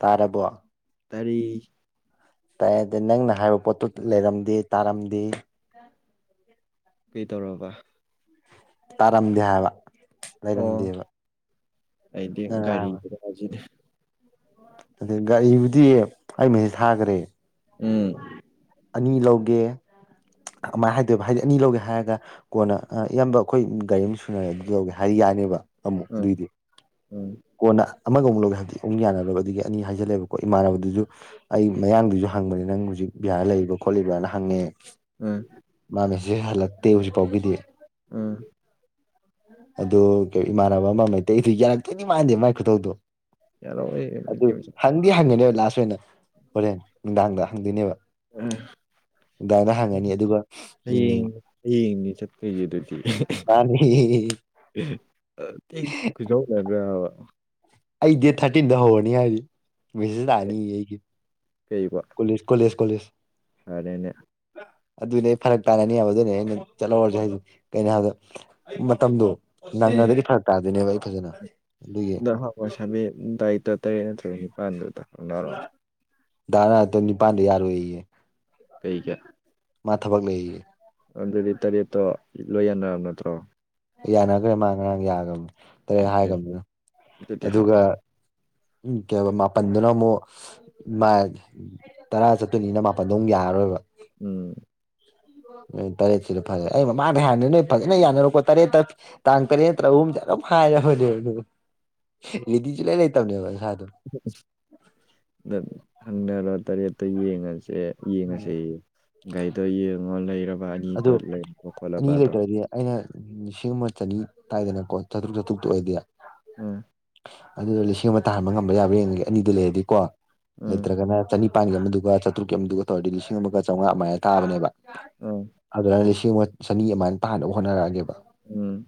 ꯇꯥꯔꯔꯕ ꯇꯔꯦ ꯇꯥꯏ ꯅꯪꯅ ꯍꯥꯏꯕ ꯄꯣꯠꯇꯨ ꯂꯩꯔꯝꯗꯦ ꯇꯥꯔꯝꯗꯦ ꯀꯩ ꯇꯧꯔꯕ ꯇꯥꯔꯝꯗꯦ ꯍꯥꯏꯕ ꯑꯣ ꯂꯩꯔꯝꯗꯦꯕ ꯑꯩꯗꯤ ꯒꯥꯔꯤꯁꯤꯁꯤꯗꯤ ꯑ ꯒꯥꯔꯤꯕꯨꯗꯤ ꯑꯩ ꯉ ꯊꯥꯈ꯭ꯔꯦ ꯎꯝ ꯑꯅꯤ ꯂꯧꯒꯦ ꯑꯗꯨꯃꯥꯏꯅ ꯍꯥꯏꯗꯣꯏꯕ ꯍꯥꯏꯗꯤ ꯑꯅꯤ ꯂꯧꯒꯦ ꯍꯥꯏꯔꯒ ꯀꯣꯟꯅ ꯏꯌꯥꯝꯕ ꯑꯩꯈꯣꯏ ꯒꯥꯔꯤ ꯑꯃ ꯁꯨꯅꯔꯦ ꯑꯗꯨ ꯂꯧꯒꯦ ꯍꯥꯏꯗꯤ ꯌꯥ ꯌꯥꯅꯦꯕ ꯑꯃꯨꯛ ꯎꯝ ꯑꯗꯨꯏꯗꯤ ꯎꯝ ꯀꯣꯟꯅ ꯑꯃꯒ ꯑꯃꯨꯛ ꯂꯧꯒꯦ ꯍꯥꯏꯕꯗꯤ ꯑꯃꯨꯛ ꯌꯥꯅꯔꯕ ꯑꯗꯒꯤ ꯑꯅꯤ ꯍꯥꯏꯖꯜꯂꯦꯕꯀꯣ ꯏꯃꯥꯟꯅꯕꯗꯨꯁꯨ ꯑꯩ ꯃꯌꯥꯡꯗꯨꯁꯨ ꯍꯪꯕꯅꯤ ꯅꯪ ꯍꯧꯖꯤꯛ ꯕꯤꯍꯥꯔ ꯂꯩꯔꯤꯕ ꯈꯣꯠꯂꯤꯕꯅ ꯍꯪꯉꯦ ꯑꯥ ꯁꯤ ꯍꯜꯂꯛꯇꯦ ꯍꯧꯖꯤꯛꯐꯥꯎꯒꯤꯗꯤ ꯑꯥ ꯑꯗꯨꯗ ꯏꯃꯥꯟꯅꯕ ꯑꯃ ꯃꯩꯇꯩꯗꯨ ꯌꯥꯔꯛꯇꯣꯏꯗꯤ ꯃꯥꯟꯗꯦ ꯃꯥꯏ ꯈꯨꯊꯧꯧꯗꯣ ꯌꯥꯂꯣ ꯑꯣꯏꯣꯏ ꯀ ꯆ ꯍꯪꯒꯅꯦꯕ ꯂꯥꯁ ꯑꯣꯏꯅ ꯍꯣꯔꯦꯟ ꯅꯨꯡꯗꯥꯡꯗ ꯍꯪꯗꯣꯏꯅꯦꯕ ꯎꯝ ꯅꯨꯡꯗꯥꯡꯗ ꯍꯪꯉꯅꯤ ꯑꯗꯨꯒ ꯎꯝ ꯍꯌꯦꯡ ꯍꯌꯦꯡꯗꯤ ꯆꯠꯇꯈꯣꯏꯁꯦ ꯑꯗꯨꯗꯤ ꯃꯥꯅꯤ ꯀꯗꯧꯕꯕ ꯑꯩ ꯗꯦꯠ ꯊꯥꯔꯇꯤꯟꯗ ꯍꯧꯔꯅꯤ ꯍꯥꯏꯗꯤ ꯃꯦꯁꯁ ꯂꯥꯛꯑꯅꯤ ꯑꯩꯒꯤ ꯀꯩꯕ ꯀꯣꯂꯦꯖ ꯀꯣꯂꯦꯖ ꯀꯣꯂꯦꯖ ꯐꯔꯦꯅꯦ ꯑꯗꯨꯏꯗꯤ ꯑꯩ ꯐꯔꯛ ꯇꯥꯅꯅꯤꯑꯕ ꯑꯗꯨꯅꯦ ꯑꯩꯅ ꯆꯠꯍꯧꯔꯁꯦ ꯍꯥꯏꯗꯤ ꯀꯩꯅꯣ ꯍꯥꯏꯕꯗ ꯃꯇꯝꯗꯣ ꯅꯪꯅꯗꯒꯤ ꯐꯔꯛ ꯇꯥꯗꯣꯏꯅꯦꯕ ꯑꯩ ꯐꯖꯅ ꯑꯗꯨꯒꯤ ꯑ ꯍꯋꯥ ꯁꯥꯕꯤ ꯇꯔꯤ ꯇ ꯇꯔꯦꯠ ꯅꯠꯇ꯭ꯔꯒ ꯅꯤꯄꯥꯜꯗꯨꯔꯣꯑꯣ ꯔ ꯇ ꯅꯤꯄꯥꯥꯟꯗ ꯌꯥꯔ ꯑꯣꯏꯌꯦ ꯀꯩ ꯀ ꯃꯥ ꯊꯕꯛ ꯂꯩꯔꯤꯌꯦ ꯑꯗꯨꯗꯤ ꯇꯔꯦꯠꯇꯣ ꯂꯣꯏ ꯌꯥꯟꯅꯔꯕ ꯅꯠꯇ꯭ꯔꯣ ꯌꯥꯅꯈ꯭ꯔꯦ ꯃꯥ ꯉꯔꯥꯡ ꯌꯥꯈꯕꯅꯤ ꯇꯔꯦꯠ ꯑꯣꯀꯦ ꯍꯥꯏꯈꯕꯅꯤꯅ ꯑꯗꯨꯗꯤ ꯍꯥꯏꯔ ꯑꯗꯨꯒ ꯎ ꯀꯩ ꯃꯥꯄꯜꯗꯨꯅ ꯑꯃꯨꯛ ꯇꯔꯥ ꯆꯠꯇꯣꯏꯅꯤꯅ ꯃꯥꯄꯜꯗꯣ ꯑꯃꯨꯛ ꯌꯥꯔꯔꯣꯏꯕ ꯎꯝ ꯇꯔꯦꯠꯁꯤꯗ ꯐꯔꯦ ꯑꯩ ꯃꯃꯥꯗ ꯍꯥꯟꯅꯤ ꯅꯣꯏ ꯐꯖꯅ ꯌꯥꯅꯔꯣ ꯈꯣ ꯇꯔꯦꯠꯇ ꯇꯥꯡ ꯇꯔꯦ ꯅꯠꯇ꯭ꯔꯍꯨꯝ ꯆꯒ ꯐꯔ ꯍꯅꯦ ꯂꯤꯗꯤꯤ ꯆ ꯂꯩꯥꯏ ꯂꯩ ꯇꯅꯦ ꯑꯕ ꯍꯪꯅꯔ ꯋꯥꯇꯥꯔꯦꯛꯇ ꯌꯦꯉ ꯁꯦ ꯌꯦꯡꯉꯁ ꯒꯥꯥꯏꯗꯣ ꯌꯦꯡꯉꯣ ꯂꯩꯔꯕ ꯑꯗꯣ ꯕꯥꯅꯤꯗ ꯂꯩꯕꯣ ꯀꯣꯂꯄꯗ ꯎ ꯂꯤꯁꯤꯡ ꯑꯃ ꯆꯅꯤ ꯇꯥꯏꯗꯅꯀꯣ ꯆꯥꯇ꯭ꯔꯨꯛ ꯆꯥꯇ꯭ꯔꯨꯛꯇ ꯑꯣꯏꯗꯤ ꯑ ꯑꯗꯨꯗꯣ ꯂꯤꯁꯤꯡ ꯑꯃ ꯇꯥ ꯍꯟꯕ ꯉꯝꯕ ꯌꯥꯕ꯭ꯔꯥꯡꯉꯒꯤ ꯑꯅꯤꯗꯨ ꯂꯩꯔꯗꯤꯀꯣ ꯎꯝ ꯂꯩꯇ꯭ꯔꯒꯅ ꯆꯅꯤ ꯅꯤꯥꯟꯒꯤ ꯑꯃ ꯑꯗꯨꯒꯒ ꯆꯥꯇ꯭ꯔꯨꯛꯀꯤ ꯑꯃꯗꯨꯒ ꯇꯧꯔꯗꯤ ꯂꯤ ꯑꯃꯒ ꯆꯥꯝꯃꯉꯥ ꯃꯥꯏꯅ ꯇꯥꯕꯅꯦꯕ ꯑꯗꯨꯅ ꯂꯤꯁꯤꯡ ꯑꯃ ꯆꯅꯤ ꯑꯃꯥꯏ ꯇꯥꯅꯕ ꯍꯣꯠꯅꯔꯛꯑꯒꯕ ꯎꯝ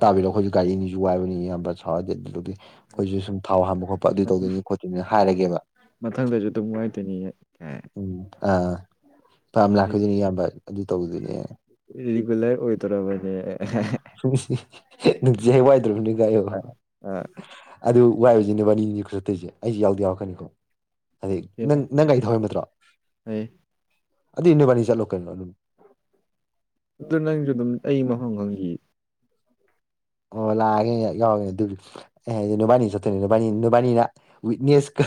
ꯇꯥꯕꯤꯔꯣ ꯑꯩꯈꯣꯏꯁꯨ ꯔꯤꯅꯤꯁꯨ ꯋꯥꯏꯕꯅꯤ ꯌꯥꯝꯕ ꯁꯔꯗꯦ ꯑꯗꯨꯗꯤ ꯎꯝ ꯑꯩꯈꯣꯏꯁꯨ ꯁꯨꯝ ꯊꯥꯎ ꯍꯥꯟꯕ ꯈꯣꯠꯄ ꯑꯗꯨ ꯇꯧꯗꯣꯏꯅꯤ ꯈꯣꯠꯇꯣꯏꯅꯤꯅ ꯍꯥꯏꯔꯒꯦꯕ ꯃꯊꯪꯗꯁꯨ ꯑꯗꯨꯝ ꯋꯥꯏꯗꯣꯏꯅꯤ ꯎꯝ ꯑꯥ ꯄꯥꯝ ꯂꯥꯛꯀꯗꯨꯣꯏꯅꯤ ꯏꯌꯥꯝꯕ ꯑꯗꯨ ꯇꯧꯗꯨꯣꯏꯅꯦ ꯔꯔꯤꯒꯔ ꯑꯣꯏ ꯇꯔ ꯃ ꯁꯨꯝꯁꯤ ꯅꯨꯡꯗꯤ ꯍꯦꯛ ꯋꯥꯏꯗ꯭ꯔꯕꯅꯤ ꯑ ꯀꯥꯏꯌꯣ ꯎꯝ ꯑꯗꯨ ꯋꯥꯏ ꯑꯣꯏꯁꯤꯅꯦ ꯋꯥꯅꯤ ꯈꯨꯔꯠꯇꯣꯏꯁꯦ ꯑꯩꯁꯨ ꯌꯥꯎꯗꯤꯦ ꯌꯥꯎꯔꯛꯀꯅꯤꯀꯣ ꯑꯗꯩ ꯅꯪ ꯅꯪꯒꯥꯔꯤ ꯊꯧꯍꯥꯏꯕ ꯅꯠꯇ꯭ꯔꯣ ꯐꯩ ꯑꯗꯨ ꯅꯣꯏꯕꯅꯤ ꯆꯠꯂꯣ ꯀꯩꯅꯣ ꯑꯗꯨ ꯑꯗꯨ ꯅꯪꯁꯨ ꯑꯗꯨꯝ ꯑꯩ ꯃꯐꯝ ꯈꯪꯉ ꯑꯣ ꯂꯥꯛꯑꯒꯦ ꯌꯥꯎꯒꯅꯦ ꯑꯗꯨ ꯑꯩ ꯍꯥꯏꯗꯤ ꯅꯨꯕꯥꯅꯤ ꯆꯠꯇꯣꯏꯅꯤ ꯅꯨꯄꯥꯅꯤ ꯅꯨꯕꯥꯅꯤꯅ ꯋꯤꯛꯅꯦꯁꯀ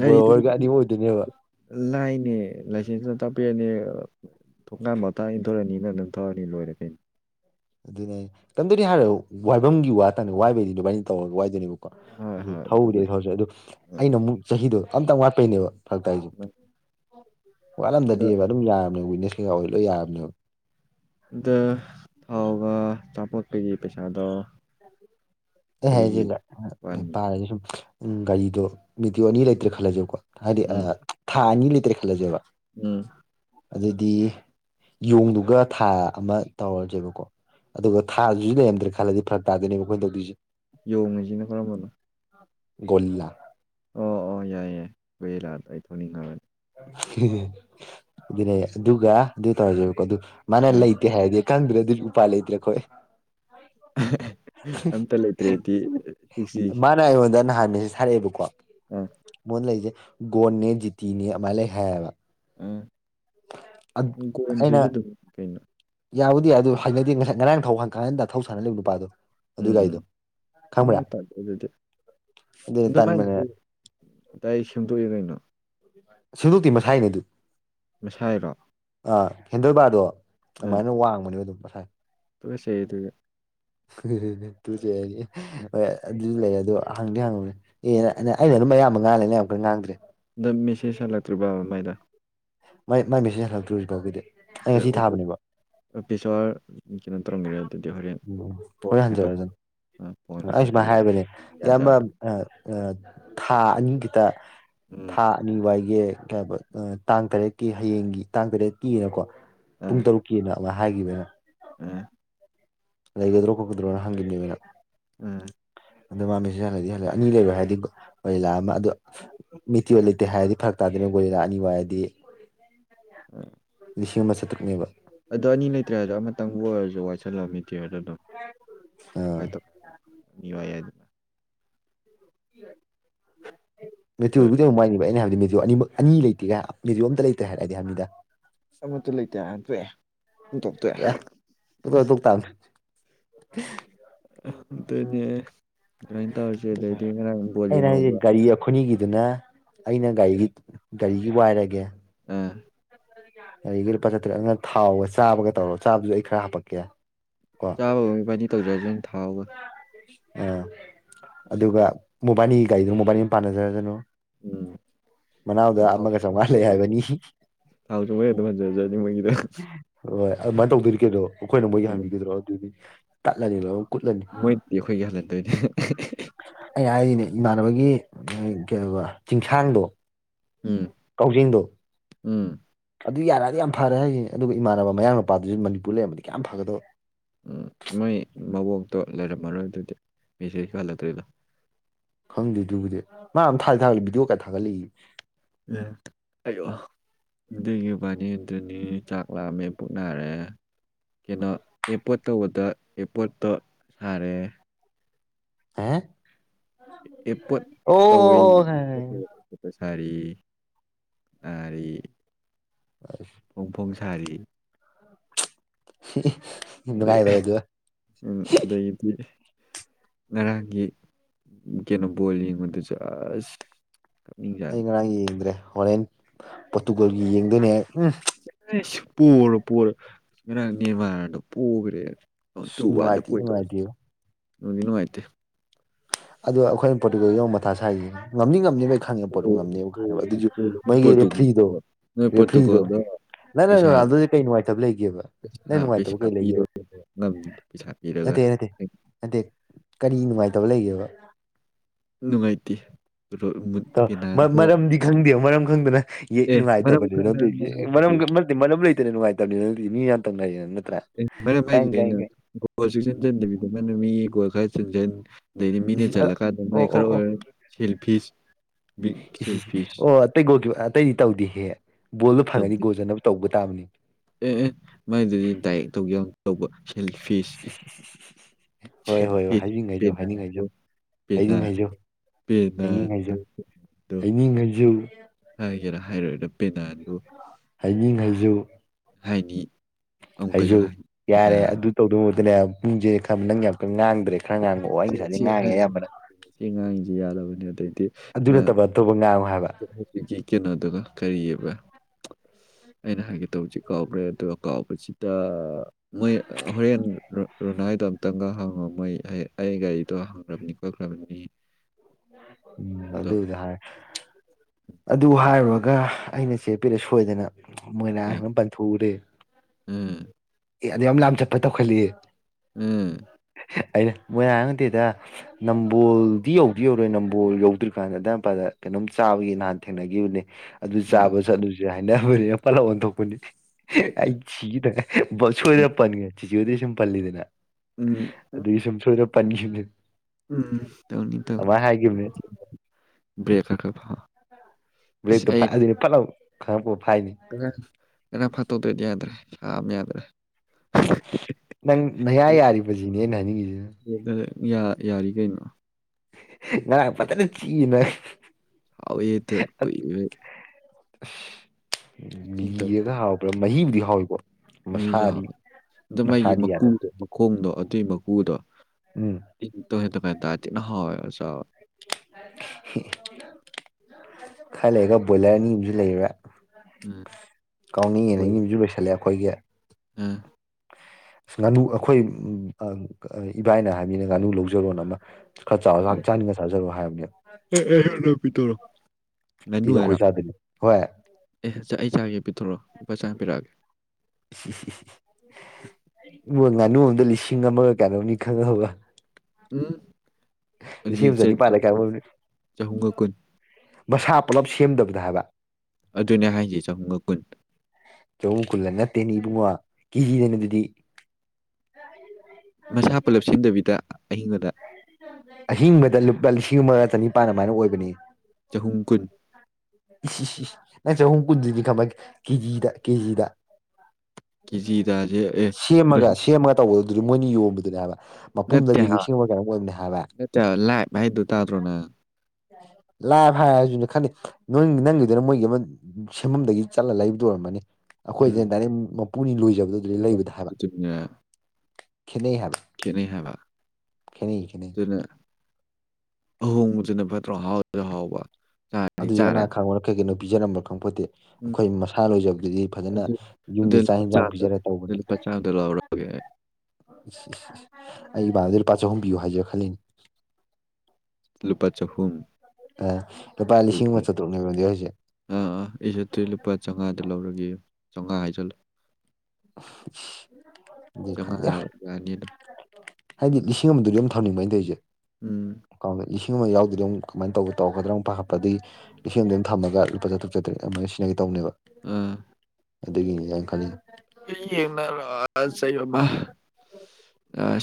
ꯒꯥꯔꯤꯗꯨ ꯑꯣꯏꯗꯣꯏꯅꯦꯕ ꯂꯥꯏꯅꯦ ꯂꯥꯏꯁꯦꯟꯁ ꯑꯃ ꯇꯛ ꯅꯨꯐꯦꯅꯦ ꯊꯣꯡꯀꯥꯟ ꯃꯇꯥ ꯏꯟꯊꯣꯔꯅꯤꯅ ꯅꯪ ꯊꯧꯔꯅꯤ ꯂꯣꯏꯔꯦ ꯀꯩꯅꯣ ꯑꯗꯨꯅꯦ ꯀꯝꯗꯅꯤ ꯍꯥꯏꯔ ꯋꯥꯏꯐꯝꯒꯤ ꯋꯥꯇꯅꯤ ꯋꯥꯏꯕꯩꯗꯤ ꯑꯗꯨꯃꯥꯏꯅ ꯇꯧꯔꯒ ꯋꯥꯏꯗꯣꯏꯅꯦꯕ ꯍꯣꯏ ꯑꯗꯨ ꯍꯣꯏ ꯊꯧꯗꯦ ꯑꯩ ꯑꯗꯨꯕꯨꯗꯤ ꯊꯧꯔꯁꯦ ꯑꯗꯨ ꯑꯩꯅ ꯑꯃꯨꯛ ꯆꯍꯤꯗꯣ ꯑꯝꯇꯪ ꯋꯥꯠꯄꯩꯅꯦꯕ ꯐꯛꯇ ꯑꯩꯁꯨꯦ ꯑꯗꯣ ꯋꯥꯠꯂꯝꯗꯗꯤꯕ ꯑꯗꯨꯝ ꯌꯥꯝꯃꯦ ꯋꯤꯅꯦꯁ ꯍꯣꯏ ꯂꯣꯏ ꯌꯥꯔꯝꯅꯦꯕ ꯑꯗ ꯊꯥꯎꯒ ꯆꯥꯝꯄꯣꯠꯄꯒꯤ ꯄꯩꯁꯥꯗꯣ ꯑꯦ ꯍꯥꯏꯁꯦ ꯑꯗꯒꯤ ꯋꯥꯅꯤ ꯄꯥꯔꯁꯦ ꯁꯨꯝ ꯎ ꯒꯥꯔꯤꯗꯣ ꯃꯤꯗꯤ ꯑꯅꯤ ꯂꯩꯇ꯭ꯔꯦ ꯈꯜꯂꯁꯦꯕꯀꯣ ꯍꯥꯏꯗꯤ ꯎꯝ ꯊꯥ ꯑꯅꯤ ꯂꯤꯇꯔꯦ ꯈꯜꯂꯁꯦꯕ ꯎꯝ ꯑꯗꯨꯗꯤ ꯌꯣꯡꯗꯨꯒ ꯊꯥ ꯑꯃ ꯇꯧꯔꯁꯦꯕꯀꯣ ꯑꯗꯨꯒ ꯊꯥꯗꯨꯁꯨ ꯂꯩꯔꯝꯗ꯭ꯔꯦ ꯈꯜꯂꯗꯤ ꯐꯔꯛ ꯇꯥꯗꯣꯏꯕ ꯑꯩꯈꯣꯏꯅ ꯇꯧꯗꯣꯏꯁꯦ ꯌꯣꯡꯉꯤꯁꯤꯅ ꯀꯔꯝꯕꯅꯣ ꯒꯣꯂꯤꯂ ꯑꯣ ꯑꯣ ꯌꯥꯏ ꯌꯥꯏ ꯀꯨꯏ ꯂꯥꯛꯑꯗ ꯑꯩ ꯊꯅꯤꯡꯉꯕꯅꯤ ꯑꯗꯨꯅꯦ ꯑꯗꯨꯒ ꯑꯗꯨ ꯇꯧꯔꯁꯦꯕꯀꯣ ꯑꯗꯨ ꯃꯥꯅ ꯎꯝ ꯂꯩꯇꯦ ꯍꯥꯏꯔꯗꯤ ꯈꯪꯗ꯭ꯔꯗꯤ ꯎꯄꯥ ꯂꯩꯇ꯭ꯔꯦꯈꯣꯏ ꯑꯝꯇ ꯂꯩꯇ꯭ꯔꯦꯗꯤ ꯁꯤꯁꯤ ꯃꯦꯁꯦ ꯊꯔꯛꯑꯦꯕꯀꯣ ꯃꯣꯏꯗ ꯂꯩꯔꯤꯁꯦ ꯒꯣꯟꯅꯦ ꯖꯤꯇꯤꯅꯦ ꯑꯗꯨꯃꯥꯏꯅ ꯂꯩ ꯍꯥꯏꯌꯦꯕ ꯪ ꯑꯩꯅ ꯀꯣꯟꯗꯨꯁꯨ ꯑꯗꯨꯁꯨ ꯀꯩꯅꯣ ꯌꯥꯕꯨꯗꯤ ꯑꯗꯨ ꯍꯩꯅꯗꯦ ꯉꯥꯏ ꯉꯔꯥꯡ ꯊꯧ ꯍꯀ ꯍꯟꯗ ꯊꯧ ꯁꯥꯟꯅ ꯂꯩꯕ ꯅꯨꯄꯥꯗꯣ ꯑꯗꯨꯏ ꯎꯝ ꯒꯥꯔꯤꯗꯣ ꯃ ꯈꯪꯕ꯭ꯔꯥ ꯇ ꯑꯗꯨꯗꯤ ꯑꯗꯨꯅ ꯇꯟꯕꯅꯦ ꯑꯗꯨꯃꯥꯏꯅꯁꯨ ꯗꯥꯏ ꯁꯦꯝꯗꯣꯛꯏ ꯀꯩꯅꯣ ꯁꯅꯇꯤ ꯃꯁꯥꯏꯅꯦ ꯑꯗꯨꯨ ꯃꯁꯥꯏꯔꯣ ꯍꯦꯟꯗꯣꯏꯕꯥꯗꯣ ꯑꯗꯨꯃꯥꯏꯅ ꯋꯥꯡꯕꯅꯦ ꯑꯗꯨꯝ ꯉꯁꯥꯏ ꯇꯣꯁꯗꯨꯒ ꯇꯨꯁ ꯍ ꯑꯗꯨꯁꯨ ꯂꯩ ꯑꯗꯣ ꯍꯪꯗꯤꯦ ꯍꯪꯉꯨꯅꯦ ꯑꯦ ꯑꯩꯅ ꯑꯌꯥꯝꯕ ꯉꯥꯡꯂꯦꯅ ꯌꯥꯝ ꯈꯔ ꯉꯥꯡꯗ꯭ꯔꯦ ꯑ ꯃꯦꯁꯦꯖ ꯍꯜꯂꯛꯇ꯭ꯔꯤꯕ ꯑꯗꯨꯃꯥꯏꯅ ꯃꯥꯏ ꯃꯦꯁꯦꯖ ꯍꯂꯛꯇꯣꯔꯤꯁꯤ ꯀꯥꯎꯒꯤꯗꯗꯤ ꯑꯗ ꯑꯣ ꯑꯣꯐꯤꯁ ꯑꯋꯥꯔ ꯀꯩꯅꯣ ꯇꯧꯔꯝꯒꯦꯔꯦ ꯎꯝ ꯍꯣꯏ ꯍꯟꯖꯔꯦ ꯑꯗꯨꯖꯅ ꯑꯥ ꯐꯣꯟꯒ ꯑꯩ ꯁꯨꯃꯥꯏꯅ ꯇꯧꯁꯜꯂꯣ ꯍꯥꯏꯕꯅꯦ ꯌꯥꯗ꯭ꯔꯥ ꯏꯕ ꯊꯥ ꯑꯅꯤꯁꯤꯈꯤꯇ ꯎꯝ ꯊꯥ ꯑꯅꯤ ꯋꯥꯏꯒꯤ ꯀ ꯍꯥꯏꯕ ꯇꯥꯡ ꯇꯔꯦꯠꯀꯤ ꯍꯌꯦꯡꯒꯤ ꯇꯥꯡ ꯇꯔꯦꯠꯀꯤꯅꯀꯣ ꯄꯨꯡ ꯇꯔꯨꯛꯀꯤꯅ ꯀꯃꯥꯏ ꯍꯥꯏꯈꯤꯕꯅ ꯑ ꯂꯩꯒꯗ꯭ꯔꯣ ꯀꯛꯀꯗ꯭ꯔꯣꯅ ꯍꯪꯈꯤꯟꯅꯤꯤꯅ ꯎꯝ ꯑꯗꯣ ꯃꯥꯃꯤꯁꯤ ꯍꯜꯂꯗꯤ ꯍꯜꯂ ꯑꯅꯤ ꯂꯩꯔꯣꯏ ꯍꯥꯏꯔꯗꯤꯂꯥ ꯑꯃ ꯑꯣ ꯃꯤꯇꯤ ꯂꯩꯇꯦ ꯍꯥꯏꯔꯗꯤ ꯐꯔꯛ ꯇꯥ ꯀꯩꯅ ꯒꯣꯂꯤ ꯂꯥꯛꯑꯅꯤꯕ ꯍꯥꯏꯗꯤ ꯎꯝ ꯂꯤꯁꯤꯡ ꯑꯃ ꯆꯥꯇꯨꯛꯅꯦꯕ ꯑ ꯑꯅꯤ ꯂꯩꯇ꯭ꯔꯦ ꯍꯥꯏꯗꯣ ꯑꯃꯇꯪꯕꯨ ꯑꯣꯏꯔꯁꯨ ꯋꯥꯏꯁꯜꯂꯝꯃꯤ ꯗ ꯑꯗꯨꯝꯏ ꯑꯥ ꯃꯦꯊꯤ ꯑꯗꯨ ꯑꯣꯏ ꯃꯥ ꯍꯥꯏꯗꯤ ꯃꯊ ꯑꯅꯤ ꯑꯅꯤ ꯂꯩꯇꯦꯒ ꯃꯦꯗꯤ ꯑꯝꯇ ꯂꯩꯇ꯭ꯔꯦ ꯍꯥꯏꯔꯗꯤ ꯍꯥꯏꯅꯤꯗ ꯑꯃꯠꯇ ꯂꯩꯇꯦꯥꯟ ꯄꯣꯛꯑꯦ ꯇ ꯇ ꯇꯨ ꯇ ꯑꯗꯨꯅꯦ ꯑꯗꯨꯃꯥꯏꯅ ꯇꯧꯔꯁꯦ ꯑꯗꯨꯗꯩꯗꯤ ꯉꯔꯥꯡ ꯕꯣꯜ ꯌꯦꯡ ꯉꯧꯕ ꯑꯗꯨꯅ ꯑꯩꯅ ꯒꯥꯔꯤꯒꯤ ꯒꯥꯔꯤꯒꯤ ꯋꯥꯏꯔꯒꯦ ꯑꯥ ꯑꯩꯗꯒꯤ ꯂꯨꯄꯥ ꯆꯥꯇ꯭ꯔꯦꯠ ꯊꯥꯎꯒ ꯆꯥꯕꯒ ꯇꯧꯔꯣ ꯆꯥꯕꯁꯨ ꯑꯩ ꯈꯔ ꯍꯥꯄꯛꯀꯦ ꯆꯥꯕꯒꯨꯝꯩꯕꯥꯅꯤ ꯇꯧꯖꯔꯁꯨ ꯑ ꯊꯥꯎꯒ ꯑꯥ ꯑꯗꯨꯒ ꯃꯣꯕꯥꯅꯤ ꯀꯒꯥꯗꯨꯅꯣ ꯃꯣꯕꯥꯅꯤ ꯑꯃ ꯄꯥꯅꯖꯔꯖꯅꯨ ꯎꯝ ꯃꯅꯥꯎꯗ ꯑꯃꯒ ꯆꯉꯥꯠꯂꯦ ꯍꯥꯏꯕꯅꯤ ꯊꯥ ꯆꯕ ꯃ ꯍꯣꯏ ꯑꯗꯨꯃꯥꯏꯅ ꯇꯧꯗꯣꯏꯔꯤ ꯀꯩꯅꯣ ꯑꯩꯈꯣꯏꯅ ꯃꯣꯏꯒꯤ ꯍꯥꯏꯪꯕꯤꯒꯗ꯭ꯔꯣ ꯑꯗꯨꯗꯤ ꯇꯠꯂꯅꯤꯅ ꯃꯣꯏꯗꯤ ꯑꯩꯈꯣꯏꯒꯤ ꯍꯜꯂꯟꯗꯣꯏꯅꯦ ꯑꯩ ꯍꯥꯏꯔꯤꯅꯦ ꯏꯃꯥꯟꯅꯕꯒꯤ ꯀꯩꯅꯧꯕ ꯆꯤꯡꯁꯥꯡꯗꯣ ꯎꯝ ꯀꯧꯔꯤꯤꯡꯗ ꯎꯝ ꯑꯗꯨ ꯌꯥꯔꯛꯑꯗꯤ ꯌꯥꯝ ꯐꯔꯦ ꯍꯥꯏꯒꯅꯤ ꯑꯗꯨꯒ ꯏꯃꯥꯟꯅꯕ ꯃꯌꯥꯡ ꯅꯨꯄꯥꯗꯨꯁꯨ ꯃꯅꯤꯄꯨꯔ ꯂꯩꯔꯝꯕꯗꯤ ꯀꯌꯥꯝ ꯌꯥꯝ ꯐꯒꯗꯣ ꯎꯝ ꯃꯣꯏ ꯃꯕꯣꯛꯇꯣ ꯂꯩꯔꯝꯃꯔꯣꯏ ꯑꯗꯨꯗꯤ ꯃꯤꯁꯦ ꯍꯜꯂꯗꯣꯏꯗꯣ ꯈꯪꯗꯦ ꯑꯗꯨꯕꯨꯗꯤ ꯃꯥ ꯑꯃ ꯊꯥꯗꯤ ꯊꯥꯒꯠꯂꯤ ꯚꯤꯗꯤꯑꯣ ꯀꯌꯥ ꯊꯥꯒꯠꯂꯛꯏ ꯑꯌꯣ ꯑꯗꯨꯒꯤꯕꯥꯅꯦ ꯑꯗꯨꯅꯤ ꯆꯥꯛ ꯂꯥꯑꯃꯦ ꯄꯨꯛꯅꯥꯔꯦ ꯀꯩꯅꯣ ꯑꯦꯔꯄꯣꯔꯠ ꯇꯧꯕꯗ ꯑꯦꯔꯄꯣꯠꯇꯣ ꯁꯥꯔꯑꯦ ꯍꯥ ꯑꯦ ꯄꯣꯠ ꯇꯧꯋꯦ ꯁꯥꯔꯤ ꯑ ꯐꯣꯡ ꯐꯣꯡ ꯁꯥꯔꯤ [inaudible] ꯅꯨꯡꯉꯥꯏꯕ꯭ꯔꯥ ꯑꯗꯨ ꯎꯝꯗꯤ ꯉꯔꯥꯡꯒꯤ ꯀꯩꯅꯣ ꯕꯣꯜ ꯌꯦꯡꯕꯗꯨꯁꯨ ꯑꯁ ꯑꯩ ꯀꯞꯅꯤꯡꯖꯥꯠꯅꯤ ꯉꯔꯥꯡ ꯌꯦꯡꯗ꯭ꯔꯦ ꯑꯣꯟꯂꯥꯏꯟ ꯄꯣꯇꯨꯒꯜꯒꯤ ꯌꯦꯡꯗꯣꯏꯅꯦ ꯎꯝ ꯁ ꯄꯣꯔꯣ ꯄꯣꯔꯣ ꯉꯔꯥꯡ ꯅꯦꯝ ꯃꯥꯟꯗꯣ ꯄꯨꯈ꯭ꯔꯦ ꯇꯨ ꯋꯥꯟꯗꯣꯏ ꯅꯨꯡꯉꯥꯏꯇꯦ ꯇꯧꯔꯁꯤ ꯅꯨꯡꯉꯥꯏꯇꯦ ꯑꯗꯨꯅꯨꯡꯗꯤ ꯅꯨꯡꯉꯥꯏꯇꯦ ꯑꯗ ꯑꯩꯈꯣꯏꯅ ꯄꯣꯔꯇꯨꯒꯜꯗ ꯌꯡꯕ ꯃꯊꯥ ꯁꯥꯏꯔꯤ ꯉꯝꯅꯤ ꯉꯝꯅꯤꯕꯩ ꯈꯪꯉ ꯄꯣꯠꯄ ꯉꯝꯅꯦꯕ ꯈꯅꯕ ꯑꯗꯨꯁꯨ ꯃꯣꯏꯒꯤ ꯔꯦꯐ꯭ꯔꯤꯗꯣ ꯅꯣꯏ ꯔꯦꯐ꯭ꯔꯤꯗꯣ ꯄꯣꯔꯇꯨꯒꯜꯗꯣ ꯅ ꯅ ꯄꯩꯁꯥ ꯔꯣꯅꯥꯜꯗꯗꯤ ꯀꯩ ꯅꯨꯡꯉꯥꯏꯇꯕ ꯂꯩꯒꯦꯕ ꯅꯪ ꯄꯩꯁꯥ ꯄꯩꯁꯥ ꯅꯨꯡꯉꯥꯏꯇꯕ ꯀꯩ ꯄꯤꯔ ꯂꯩꯒꯦꯕ ꯄꯩꯁꯥ ꯄꯤꯔꯒ ꯅꯠꯇꯦ ꯅꯠꯇꯦ ꯅꯠꯇꯦ ꯀꯔꯤ ꯅꯨꯡꯉꯥꯏꯇꯕ ꯂꯩꯒꯦꯕ ꯅꯨꯡꯉꯥꯏꯇꯦ ꯇꯣꯂꯣꯞ ꯃꯨꯠ ꯄꯦꯅꯥꯟꯗꯣ ꯃꯔꯝꯗꯤ ꯈꯪꯗꯦꯕ ꯃꯔꯝ ꯈꯪꯗꯅ ꯌꯦ ꯑꯦ ꯃꯔꯝ ꯅꯨꯡꯉꯥꯏꯇꯕꯅꯤ ꯈꯔ ꯃꯔꯝ ꯑꯃ ꯅꯦ ꯃꯅꯦ ꯍꯥꯏꯕꯗꯤ ꯃꯅꯝ ꯂꯩꯇꯅ ꯅꯨꯡꯉꯥꯏꯇꯕꯅꯤ ꯅ ꯃꯤ ꯌꯥꯝꯇꯪ ꯉꯥꯏꯌꯦꯅ ꯅꯠꯇꯦ ꯑ ꯃꯔꯝ ꯍꯥꯏꯁꯤꯗ ꯑꯩꯅ ꯒꯣꯜꯁꯨ ꯆꯟꯁꯤꯟꯗꯕꯤꯗꯃ ꯅꯨꯃꯤ ꯒꯣꯜ ꯈꯔ ꯆꯟꯁꯤꯟ ꯑꯗꯩꯗꯤ ꯃꯤꯅ ꯆꯜꯂꯀꯥꯟꯗ ꯑꯣ ꯃꯥꯏ ꯑꯣ ꯈꯔ ꯑꯣ ꯑꯣꯏꯔ ꯁꯦꯜ ꯐꯤꯁ ꯑꯣ ꯑꯇꯩ ꯑꯇꯩꯗꯤ ꯇꯧꯗꯦꯍꯦ ꯕꯣꯜꯗꯣ ꯐꯪꯉꯗꯤ ꯇꯧꯗꯦ ꯒꯣꯖꯅꯕ ꯇꯧꯕꯗ ꯇꯝꯅꯤ ꯑꯦ ꯑꯦ ꯃꯥꯏꯗꯨꯗꯤ ꯗꯥꯏꯔꯦꯛ ꯇꯧꯒꯦ ꯇꯧꯕ ꯁꯦꯜ ꯐꯤꯁ ꯍꯣꯏ ꯍꯣꯏ ꯍꯣꯏ [unintelligible] ꯍꯥꯏꯅꯤꯡ ꯍꯥꯏꯖꯧ ꯍꯥꯏꯅꯤꯡ [unintelligible] ꯍꯥꯏꯖꯧ ꯄꯦꯅꯥꯗ ꯍꯥꯏꯅꯤꯡ ꯍꯥꯏꯖꯧ ꯍꯥꯏꯅꯤꯡ ꯍꯥꯏꯖꯧ ꯍꯥꯏꯅꯤꯡ ꯍꯥꯏꯖꯧ ꯍꯥꯏꯅꯤꯡ ꯍꯥꯏꯅꯤ ꯑꯃꯨꯛꯀꯁꯨ ꯑꯩꯁꯨ ꯍꯥꯏꯅꯤ ꯌꯥꯔꯦ ꯄꯦꯅꯥꯟ ꯑꯗꯨ ꯇꯧꯗꯉꯗꯅꯦ ꯄꯨꯡꯁꯦ ꯈꯕ ꯅꯪ ꯌꯥꯝ ꯉꯥꯡꯗꯦ ꯕ꯭ꯔꯦꯛ ꯈꯔ ꯉꯥꯡꯕꯣꯛꯑꯣ ꯑꯩ ꯁꯤ ꯉꯁꯥꯏꯗ ꯁꯤ ꯉꯥꯡꯉꯦ ꯑꯌꯥꯝꯕꯅ ꯁꯤ ꯌꯥꯜꯂꯕꯅꯤ ꯑꯇꯩ ꯑꯗꯨ ꯅꯠꯇꯕ ꯑꯇꯣꯞꯄ ꯉꯥꯡꯉꯨ ꯍꯥꯏꯕ ꯍꯧꯖꯤꯛꯀꯤ ꯀꯩꯅꯣꯗꯨꯒ ꯀꯔꯤꯑꯕ ꯑꯩꯅ ꯍꯥꯏꯪꯒꯦ ꯇꯧꯕꯁꯦ ꯀꯥꯎꯈ꯭ꯔꯦ ꯑꯗꯨꯒ ꯀꯥꯎꯕꯁꯤꯗ ꯃꯣꯏ ꯍꯣꯔꯦꯟ ꯔꯨꯅꯥꯏꯗꯣ ꯑꯨꯇꯪꯒ ꯍꯥꯡꯉꯣ ꯃꯩ ꯑꯩ ꯒꯥꯔꯤꯗꯣ ꯍꯪꯈ꯭ꯔꯕꯅꯤ ꯈꯣꯠꯈ꯭ꯔꯕꯅꯤ ꯎꯝ ꯑꯗꯣ ꯑꯗꯨꯗ ꯍꯥꯏꯔꯦ ꯑꯗꯨ ꯍꯥꯏꯔꯣ ꯒ ꯑꯩꯅ ꯆꯦꯠꯄꯤꯔꯦ ꯁꯣꯏꯗꯅ ꯀꯩ ꯃꯣꯏꯅꯍ ꯄꯟꯊꯣꯛꯎꯔꯦ ꯎꯝ ꯑꯦ ꯑꯗꯨ ꯌꯥꯝ ꯂꯥꯅ ꯆꯠꯄ ꯇꯧꯈꯠꯂꯤꯑ ꯎꯝ ꯑꯩ ꯃꯣꯏ ꯍꯥꯏꯥꯡꯉꯗꯦꯗ ꯅꯝꯕꯣꯜꯗꯤ ꯌꯧ ꯌꯧꯔꯣꯏ ꯅꯝꯕꯣꯜ ꯌꯧꯗ꯭ꯔꯤꯀꯥꯟꯗ ꯑꯗꯥꯏ ꯃꯄꯥꯗ ꯀꯩꯅꯣꯝ ꯆꯥꯕꯒꯤ ꯅꯍꯥꯟ ꯊꯦꯡꯅꯈꯤꯕꯅꯦ ꯑꯗꯨ ꯎꯝ ꯆꯥꯕ ꯆꯠꯂꯨꯁꯦ ꯍꯥꯏꯅꯕꯅꯕꯅꯤ ꯄꯂ ꯑꯣꯟꯊꯣꯛꯄꯅꯤ ꯑꯩ ꯆꯗꯁ ꯑꯣꯏꯗ [unintelligible] ꯆꯦ ꯆꯦ ꯍꯣꯏꯗꯗꯤ ꯁꯨꯝ ꯄꯜꯂꯤꯗꯅ ꯎꯝ ꯎꯝ ꯑꯗꯨꯗꯁꯝꯁꯗ ꯄꯅꯤꯅꯤ ꯎꯝ ꯇꯧꯅꯤ ꯇꯧꯅꯤꯕ꯭ꯔꯦ ꯂꯩꯛꯇꯅꯤ ꯐꯂꯥꯎ ꯈꯥꯄ ꯀ ꯀꯅꯥ ꯐꯠꯇꯣꯛꯗꯣꯏꯗꯤ ꯌꯥꯗ꯭ꯔꯦ ꯁꯥꯝ ꯌꯥꯗ꯭ꯔꯦ ꯅꯪ ꯉꯌꯥ ꯌꯥꯔꯤꯕꯁꯤꯅꯦ ꯑꯩꯅ ꯍꯥꯏꯅꯤꯡꯉꯁꯤꯦ ꯌꯥꯔꯤ ꯀꯩꯅꯣ ꯉ ꯄꯠꯇ ꯅ ꯆꯅ ꯍꯥꯎꯋꯦ ꯍꯦꯛꯇ ꯀꯨꯏꯕ ꯂꯤꯔꯒ ꯍꯥꯎꯕ꯭ꯔꯥ ꯃꯍꯤꯕꯨꯗꯤ ꯍꯥꯎꯏꯀꯣ ꯃꯤꯁꯨ ꯍꯥꯡꯉꯦ ꯑꯗ ꯃꯒꯤ ꯃꯁꯥꯗꯤ ꯌꯥꯗꯕ ꯃꯀꯨꯗꯣ ꯃꯈꯣꯡꯗꯣ ꯑꯗꯨꯏ ꯃꯀꯨꯗꯣ ꯎꯝ ꯍꯦ ꯀꯥꯏ ꯇꯅ ꯍ ꯆ [inaudible] ꯈꯔ ꯂꯩꯔꯒ ꯕꯣꯏꯂꯔ ꯑꯅꯤ ꯑꯃꯁꯨ ꯂꯩꯔꯥ ꯎꯝ ꯀꯥꯎꯅꯤꯡꯉꯦꯅ ꯍꯣꯏ ꯏꯁꯨ ꯂꯣꯏꯁꯤꯜꯂꯦ ꯑꯩꯈꯣꯏꯒꯤ ꯑ ꯑꯥ ꯉꯥꯅꯨ ꯑꯩꯈꯣꯏ ꯏꯕꯥꯏꯅ ꯍꯥꯏꯅꯤꯅ ꯉꯥꯅꯨ ꯂꯧꯖꯔꯣꯟ ꯑꯃ ꯈꯔ ꯆꯥꯎ ꯌꯥꯝ ꯆꯥꯅꯤꯡꯉ ꯆꯥꯖꯔꯨ ꯍꯥꯏꯕꯅꯦ ꯏ ꯂꯥꯏꯅꯨ ꯑꯩꯈꯣꯏ ꯍꯥꯏꯔꯣ ꯆꯥꯗꯣꯏꯅꯦ ꯍꯣꯏ ꯑꯦꯥꯛ ꯑꯩ ꯆꯥꯒꯦ ꯄꯤꯊꯣꯔꯛꯑꯣ ꯐ ꯆꯥꯏ ꯄꯤꯔꯥꯒꯦ [inaudible] ꯏ ꯉꯥꯅꯨ ꯑꯃꯗ ꯂꯤꯁꯤꯡ ꯑꯃꯒ ꯀꯩꯅꯣꯅꯤ ꯈꯪꯉꯕ ꯎꯝ ꯍꯧꯖꯤ ꯂꯤꯁꯤꯡ ꯑꯃ ꯆꯅꯤꯄꯥꯜꯗ ꯀꯌꯥꯅꯣꯝꯅꯤ ꯆꯍꯨꯝꯒ ꯀꯨꯟ ꯃꯁꯥ ꯄꯨꯜꯂꯞ ꯁꯦꯝꯗꯕꯗ ꯍꯥꯏꯕ ꯑꯗꯨꯅꯦ ꯍꯥꯏꯁ ꯆꯍꯨꯝꯒ ꯀꯨꯟ ꯆ ꯀꯨꯜꯂ ꯅꯠꯇꯦꯅꯤ ꯏꯕꯨꯡꯉ ꯀꯤꯈꯤꯗꯅ ꯑꯗꯨꯗꯤ ꯃꯁꯥ ꯄꯨꯜꯂꯞ ꯁꯤꯟꯗꯕꯤꯗ ꯑꯍꯤꯡꯕꯗ ꯑꯍꯤꯡꯕꯗ ꯂꯨꯄꯥ ꯂꯤꯁꯤꯡ ꯑꯃꯒ ꯆꯅꯤꯄꯥꯥꯟ ꯑꯗꯨꯃꯥꯏꯅ ꯑꯣꯏꯕꯅꯤ ꯆꯍꯨꯝ ꯀꯨꯟ ꯅꯆꯥ ꯍꯨ ꯀꯨꯟ ꯈꯃꯥꯏ ꯀꯦꯖꯤꯗ ꯀꯦꯖꯤꯗ ꯀꯦꯖꯤꯗꯁꯦ ꯑꯦ ꯁꯦꯝꯃꯒ ꯁꯦꯝꯃꯒ ꯇꯧꯕꯗꯨꯗꯨꯗꯤ ꯃꯣꯏꯅ ꯌꯣꯟꯕꯗꯨꯅꯦ ꯍꯥꯏꯕ ꯅꯠꯇꯦ ꯃꯄꯨꯝꯗꯗꯤ ꯍꯥꯏꯕ ꯂꯤꯁꯤꯡ ꯑꯃ ꯀꯌꯥꯅꯤ ꯍꯥꯏꯕꯦ ꯅꯠꯇꯦ ꯍꯥꯏꯕ ꯂꯥꯏꯚ ꯍꯥꯏꯗꯣ ꯇꯥꯗ꯭ꯔꯣ ꯅꯪ ꯂꯥꯏꯚꯥꯏꯖ ꯈꯅꯤ ꯅ ꯅꯪꯒꯤꯗꯨꯅ ꯃꯣꯏꯒꯤ ꯑꯃ ꯁꯦꯝꯐꯝꯗꯒꯤ ꯆꯠꯂꯒ ꯂꯩꯕꯗ ꯑꯣꯏꯔꯝꯃꯅꯤ ꯎꯝ ꯑꯩꯈꯣꯏꯁꯤꯅ ꯗꯥꯏꯔꯦꯛ ꯃꯄꯨꯅꯤ ꯂꯣꯏꯖꯕꯗꯨꯗꯒꯤ [inaudible] ꯈꯅ ꯍꯥꯏ ꯈꯦꯠꯅꯩ ꯍꯥꯏꯕ ꯈ ꯈ ꯑꯍꯣꯡꯕꯕꯁꯤꯅ ꯐꯠꯇ꯭ꯔꯣ ꯍꯥꯎꯁꯨ ꯍꯥꯎꯕ ꯆꯥꯔꯗꯤ ꯑꯗꯨꯁꯨ ꯀꯅꯥ ꯆꯥꯔꯦ ꯈꯪꯕꯅ ꯀꯩꯒꯤꯅꯣ ꯄꯤꯖꯔꯝꯕ ꯈꯪꯄꯠꯇꯦ ꯎꯝ ꯑꯩꯈꯣꯏ ꯃꯁꯥ ꯂꯣꯏꯖꯕ ꯑꯗꯨꯗꯤ ꯐꯖꯅ ꯑꯗꯨ ꯑꯗꯨ ꯌꯨꯝꯒꯤ ꯆꯥꯛ ꯂꯨꯄꯥ ꯌꯦꯟꯁꯥꯡ ꯆꯥꯝꯗ ꯄꯤꯖꯔꯦ ꯑꯗꯨ ꯇꯧꯕꯅꯤ ꯂꯨꯄꯥ ꯆꯥꯝꯗ ꯂꯧꯔꯒꯦ ꯑꯩ ꯃ ꯄꯆ ꯍꯨꯝ ꯄꯕꯤꯌꯨ ꯍꯖꯤꯔꯥ ꯈ ꯂꯨꯄꯥ ꯆꯍꯨꯝ ꯑꯣ ꯄꯥꯏ ꯂꯤ ꯁꯤꯁꯤꯡ ꯃ ꯀꯩꯒꯤ ꯆ ꯇꯅꯤꯕꯗꯤꯁꯦ ꯑꯥ ꯑꯥ ꯑꯩ ꯁꯠꯇꯨꯣꯏ ꯂꯨꯄꯥ ꯆꯥꯝꯃꯉꯥꯗ ꯂꯧꯔꯒꯦ ꯆꯥꯝꯃꯉꯥ ꯍꯥꯏꯖꯜꯂꯣ [inaudible] ꯑꯗꯨ ꯆꯪꯉꯥ ꯈꯪꯗꯦ ꯍꯥꯏ ꯌꯥꯅꯤꯅ ꯍꯥꯏꯗꯤ ꯂꯤꯁꯤꯡ ꯑꯃꯗꯨꯗꯤ ꯌꯥꯝ ꯊꯝꯅꯤꯡꯕꯥꯏꯩꯅ ꯇꯧ ꯑꯩꯁꯦ ꯎꯝ ꯀꯁꯤꯡ ꯏꯁꯤꯡ ꯑꯃ ꯌꯥꯎꯗꯗꯤ ꯑꯃꯨꯛꯃꯥꯏ ꯇꯧꯕ ꯇꯧꯒꯗ꯭ꯔꯥꯨ ꯄꯥꯈꯠꯄ ꯑꯗꯒꯤ ꯂꯤꯁꯤꯡꯗ ꯑꯗꯨꯝ ꯊꯝꯃ ꯂꯨꯄꯥꯥꯇ꯭ꯔꯨꯛ ꯆꯥꯇꯔꯦꯠ ꯑꯃꯥꯏꯅ ꯁꯤꯅꯒ ꯇꯧꯅꯦꯕ ꯑꯗꯨꯒꯤ ꯌꯥ ꯈꯜꯂꯤ ꯑꯩ ꯌꯦꯡꯅꯔ ꯑ ꯆꯩ ꯑꯃ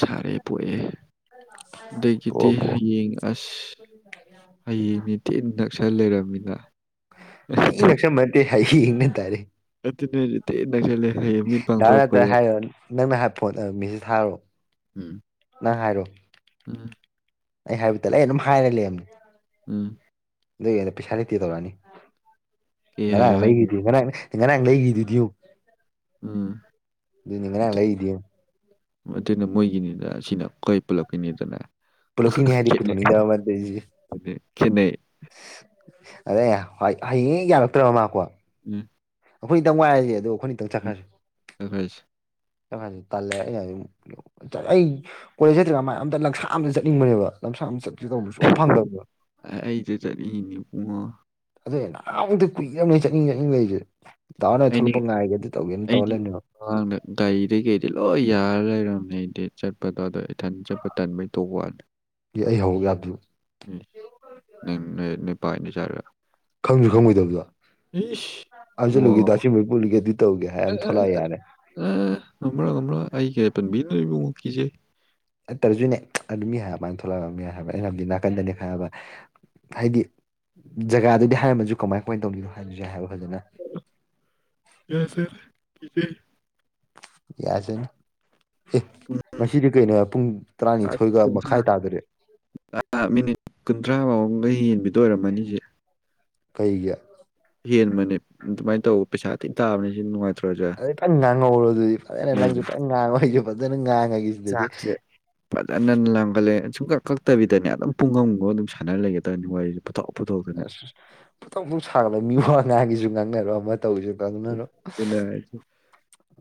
ꯁꯥꯔꯦ ꯄꯣꯛꯑꯦ ꯑꯗꯒꯤꯗꯤ ꯄꯣꯛꯑꯣ ꯄꯣꯛꯑꯣ ꯍꯌꯦꯡ ꯑꯁ ꯍꯌꯦꯡꯅꯤꯗꯤ ꯅ ꯄꯩꯁ ꯂꯩꯔꯕꯃꯤꯅ ꯇ ꯅꯁꯝ ꯃꯦ ꯍꯥꯏ ꯏꯅ ꯇꯥꯔꯦ ꯑꯗꯨꯠꯇ ꯅꯂꯦ ꯗꯥꯔ ꯅꯠꯇ ꯍꯥꯏꯔꯣ ꯅꯪꯅ ꯍꯥꯏ ꯐꯣꯟ ꯃꯤꯁꯤ ꯊꯥꯔꯣꯑꯣ ꯎꯝ ꯅꯪ ꯍꯥꯏꯔꯣ ꯎꯝ ꯑꯩ ꯍꯥꯏꯕꯗ ꯂꯩ ꯑꯩ ꯑꯗꯨꯝ ꯍꯥꯏꯔ ꯂꯩꯕꯅꯤ ꯎꯝ ꯂꯩꯗ ꯄꯩꯁꯥ ꯂꯩꯇꯦ ꯇꯧꯔꯛꯑꯅꯤ ꯀꯩ ꯉꯔꯥꯡ ꯍꯥꯏꯌꯣ ꯍꯥꯏꯅꯣ ꯂꯩꯈꯤꯗꯤꯦ ꯉꯔꯥꯡ ꯉꯔꯥꯡ ꯂꯩꯈꯤꯗꯨꯗꯤꯨ ꯎꯝ ꯑꯗꯨꯗꯤ ꯉꯔꯥꯡ ꯑꯗꯨ ꯂꯩꯔꯤꯗꯨ ꯑꯗꯨꯅ ꯃꯣꯏꯒꯤꯅꯤꯅ ꯁꯤꯅ ꯀꯣꯏ ꯄꯨꯜꯂꯛꯄꯅꯤꯗꯅ ꯄꯨꯂꯣꯛꯀꯤꯅꯤ ꯍꯥꯏꯗꯤ ꯄꯨꯊꯣꯛꯅꯤꯡꯗꯕꯗ ꯑꯗꯨꯗꯤ ꯈꯦꯠꯅꯩ ꯑꯗꯦ ꯍꯌꯦꯡ ꯌꯥꯔꯛꯇ꯭ꯔꯕ ꯃꯥꯀꯣ ꯑꯩꯈꯣꯏ ꯇꯪ ꯋꯥꯥꯏꯔꯁꯦꯗꯣ ꯁꯐꯥꯏꯁ ꯇꯜꯂꯦ ꯑꯩꯅꯝ ꯑꯩ ꯀꯣꯂꯦꯖ ꯆꯠꯇ꯭ꯔꯒ ꯃ ꯑꯝꯇ ꯂꯝꯁꯥꯡ ꯑꯝꯇ ꯆꯠꯅꯤꯡꯕꯅꯦꯕ ꯂꯝꯁꯥꯡ ꯑꯃ ꯆ ꯇꯁꯨ ꯌꯥꯝ ꯐꯪꯗꯕ꯭ꯔ ꯑꯩꯁꯦ ꯆꯠꯅꯤꯡꯉꯤꯅꯤ ꯏꯕꯨꯡꯉꯣ ꯑꯗꯣ ꯅꯍ ꯑꯃꯨꯛꯇ ꯀꯨꯏꯔꯅꯤ ꯆꯠꯅꯤꯡ ꯆꯠꯅꯤꯡ ꯂꯩꯔꯤꯁꯦ ꯗꯥ ꯍꯣꯏꯅ ꯑꯩꯗꯤ ꯊꯣꯛꯂꯛꯄ ꯉꯥꯏꯒꯦ ꯑꯗꯨ ꯇꯧꯒꯦꯅ ꯇꯧꯔ ꯑꯩꯗꯤ ꯂꯩꯕꯅꯦꯕ ꯑꯥꯡꯗ ꯒꯥꯔꯤꯗ ꯀꯩꯗꯤ ꯂꯣꯏ ꯌꯥꯔ ꯂꯩ ꯔꯝꯩꯗꯤ ꯆꯠꯄꯗꯗ ꯏꯊꯟ ꯆꯠꯄ ꯇꯟꯕꯩ ꯇꯣꯛ ꯋꯥꯅꯤ ꯑꯩ ꯍꯧꯔꯛ ꯌꯥꯕꯗꯨ ꯅꯪ ꯅꯨ ꯄꯥꯏꯅꯤ ꯁꯥꯔꯒ ꯈꯪꯁꯨ ꯈꯪꯉꯣꯏꯗꯕꯗ ꯃꯤꯁ ꯄꯨꯜꯂꯨꯒꯦ ꯑꯗꯨ ꯇꯧꯒꯦ ꯍꯥꯏꯔ ꯑꯗꯨꯝ ꯊꯣꯛꯂꯛꯑ ꯌꯥꯔꯦ ꯃ ꯀ ꯀꯦ ꯄꯟꯕꯤꯅꯔꯤꯕꯨꯡꯉ ꯀꯖꯦ ꯍꯠꯇ꯭ꯔꯔꯁꯨꯅꯦ ꯑꯗꯨ ꯃꯤ ꯍꯥꯏꯃꯥꯏꯅ ꯊꯣꯛꯂꯛꯑꯕꯅꯤ ꯍꯥꯏꯕ ꯑꯩꯅꯕꯗꯤ ꯅꯥꯀꯟꯗꯅꯤ ꯈꯜꯕ ꯍꯥꯏꯗꯤ ꯖꯒꯥꯗꯨꯗꯤ ꯍꯥꯏꯔꯝꯃꯁꯨ ꯀꯃꯥꯏ ꯀꯃꯥꯏꯅ ꯇꯧꯅꯤꯅꯣ ꯍꯥꯏꯕꯗꯨꯁꯨ ꯍꯥꯏ ꯌꯥꯁꯦꯆꯦ ꯌꯥꯁꯅ ꯑꯦ ꯉꯁꯤꯗꯤ ꯀꯩꯅꯣ ꯄꯨꯡ ꯑ ꯇꯔꯥꯅꯤꯊꯣꯏꯒ ꯃꯈꯥꯏ ꯀꯨꯟꯊ꯭ꯔꯥ ꯇꯥꯗꯔꯦ [inaudible] ꯃꯤꯅꯤꯠ ꯀꯨꯟꯊ꯭ꯔꯥ ꯃꯥꯎꯗ ꯌꯦꯟꯕꯤꯗ ꯑꯣꯏꯔꯝꯃꯅꯤꯁꯦ ꯀꯩꯒꯤ ꯆꯦꯟꯕꯅꯦ ꯑꯗꯨꯃꯥꯏꯅ ꯇꯧꯕ ꯄꯩꯁꯥ ꯊ ꯇꯥꯕꯅꯦ ꯁꯤ ꯅꯨꯡꯉꯥꯏꯇꯦ ꯑꯗꯨ ꯐꯅ ꯉꯥꯡꯍꯧꯔꯣ ꯑꯗꯨꯗꯤ ꯐꯖꯅ ꯅꯪꯁꯨ ꯐ ꯉꯥꯡꯉꯒꯦ ꯐꯖꯅ ꯉꯥꯡꯉꯒꯤ ꯁꯤꯗꯗꯤ ꯆꯥꯛꯁꯦ ꯐꯖꯅ ꯂꯥꯡꯒꯠꯂꯦ ꯁꯨꯡꯨꯝ ꯀꯛ ꯀꯛꯇꯕꯤꯗꯅꯦ ꯑꯗꯨꯝ ꯄꯨꯡꯒꯝꯒ ꯑꯗꯨꯝ ꯁꯥꯟꯅ ꯂꯩꯒꯦꯗꯕꯅꯤ ꯋꯥꯔꯤꯁꯨ ꯑꯁ ꯑꯁ ꯐꯊꯣꯛ ꯁꯥꯡꯕ ꯃꯤ ꯋꯥꯉꯥꯡꯒꯤꯁꯨ ꯉꯥꯡꯅꯔꯣ ꯑꯃ ꯇꯧꯒꯤꯁꯨ ꯉꯥꯡꯅꯔꯣ ꯍꯥꯏ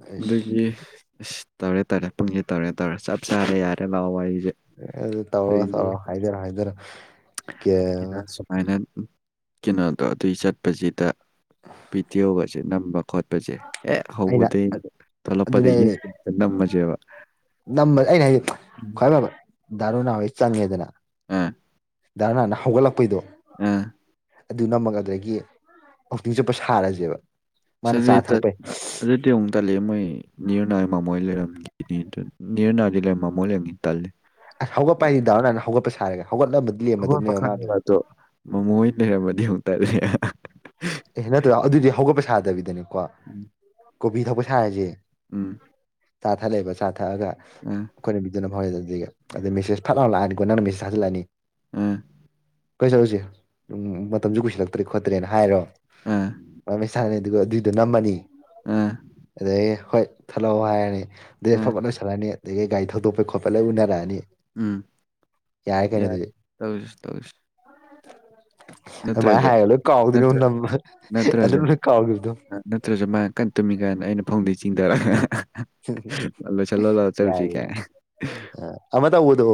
ꯑꯩꯁ ꯑꯗꯒꯤ ꯑ ꯇꯧꯔꯦ ꯇꯧꯔꯦ ꯄꯨꯡꯁꯦ ꯇꯧꯔꯦ ꯇꯧꯔꯦ ꯆꯞ ꯆꯥꯕ ꯌꯥꯔꯦ ꯂꯥꯛꯑꯣ ꯋꯥꯔꯤꯦ ꯑꯦ ꯑꯗꯨ ꯇꯧꯔ ꯇꯧꯔꯑꯣ ꯍꯥꯏꯖꯔꯣ ꯍꯥꯏꯖꯔꯣ ꯁꯨꯃꯥꯏꯅ ꯀꯩꯅꯣꯗꯣ ꯑꯗꯨꯏ ꯆꯠꯄꯁꯤꯗ ꯄꯤꯇꯤꯌꯒꯁꯦ ꯅꯝꯕ ꯈꯣꯠꯄꯁꯦ ꯑꯦ ꯑꯩꯅ ꯍꯧꯕꯗꯒꯤꯩ ꯑꯗꯨꯅꯦ ꯊꯣꯛꯂꯛꯄꯗꯒꯤꯩꯨꯝ ꯅꯝꯃꯁꯦꯕ ꯅꯝꯕ ꯑꯩꯅ ꯍꯥꯏꯖꯤꯦ ꯈ꯭ꯋꯥꯏ ꯐꯕ ꯗꯥꯔꯨ ꯍꯥꯟꯋꯥꯣꯏ ꯆꯪꯉꯦꯗꯅ ꯑꯥ ꯙꯔꯅꯥꯅ ꯍꯧꯒꯠꯂꯛꯄꯩꯗꯣ ꯑꯥ [unintelligible] [inaudible] ꯑꯗꯨꯅꯃꯛ ꯑꯗꯒꯤ ꯍꯧꯥꯎꯛꯇꯤꯡ ꯆꯨꯞꯄ ꯁꯥꯔꯁꯦꯕ ꯁ ꯃꯥꯅ ꯆꯥ ꯊꯛꯄꯩ ꯑꯗꯨꯗꯤꯨ ꯇꯂ ꯃꯣꯏ ꯅꯤꯔꯅꯏ ꯃꯃꯣꯏ ꯂꯩꯔꯝꯈꯤꯅꯤ ꯑꯗꯨ ꯅꯤꯔꯅꯥꯏꯗꯤ ꯂꯩꯔꯝ ꯃꯃꯣꯏ ꯂꯩꯔꯅꯤ ꯇꯜꯂꯤ ꯑꯁ ꯍꯧꯒꯠꯄ ꯍꯥꯏꯗꯤ ꯗꯥꯑꯣ ꯅꯅꯥꯥꯟꯅ ꯍꯧꯒꯠꯄ ꯁꯥꯔꯒꯦ ꯍꯧꯒꯠꯂꯝꯕꯗꯤ ꯑꯋꯥꯠꯄ ꯂꯦꯝꯃꯗꯧꯅꯦꯕ ꯃꯥ ꯑꯗꯨ ꯗꯤ ꯍꯧꯨꯛꯇꯔ ꯑꯦꯍ ꯅꯠꯇ꯭ꯔ ꯑꯗꯨꯗꯤ ꯍꯧꯒꯠꯄ ꯁꯥꯗꯕꯤꯗꯅꯦ ꯎꯝ [inaudible] ꯀꯣꯕꯤ ꯊꯛꯄ ꯁꯥꯔꯁꯦ ꯎꯝ [inaudible] ꯆꯥ ꯊꯛꯂꯛꯑꯕ ꯆꯥ ꯊꯛꯑꯒ ꯑꯥ ꯑꯩꯈꯣꯏꯅꯕꯤꯗꯨꯅ ꯐꯥꯎꯋꯦꯗ ꯗ ꯃꯦꯁꯦꯖ ꯐꯠꯍꯥꯎ ꯂꯥꯛꯑꯅꯤꯀꯣ ꯅꯪ ꯃꯦꯖ ꯊꯖꯜꯛꯑꯅꯤ ꯑ [inaudible] ꯀꯩ ꯆꯧꯂꯨꯁꯦ ꯃꯇꯝꯁꯨ ꯀꯨꯏꯁꯤꯜꯂꯛꯇ꯭ꯔꯦ ꯈꯣꯠꯇ꯭ꯔꯦꯅ ꯍꯥꯏꯔꯣ ꯑꯥ ꯁ ꯑꯗꯨꯒ ꯑꯗꯨꯏꯗꯣ ꯅꯝꯃꯅꯤ ꯑꯥ ꯑꯗꯗꯒꯤ ꯍꯣꯏ ꯊꯠꯂꯛꯑꯣ ꯍꯥꯏꯔꯅꯤ ꯑꯗꯩ ꯑꯥ ꯑꯐꯕꯠ ꯂꯣꯏꯔꯛꯑꯅꯤ ꯑꯗꯒꯤ ꯒꯥꯔꯤ ꯊꯧꯗꯣꯛꯄꯩ ꯈꯣꯠꯄ ꯂꯣꯏ ꯎꯅꯔꯛꯑꯅꯤ ꯎꯝ ꯌꯥꯔꯦ ꯀꯩꯅꯣ ꯌꯥꯔ ꯑꯗꯨꯗꯤ ꯇꯧꯁꯤ ꯇꯧꯁꯤ ꯑꯗꯨꯃꯥꯏꯅ ꯅꯠꯇ꯭ꯔꯦꯖ ꯍꯥꯏꯔꯒ ꯂꯣꯏ ꯀꯥꯎꯗꯣꯏꯅꯦꯕ ꯅꯠꯇ꯭ꯔ ꯅꯝꯕ ꯅꯠꯇ꯭ꯔꯁꯨ ꯑꯗꯨꯝ ꯂꯣꯏ ꯀꯥꯎꯈꯤꯕꯗꯣ ꯅꯠꯇ꯭ꯔꯁꯨ ꯃꯥ ꯀꯟꯅ ꯇꯨꯝꯃꯤ ꯀꯥꯏꯅ ꯑꯩꯅ ꯐꯣꯡꯗꯩ ꯆꯤꯡꯊꯔꯦ ꯜꯂꯣ ꯆꯂꯣ ꯂꯑꯣ ꯆꯧ ꯊ ꯀꯥꯏ [inaudible] [unintelligible] ꯑ ꯑꯃ ꯇꯧꯕꯗꯣ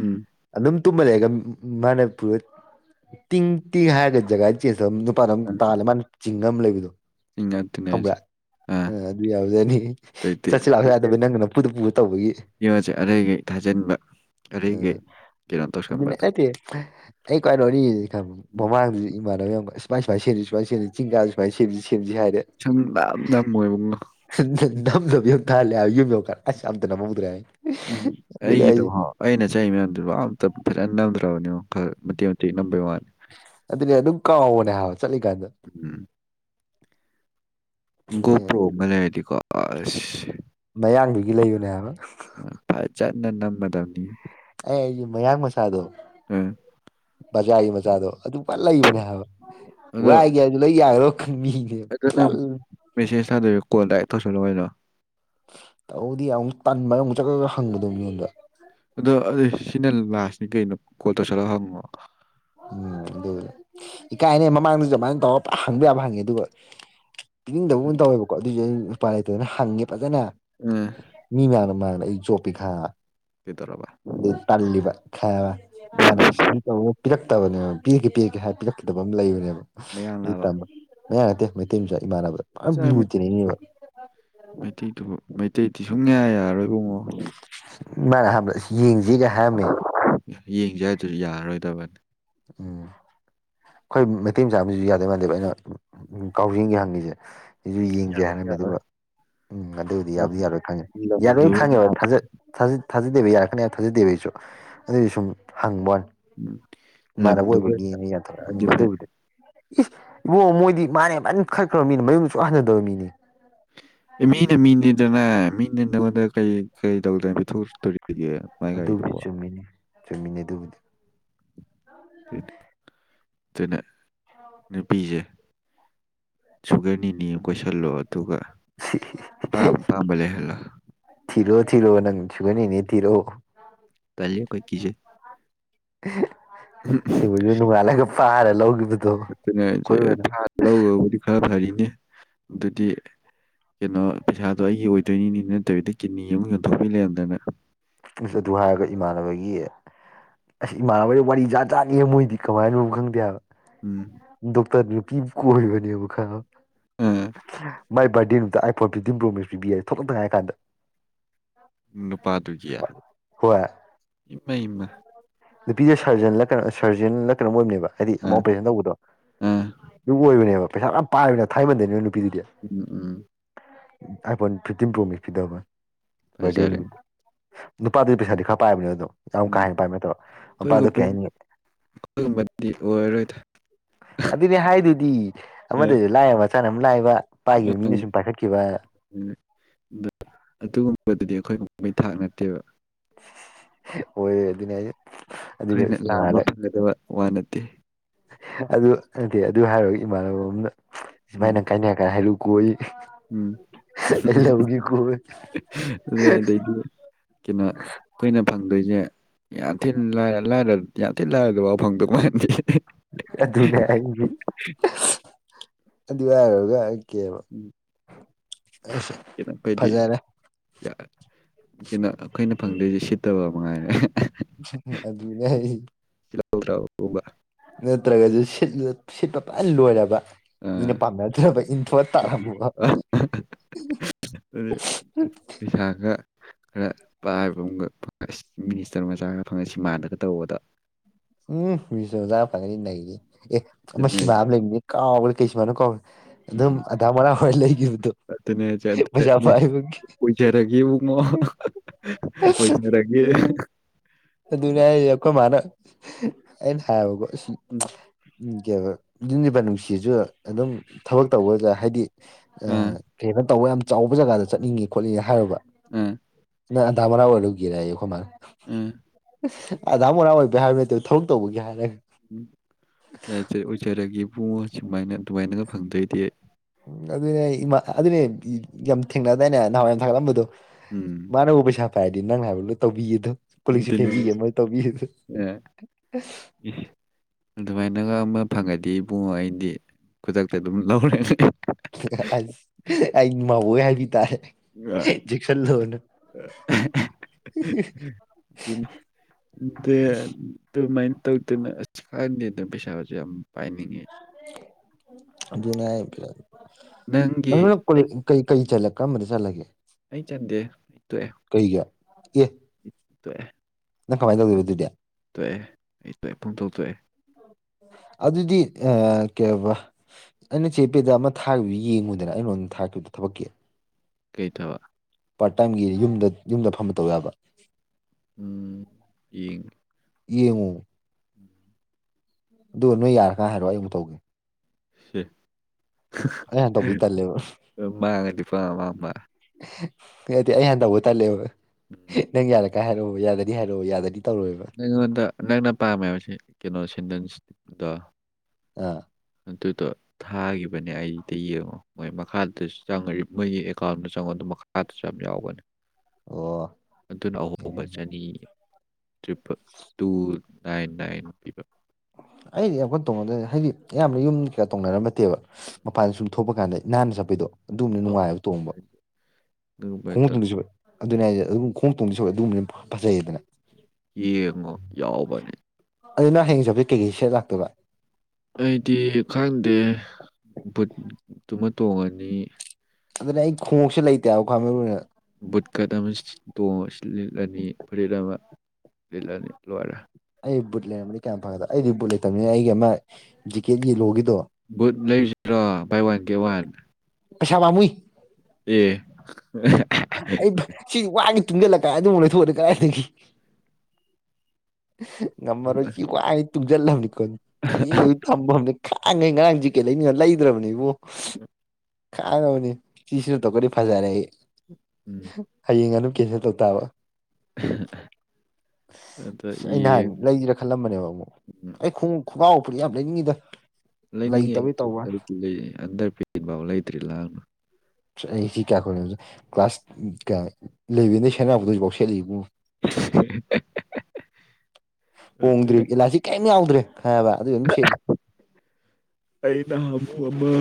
ꯎꯝ ꯑꯗꯨꯝ ꯇꯨꯝꯃ ꯂꯩꯒ ꯃꯅ ꯄ ꯇꯤꯡ ꯇꯤꯡ ꯍꯥꯏꯔꯒ ꯖꯒꯥ ꯆꯁ ꯅꯨꯄꯥꯅ ꯇꯥ ꯆꯤꯡ ꯑꯃ ꯂꯩꯕꯗꯣ ꯁꯤꯡꯒꯥ ꯈꯪꯕ꯭ꯔꯥ ꯇꯅꯦꯖ ꯑ ꯑꯗꯨ ꯌꯥꯎꯖꯅꯤ ꯆꯠꯁꯤ ꯂꯥꯛꯁꯨ ꯌꯥꯗꯕꯩ ꯅꯪꯒꯅ ꯄꯨꯗ ꯄꯨꯕ ꯇꯧꯕꯒꯤ ꯌꯉꯣꯟꯁꯦ ꯑꯩꯗꯒꯤ ꯊꯥꯖꯤꯟꯕ ꯑꯔꯩꯒꯩ ꯎꯝ ꯀꯩꯅꯣ ꯇꯧꯁꯟꯕꯗꯣ ꯑꯩ ꯀ [inaudible] ꯃꯃꯥꯡꯗꯨꯁꯨ ꯏꯃꯥꯟꯅꯕ ꯁ ꯆꯤꯡ ꯀꯥꯁꯨ ꯁꯦꯝ ꯁꯦꯝ ꯍꯥꯏ ꯆꯗ ꯗꯃꯣꯏꯕꯨꯡꯅꯣ ꯝꯗꯕꯝ [unintelligible] [inaudible] ꯈ ꯂꯩꯔꯒ ꯌꯥꯝꯗꯅ ꯃꯃꯗ꯭ꯔ ꯎꯝ ꯑꯩꯒꯤꯗꯣ ꯍꯣ ꯑꯩꯅ ꯆꯠꯂꯤ ꯃꯌꯥꯝꯗꯨꯕꯨ ꯑꯝꯇ ꯐꯖꯅ ꯅꯝꯗ꯭ꯔꯕꯅꯣ ꯈꯔ ꯃꯇꯦꯛ ꯃꯇꯦꯛ ꯅꯝꯕꯩ ꯋꯥꯅꯤ ꯑꯗꯨꯅꯦ ꯑꯗꯨꯝ ꯀꯥꯎꯉꯑꯣꯅꯦ ꯍꯥꯏꯕ ꯆꯠꯂꯤꯀꯥꯟꯗ ꯒꯣꯄꯣ ꯃꯅꯦꯗꯤꯀꯥꯁ ꯃꯌꯥꯡꯗꯨꯒꯤ ꯂꯩꯕꯅꯦ ꯍꯥꯏꯅ ꯅ ꯅ ꯃꯗꯥꯅꯤ ꯑꯩ ꯑꯩꯒꯤ ꯃꯌꯥꯡ ꯃꯆꯥꯗꯣ ꯎꯝ ꯕꯖꯥꯔꯒꯤ ꯃꯆꯥꯗꯣ ꯑꯗꯨꯝ ꯄꯜ ꯂꯩꯕꯅꯦꯕ ꯋꯥꯒꯦ ꯂꯩ ꯌꯥꯏꯔꯣ ꯑꯗꯨ ꯅꯪ ꯃꯦꯁꯦꯖ ꯊꯥꯗꯣꯏ ꯀꯣꯜ ꯗꯥꯏ ꯇꯧꯁꯂꯨꯉꯣꯏꯅꯣ ꯇꯧꯕꯗꯤ ꯑꯃꯨꯛ ꯄꯟꯕ ꯑꯃꯨꯛ ꯆꯀ ꯈ ꯍꯪꯒꯗꯣ ꯃꯤꯉꯣꯟꯗ ꯑꯗꯣ ꯁꯤꯅ ꯂꯥꯁꯅꯤ ꯀꯩꯅꯣ ꯀꯣꯠ ꯇꯧꯁꯜꯂ ꯍꯪꯉꯣ ꯎꯝ ꯑꯗꯨ ꯏꯀꯥꯏꯅꯦ ꯃꯃꯥꯡꯗꯁꯨ ꯑꯗꯨꯃꯥꯏꯅ ꯇꯧꯔ ꯍꯪꯕ ꯌꯥꯝꯕ ꯍꯪꯉꯤ ꯑꯗꯨꯒ ꯄꯤꯅꯤꯡꯗꯕꯒ ꯇꯧꯋꯦꯕꯀꯣ ꯑꯗꯨꯁꯨ ꯑꯩ ꯎꯄꯥꯥꯏ ꯂꯩꯇꯗꯅ ꯍꯪꯉꯦ ꯐꯖꯅ ꯎꯝ ꯃꯤ ꯃꯌꯥꯝꯅ ꯃ ꯑꯩ ꯆꯣꯞꯄꯤ ꯈꯥꯏꯕ ꯀꯩꯗꯧꯔꯕ ꯑꯗꯨꯗꯩ ꯇꯜꯂꯤꯕ ꯈꯥꯏꯕ ꯃꯥꯅ ꯇ ꯄꯤꯔꯛꯇꯕꯅꯦꯕ ꯄꯤꯔꯒꯦ ꯄꯤꯔꯛꯦ ꯍꯥꯏ ꯄꯤꯛꯗꯕ ꯑꯃ ꯂꯩꯕꯅꯦꯕ ꯌꯥꯕ ꯌꯥ ꯃ ꯊꯝ ꯆꯦ ꯃꯩꯇꯩ ꯑꯇꯩꯗꯤ ꯁꯨꯡꯌꯥ ꯌꯥꯔꯣꯏꯕꯨꯡꯉꯣ ꯃꯥꯔꯦ ꯍꯥꯏꯕ꯭ꯔ ꯌꯦꯡꯁꯤ ꯌꯦꯡꯁꯦ ꯍꯥꯏꯗꯨꯁꯨ ꯌꯥꯔꯔꯣꯏꯗꯕꯅꯤ ꯎꯝ ꯑꯩꯈꯣꯏ ꯃꯩꯇꯩ ꯆꯥꯕꯁꯨ ꯌꯥꯗꯦ ꯃꯥꯟꯗꯦꯕ ꯑꯩꯅ ꯀꯥꯎꯖꯤꯡꯒꯤ ꯍꯪꯉꯤꯁꯦ ꯑꯩꯁꯨ ꯌꯦꯡꯗꯦ ꯌꯥꯔꯣꯏ ꯍꯥꯏꯔꯝꯃꯦ ꯌꯥꯔꯣꯏ ꯑꯗꯨꯒ ꯎꯝ ꯑꯗꯨꯕꯨꯗꯤ ꯂꯝ ꯌꯥꯗꯤ ꯌꯥꯔꯣꯏ ꯈꯪꯉꯦ ꯌꯥꯔꯣꯏ ꯂꯝꯗꯨꯒ ꯈꯪꯉꯦꯣꯏ ꯊꯥꯖꯠꯥ ꯊꯥꯖꯗꯦꯕ ꯌꯥꯔꯛꯀꯅꯤ ꯌꯥꯝ ꯊꯥꯖꯗꯦꯕꯒꯤꯁꯨ ꯑꯗꯨꯁꯨ ꯁꯨꯝ ꯍꯪꯕ ꯋꯥꯅꯤ [unintelligible] ꯃꯥ ꯂꯝꯗꯨꯒ ꯑꯣꯏꯕꯒꯤꯅ ꯌꯥꯊꯛ ꯎꯝ ꯑꯗꯨꯗꯤ ꯐꯩ ꯑꯗꯨꯕꯨꯗꯤ ꯏꯁ ꯏꯕꯣ ꯃꯣꯏꯗꯤ ꯃꯥꯅꯦ ꯐꯟ ꯈꯠꯈ꯭ꯔꯕꯅꯤꯅ ꯃꯌꯨꯝꯗ ꯁꯨꯛ ꯍꯟꯊꯗꯕ ꯃꯤꯅꯤ ꯑꯦ ꯃꯤꯅ ꯃꯤꯅꯤꯗꯅ ꯃꯤꯅ ꯅꯉꯣꯟꯗ ꯀꯩ ꯀꯩ ꯇꯧꯗꯦ ꯄꯤꯊꯣꯛꯛꯇꯣꯔꯤꯒꯦ ꯃꯥꯏ ꯒꯥꯔꯤꯗꯨ ꯑꯗꯨꯕꯨꯗꯤ ꯆꯨꯝꯃꯤꯅꯤ ꯆꯨꯝꯃꯤꯅꯦ ꯑꯗꯨꯕꯨꯗꯤ ꯑꯗꯨꯅ ꯅꯨꯄꯤꯁꯦ ꯁꯨꯒꯔ ꯅꯤ ꯀꯣꯏꯁꯜꯂꯣ ꯑꯗꯨꯒ ꯑꯝ ꯇꯥꯝꯕ ꯂꯩꯍꯜꯂ ꯊꯤꯔꯣ ꯊꯤꯔꯣꯅ ꯆꯒꯅꯤ ꯅ ꯊꯤꯔꯣ ꯀꯦ ꯀꯣꯏ ꯀꯖꯦ ꯁꯤꯕꯨ ꯃꯥꯂꯒ ꯄꯔ ꯂꯧ ꯑꯗꯨꯅꯁꯦ ꯐꯥ ꯂꯧꯕꯨꯗꯤ ꯈꯔ ꯐꯔꯤꯅꯦ ꯑꯗꯨꯗꯤ ꯀꯩꯅꯣ ꯄꯩꯁꯥꯗꯣ ꯑꯩꯒꯤ ꯑꯣꯏꯗꯣꯏꯅꯤꯅꯤ ꯅꯠꯇꯕꯤꯗ ꯀꯤꯠꯅꯤ ꯑꯃ ꯌꯣꯟꯊꯣꯛꯄꯤ ꯂꯩꯔꯝꯗꯅ ꯁ ꯑꯗꯨ ꯍꯥꯏꯔꯒ ꯏꯃꯥꯟꯅꯕꯒꯤ ꯑꯁ ꯏꯃꯥꯟꯅꯕꯩꯗ ꯋꯥꯔꯤ ꯖꯥꯠ ꯆꯥꯠꯅꯤ ꯃꯣꯏꯗꯤ ꯀꯃꯥꯏꯅꯣ ꯈꯪꯗꯦ ꯍꯥꯏꯕ ꯎꯝ ꯗꯣꯛꯇꯔ ꯄꯤ ꯀ ꯑꯣꯏꯕꯅꯤ ꯈ ꯑꯥ ꯃꯥꯏ ꯕꯥꯔꯗꯦ ꯅꯨꯡꯇ ꯑꯩ ꯐꯣꯔ ꯐꯤꯞꯇꯗꯤꯝ ꯄ꯭ꯔꯣꯃꯤꯁ ꯄꯤꯕꯤ ꯌꯥꯔ ꯊꯣꯛꯂꯛꯛꯇꯥꯏ ꯍꯥꯏ ꯀꯥꯟꯗ ꯅꯨꯄꯥꯗꯨꯒꯤ ꯍꯣꯏ ꯏꯃ ꯏꯃ ꯅꯨꯄꯤꯁꯦ ꯁꯔꯖꯟ ꯁꯔꯖꯟ ꯅꯠꯇꯅ ꯑꯣꯏꯕꯅꯦꯕ ꯍꯥꯏꯗꯤ ꯑꯃ ꯑꯥ ꯑꯣꯄꯔꯦꯁꯟ ꯇꯧꯕꯗꯣ ꯑꯥ ꯑꯗꯨ ꯑꯣꯏꯕꯅꯦꯕ ꯄꯩꯁꯥ ꯌꯥꯝ ꯄꯥꯏꯕꯅ ꯊꯥꯏꯃꯟꯗꯅꯤ ꯎꯝ ꯎꯝ ꯑꯩꯥꯏ ꯐꯣꯟ ꯐꯤꯐꯇꯤꯝ ꯄ꯭ꯔꯣꯃꯤ ꯄꯤꯗꯕ ꯕꯥꯔꯗꯦ ꯐꯖꯔꯦ ꯅꯨꯃꯤꯠꯇ ꯅꯨꯄꯥꯗꯨꯒꯤ ꯄꯩꯁꯥꯗꯤ ꯈꯔ ꯄꯥꯏꯕꯅꯤ ꯑꯗꯣ ꯌꯥꯝ ꯀꯥ ꯎꯝ ꯍꯦꯟꯅ ꯄꯥꯏꯝꯃꯦꯠꯇꯣ ꯃꯄꯥꯗꯣ ꯀꯩ ꯑꯩꯈꯣꯏꯒꯨꯝꯕ ꯍꯥꯏꯅꯤꯉ ꯑꯩꯈꯣꯏꯒꯨꯝꯕꯗꯤ ꯑꯣꯏꯔꯔꯣꯏꯗ ꯑꯗꯨꯅꯦ ꯍꯥꯏꯗꯨꯗꯤ ꯑꯃꯗꯁꯨ ꯂꯥꯛꯑꯕ ꯃꯆꯥꯅ ꯑꯃ ꯂꯥꯛꯑꯕ ꯑ ꯑ ꯑꯗꯨꯒꯨꯝꯕꯗꯨꯗꯤ ꯑꯩꯈꯣꯏ ꯃꯩ ꯊꯥꯛ ꯅꯠꯇꯦꯕ ꯑꯣꯏꯅꯦꯦ ꯑꯩꯈꯣꯏꯅ ꯂꯥꯡꯝꯕ ꯐꯪꯒꯗꯕ ꯋꯥ ꯅꯠꯇꯦ ꯑꯗꯨꯗꯤ ꯑꯗꯨ ꯍꯥꯏꯔꯣꯒ ꯏꯃꯥꯟꯅꯕ ꯑꯃꯅ ꯎꯝ ꯁꯨꯃꯥꯏꯅ ꯀꯥꯏꯅꯔ ꯀꯥꯟ ꯍꯥꯏꯔꯨ ꯀꯣꯏꯜꯂꯤ ꯎꯝ ꯂ ꯎꯒꯤ ꯀꯕꯦ ꯑꯗꯩ ꯑꯗꯩꯗꯤ ꯀꯩꯅꯣ ꯑꯩꯈꯣꯏꯅ ꯐꯪꯗꯣꯏꯁꯦ ꯌꯥꯊꯤꯤꯟ ꯌꯥꯊꯤꯤꯟ ꯂꯥꯏꯔꯗꯐꯥꯎ ꯐꯪꯗꯕ ꯃ ꯑꯗꯨꯅꯦ ꯍꯥꯏ ꯑꯗꯨ ꯍꯥꯏꯔꯒ ꯀꯦꯕ ꯎꯝ ꯁ ꯀꯩꯅꯣ ꯑꯩꯈꯣꯏꯗꯤ ꯐꯖꯔꯦ ꯀꯩꯅꯣ ꯑꯩꯈꯣꯏꯅ ꯐꯪꯗꯣꯏꯁꯦ ꯁꯤꯠꯇꯕ ꯃꯉꯥꯏꯔꯦ ꯑꯗꯨ ꯑꯗꯨꯅꯦ ꯆ ꯂ ꯅꯠꯇ꯭ꯔꯒꯁꯨꯠꯂ ꯁꯤꯠꯄ ꯐꯅ ꯂꯣꯏꯔꯕ ꯏꯅꯦ ꯑꯥ ꯄꯥꯝꯃꯦ ꯑꯗꯨꯕ ꯏꯟꯊ ꯇꯥꯔꯝꯕ ꯑꯗꯨ ꯄꯩꯁꯥꯒ ꯈꯔ ꯄꯥꯏꯕ ꯑꯃꯒ ꯐꯪꯁꯤ ꯃꯤꯅꯤꯁꯇꯔ ꯃꯆꯥꯒ ꯐꯪꯉꯁꯤ ꯃꯥꯟꯅꯒ ꯇꯧꯕꯗ ꯎꯝꯁꯖꯅꯤ ꯑꯦ ꯃ ꯑꯗꯨꯅꯦ ꯁꯤꯕꯥꯕ ꯂꯩꯅꯤ ꯀꯥꯎ ꯀꯩꯁꯨꯃꯅ ꯀꯥꯎ ꯑꯗꯨ ꯑꯗꯨꯝ ꯎꯝ ꯑꯗꯥ ꯃꯅꯥ ꯋꯥ ꯂꯒ ꯇ ꯑꯗꯨꯅꯦ ꯑꯣꯏꯖꯔꯒꯦꯕꯨꯡꯉꯣ ꯑꯣꯏꯣꯏ ꯆꯔꯒꯦ ꯎꯝ ꯑꯗꯨꯅꯦ ꯍꯥꯏ ꯑꯩꯄꯣꯏ ꯃꯥꯅ ꯑꯩꯅ ꯍꯥꯏꯌꯦꯕꯀꯣ ꯎꯝ ꯎꯝ ꯕ ꯅꯨꯡꯁꯤꯁꯨ ꯑꯗꯨꯝ ꯊꯕꯛ ꯇꯧꯕꯗ ꯍꯥꯏꯗꯤ ꯑ ꯑꯥ ꯐꯦꯅ ꯇꯧꯕ ꯌꯥꯝ ꯆꯥꯎꯕ ꯖꯒꯥꯗ ꯆꯠꯅꯤꯡꯉꯦ ꯈꯣꯠꯅꯤꯡꯉꯦ ꯍꯥꯏꯔꯨꯕ ꯑꯥ ꯗꯃꯔꯥꯎꯜ ꯒꯔ ꯈꯨ ꯃꯥꯜ ꯎꯝ ꯑꯙꯥ ꯃꯣꯔꯥ ꯑꯣꯏꯕꯦ ꯍꯥꯏꯕ ꯅ ꯑꯗꯨ ꯊꯕꯛ ꯇꯧꯕꯒꯤꯦ ꯍꯥꯏꯔꯒꯦ ꯄꯕꯨꯡꯉꯣ ꯁꯨꯃꯥꯏꯅ ꯑꯗꯨꯃꯥꯏꯅꯒ ꯐꯪꯗꯣꯏꯗꯤ ꯑꯗꯨꯅꯦ ꯏꯃꯥ ꯑꯗꯨꯅꯦ ꯌꯥꯝ ꯊꯦꯡꯅꯗꯥꯏꯅꯦ ꯅꯍꯥꯟꯋꯥꯏ ꯌꯥꯝ ꯊꯥꯒꯠꯂꯝꯕꯗꯣ ꯎꯝ ꯃꯥꯅꯕꯨ ꯄꯩꯁꯥ ꯐꯔꯗꯤ ꯅꯪ ꯍꯥꯏꯕ ꯂꯣꯏ ꯇꯧꯕꯤꯒꯗꯣ ꯄꯨꯂꯤꯁꯤ ꯑꯗꯨꯅꯦ ꯐꯕꯤ ꯑꯩꯁꯨ ꯃ ꯇꯧꯕꯤ ꯑꯥ ꯏꯁ ꯑꯗꯨꯃꯥꯏꯅꯒ ꯑꯃ ꯐꯪꯉꯗꯤ ꯏꯕꯨꯡꯉꯣ ꯑꯩꯗꯤ ꯈꯨꯗꯛꯇ ꯑꯗꯨꯝ ꯂꯧꯔꯦ ꯑ ꯃꯥꯕꯨ ꯍꯥꯏꯕꯤ ꯇꯔ ꯏꯟꯖꯦꯛꯁꯟ ꯂ [unintelligible] ꯃ ꯇꯧꯗꯅ ꯑꯁ ꯀꯥꯟꯗ ꯑꯗꯨꯝ ꯄꯩꯁꯥꯁꯨ ꯌꯥꯝ ꯄꯥꯏꯅꯤꯡꯉꯤ ꯑꯗꯨꯅꯦꯩ ꯅꯪꯒꯤ ꯑꯩ ꯀꯔꯝꯕꯗ ꯆꯠꯂꯒꯦ ꯑꯩ ꯆꯠꯗꯦ ꯑꯩ ꯇꯣꯛꯑꯦ ꯀꯩꯒꯤ ꯇꯣꯛꯑꯦ ꯅꯪꯥꯏꯕꯗꯌꯥ ꯇꯣꯛꯑꯦ ꯑꯩ ꯇꯦ ꯄꯥꯡꯊꯣꯛ ꯇꯣꯛꯑꯦ ꯑꯗꯨꯗꯤ ꯑ ꯀꯕ ꯑꯩꯅ ꯆꯦ ꯄꯦꯗ ꯑꯃ ꯊꯥꯈꯤꯕꯗꯨ ꯌꯦꯡꯉꯨꯗꯅ ꯑꯩꯉꯣꯟꯗ ꯊꯥꯈꯤꯕꯗꯣ ꯊꯕꯛꯀꯤ ꯀꯩ ꯊꯕ ꯄꯥꯔꯠ ꯇꯥꯏꯝꯒꯤ ꯌꯨꯝꯗ ꯌꯨꯝꯗ ꯐꯝꯕ ꯇꯧ ꯌꯥꯕ ꯎꯝ ꯌꯦ ꯌꯦꯉꯣ ꯎꯝ ꯑꯗꯨ ꯅꯣꯏ ꯌꯥꯔꯒ ꯍꯥꯏꯔꯛꯑꯣ ꯑꯩ ꯑꯃꯨꯛ ꯇꯧꯒꯦ ꯑꯩ ꯍꯥꯟꯅ ꯇꯧꯕꯗꯤ ꯇꯜꯂꯦꯕ ꯑꯃ ꯀꯄꯃ ꯗꯤ ꯑꯩ ꯍꯟꯗꯕꯨ ꯇꯜꯂꯦꯕ ꯎꯝ ꯅꯪ ꯌꯥꯔ ꯀꯥꯏ ꯍꯥꯏꯔꯛꯑꯣ ꯌꯥꯗꯅꯤ ꯍꯥꯏꯔꯛꯑꯣ ꯌꯥꯗꯅꯤ ꯅꯪꯉꯣꯟꯗ ꯅꯪꯅ ꯄꯥꯝꯃꯦꯕ ꯀꯩꯅꯣ ꯁꯤꯗꯟꯗꯣ ꯑꯥ ꯑꯗꯨꯗꯣ ꯊꯥꯈꯤꯕꯅꯦ ꯑꯩꯗ ꯌꯦꯡꯉꯣ ꯃꯣꯏ ꯃꯈꯥꯗꯨꯗꯁꯨ ꯆꯪꯉ ꯃꯣꯏꯒꯤ ꯑꯦꯀꯥꯎꯟꯗꯣ ꯆꯪꯉꯣꯗ ꯃꯈꯥꯗ ꯆ ꯌꯥꯎꯕꯅꯤ ꯑꯣ ꯑꯗꯨꯅ ꯌꯥꯏ ꯑꯍꯣꯡꯕ ꯆꯅꯤ ꯇ꯭ꯔꯤꯄꯜ ꯇꯨ ꯅꯥꯏꯟ ꯅꯥꯏꯟ ꯄꯤꯕ ꯑꯣ ꯑꯩꯗꯤ ꯌꯥꯝꯀ ꯇꯣꯡꯉꯗ ꯍꯥꯏꯗꯤ ꯌꯥꯝꯅ ꯌꯨꯝ ꯀꯌꯥ ꯇꯧꯅꯔꯝꯕ ꯅꯠꯇꯦꯕ ꯃꯄꯥꯟꯗ ꯁꯨꯝ ꯊꯣꯛꯄ ꯀꯥꯟꯗ ꯅꯍꯥꯟꯅ ꯆꯠꯄꯩꯗꯣ ꯑꯗꯨꯝꯕꯕꯅ ꯅꯨꯡꯉꯥꯏꯕ ꯇꯣꯡꯕ ꯑꯗꯨꯒꯨꯝꯕꯗꯣ ꯈꯣꯡꯉꯛꯇꯣꯡꯗꯁꯨ ꯐ ꯑꯗꯨꯅꯤ ꯍꯥꯏꯁ ꯑꯗꯨꯝ ꯈꯣꯡ ꯊꯣꯡꯗꯤꯁꯨ ꯑꯗꯨꯝ ꯐꯖꯩꯌꯦꯗꯅ ꯌꯦꯡꯉꯣ ꯌꯥꯎꯕꯅꯦ ꯑꯗꯨꯅ ꯍꯌꯦꯡ ꯆꯞꯤ ꯀꯩꯀꯩ ꯁꯦꯠ ꯂꯥꯛꯇꯣꯏꯕ ꯑꯩꯗꯤ ꯈꯪꯗꯦ ꯕꯨꯠꯠꯇꯨꯃ ꯇꯣꯡꯉꯅꯤ ꯑꯗꯨꯅꯦ ꯑꯩ ꯈꯣꯡꯎꯞꯁꯦ ꯂꯩꯇꯦ ꯍꯥꯏꯕ ꯈ꯭ꯋꯥꯏ ꯃꯔꯨ ꯑꯣꯏꯅ ꯕꯨꯠ ꯀꯠ ꯑꯃ ꯇꯣꯡ ꯁꯤ ꯂꯤꯠꯂꯅꯤ ꯐꯨꯔꯤꯠ ꯑꯃ ꯂꯤꯂꯅꯤ ꯂꯣꯏꯔꯦ ꯑꯩ ꯕꯨꯠ ꯂꯩꯔꯝꯕꯅꯤ ꯀꯌꯥꯝ ꯐꯒꯗ ꯑꯩꯗꯤ ꯕꯨꯠ ꯂꯩꯇꯕꯅꯤꯅ ꯑꯩꯒꯤ ꯑꯃ ꯖꯤꯀꯦꯠ ꯌꯦꯂꯣꯒꯤ ꯕꯨꯠ ꯂꯩꯁꯤꯔꯣ ꯕꯥꯏ ꯋꯥꯟ ꯒꯦꯠ ꯋꯥꯟ ꯄꯩꯁꯥ ꯄꯥꯝꯃꯨꯏ ꯑꯦ ꯑꯩ ꯁꯤ ꯋꯥꯅꯤ ꯇꯨꯡꯖꯜꯂꯀꯥꯟ ꯗꯨꯃꯛ ꯂꯩꯊꯣꯛꯑꯗꯤ ꯀꯥꯏꯗꯒꯤ ꯉꯝꯃꯔꯣꯏ ꯁꯤ ꯋꯥꯉꯩ ꯇꯨꯡꯖꯜ ꯂꯝꯅꯤ ꯀꯣ ꯃꯤ ꯑꯣꯏꯕꯩ ꯊꯝꯕꯅꯤ ꯈꯥꯡꯉꯩ ꯉꯔꯥꯡ ꯖꯤꯀꯦꯠ ꯂꯩꯅꯤꯡꯉ ꯂꯩꯗ꯭ꯔꯕꯅꯦ ꯏꯕꯨꯡꯉꯣ ꯈꯥꯡꯉꯕꯅꯤ ꯁꯤ ꯁꯤꯖꯤꯟꯊꯣꯛꯈ꯭ꯔꯗꯤ ꯐꯖꯔꯦ ꯑꯩ ꯎꯝ ꯍꯌꯦꯡ ꯑꯗꯨ ꯀꯦꯟꯁꯦꯜ ꯇꯧ ꯇꯥꯕ ꯑ ꯑꯗ ꯑꯩ ꯅꯍꯥꯟ ꯌꯦꯡ ꯂꯩꯁꯤꯔꯥ ꯈꯜꯂꯝꯕꯅꯦꯕ ꯑꯃꯨꯛ ꯑꯩ ꯈꯣꯡꯎꯞ ꯈꯣꯡꯒꯥꯎ ꯐꯨꯔꯤꯠ ꯌꯥꯝ ꯂꯩꯅꯤꯡꯉꯤꯗ ꯂꯩꯅꯤꯡꯉꯦ ꯂꯩꯇꯕꯩ ꯇꯧꯕ ꯑꯩꯗꯤꯅꯦ ꯑꯟꯗꯔꯄꯦꯟ ꯐꯥꯎ ꯂꯩꯗ꯭ꯔꯦ ꯂꯥꯡꯒꯅꯨ ꯑꯩ ꯁꯤ ꯀꯌꯥ ꯀꯨꯏꯅ ꯀ꯭ꯂꯥꯁ ꯀ ꯏꯂꯦꯚꯦꯟꯗꯩ ꯁꯦꯟꯅꯔꯛꯄꯗꯣ ꯍꯧꯖꯤꯛ ꯐꯥꯎ ꯁꯦꯠꯂꯤ ꯇꯕꯨꯡꯉꯣ [inaudible] ꯍꯣꯡꯗ꯭ꯔꯤ ꯑꯦꯂꯥꯁꯇꯤꯛ ꯀꯩꯝ ꯌꯥꯎꯗ꯭ꯔꯦ ꯈꯪꯉꯕ ꯑꯗꯨ ꯑꯗꯨꯝ ꯁꯦꯠꯂꯤ ꯑꯩꯅ ꯅꯍꯥꯃꯨꯛ ꯑꯃ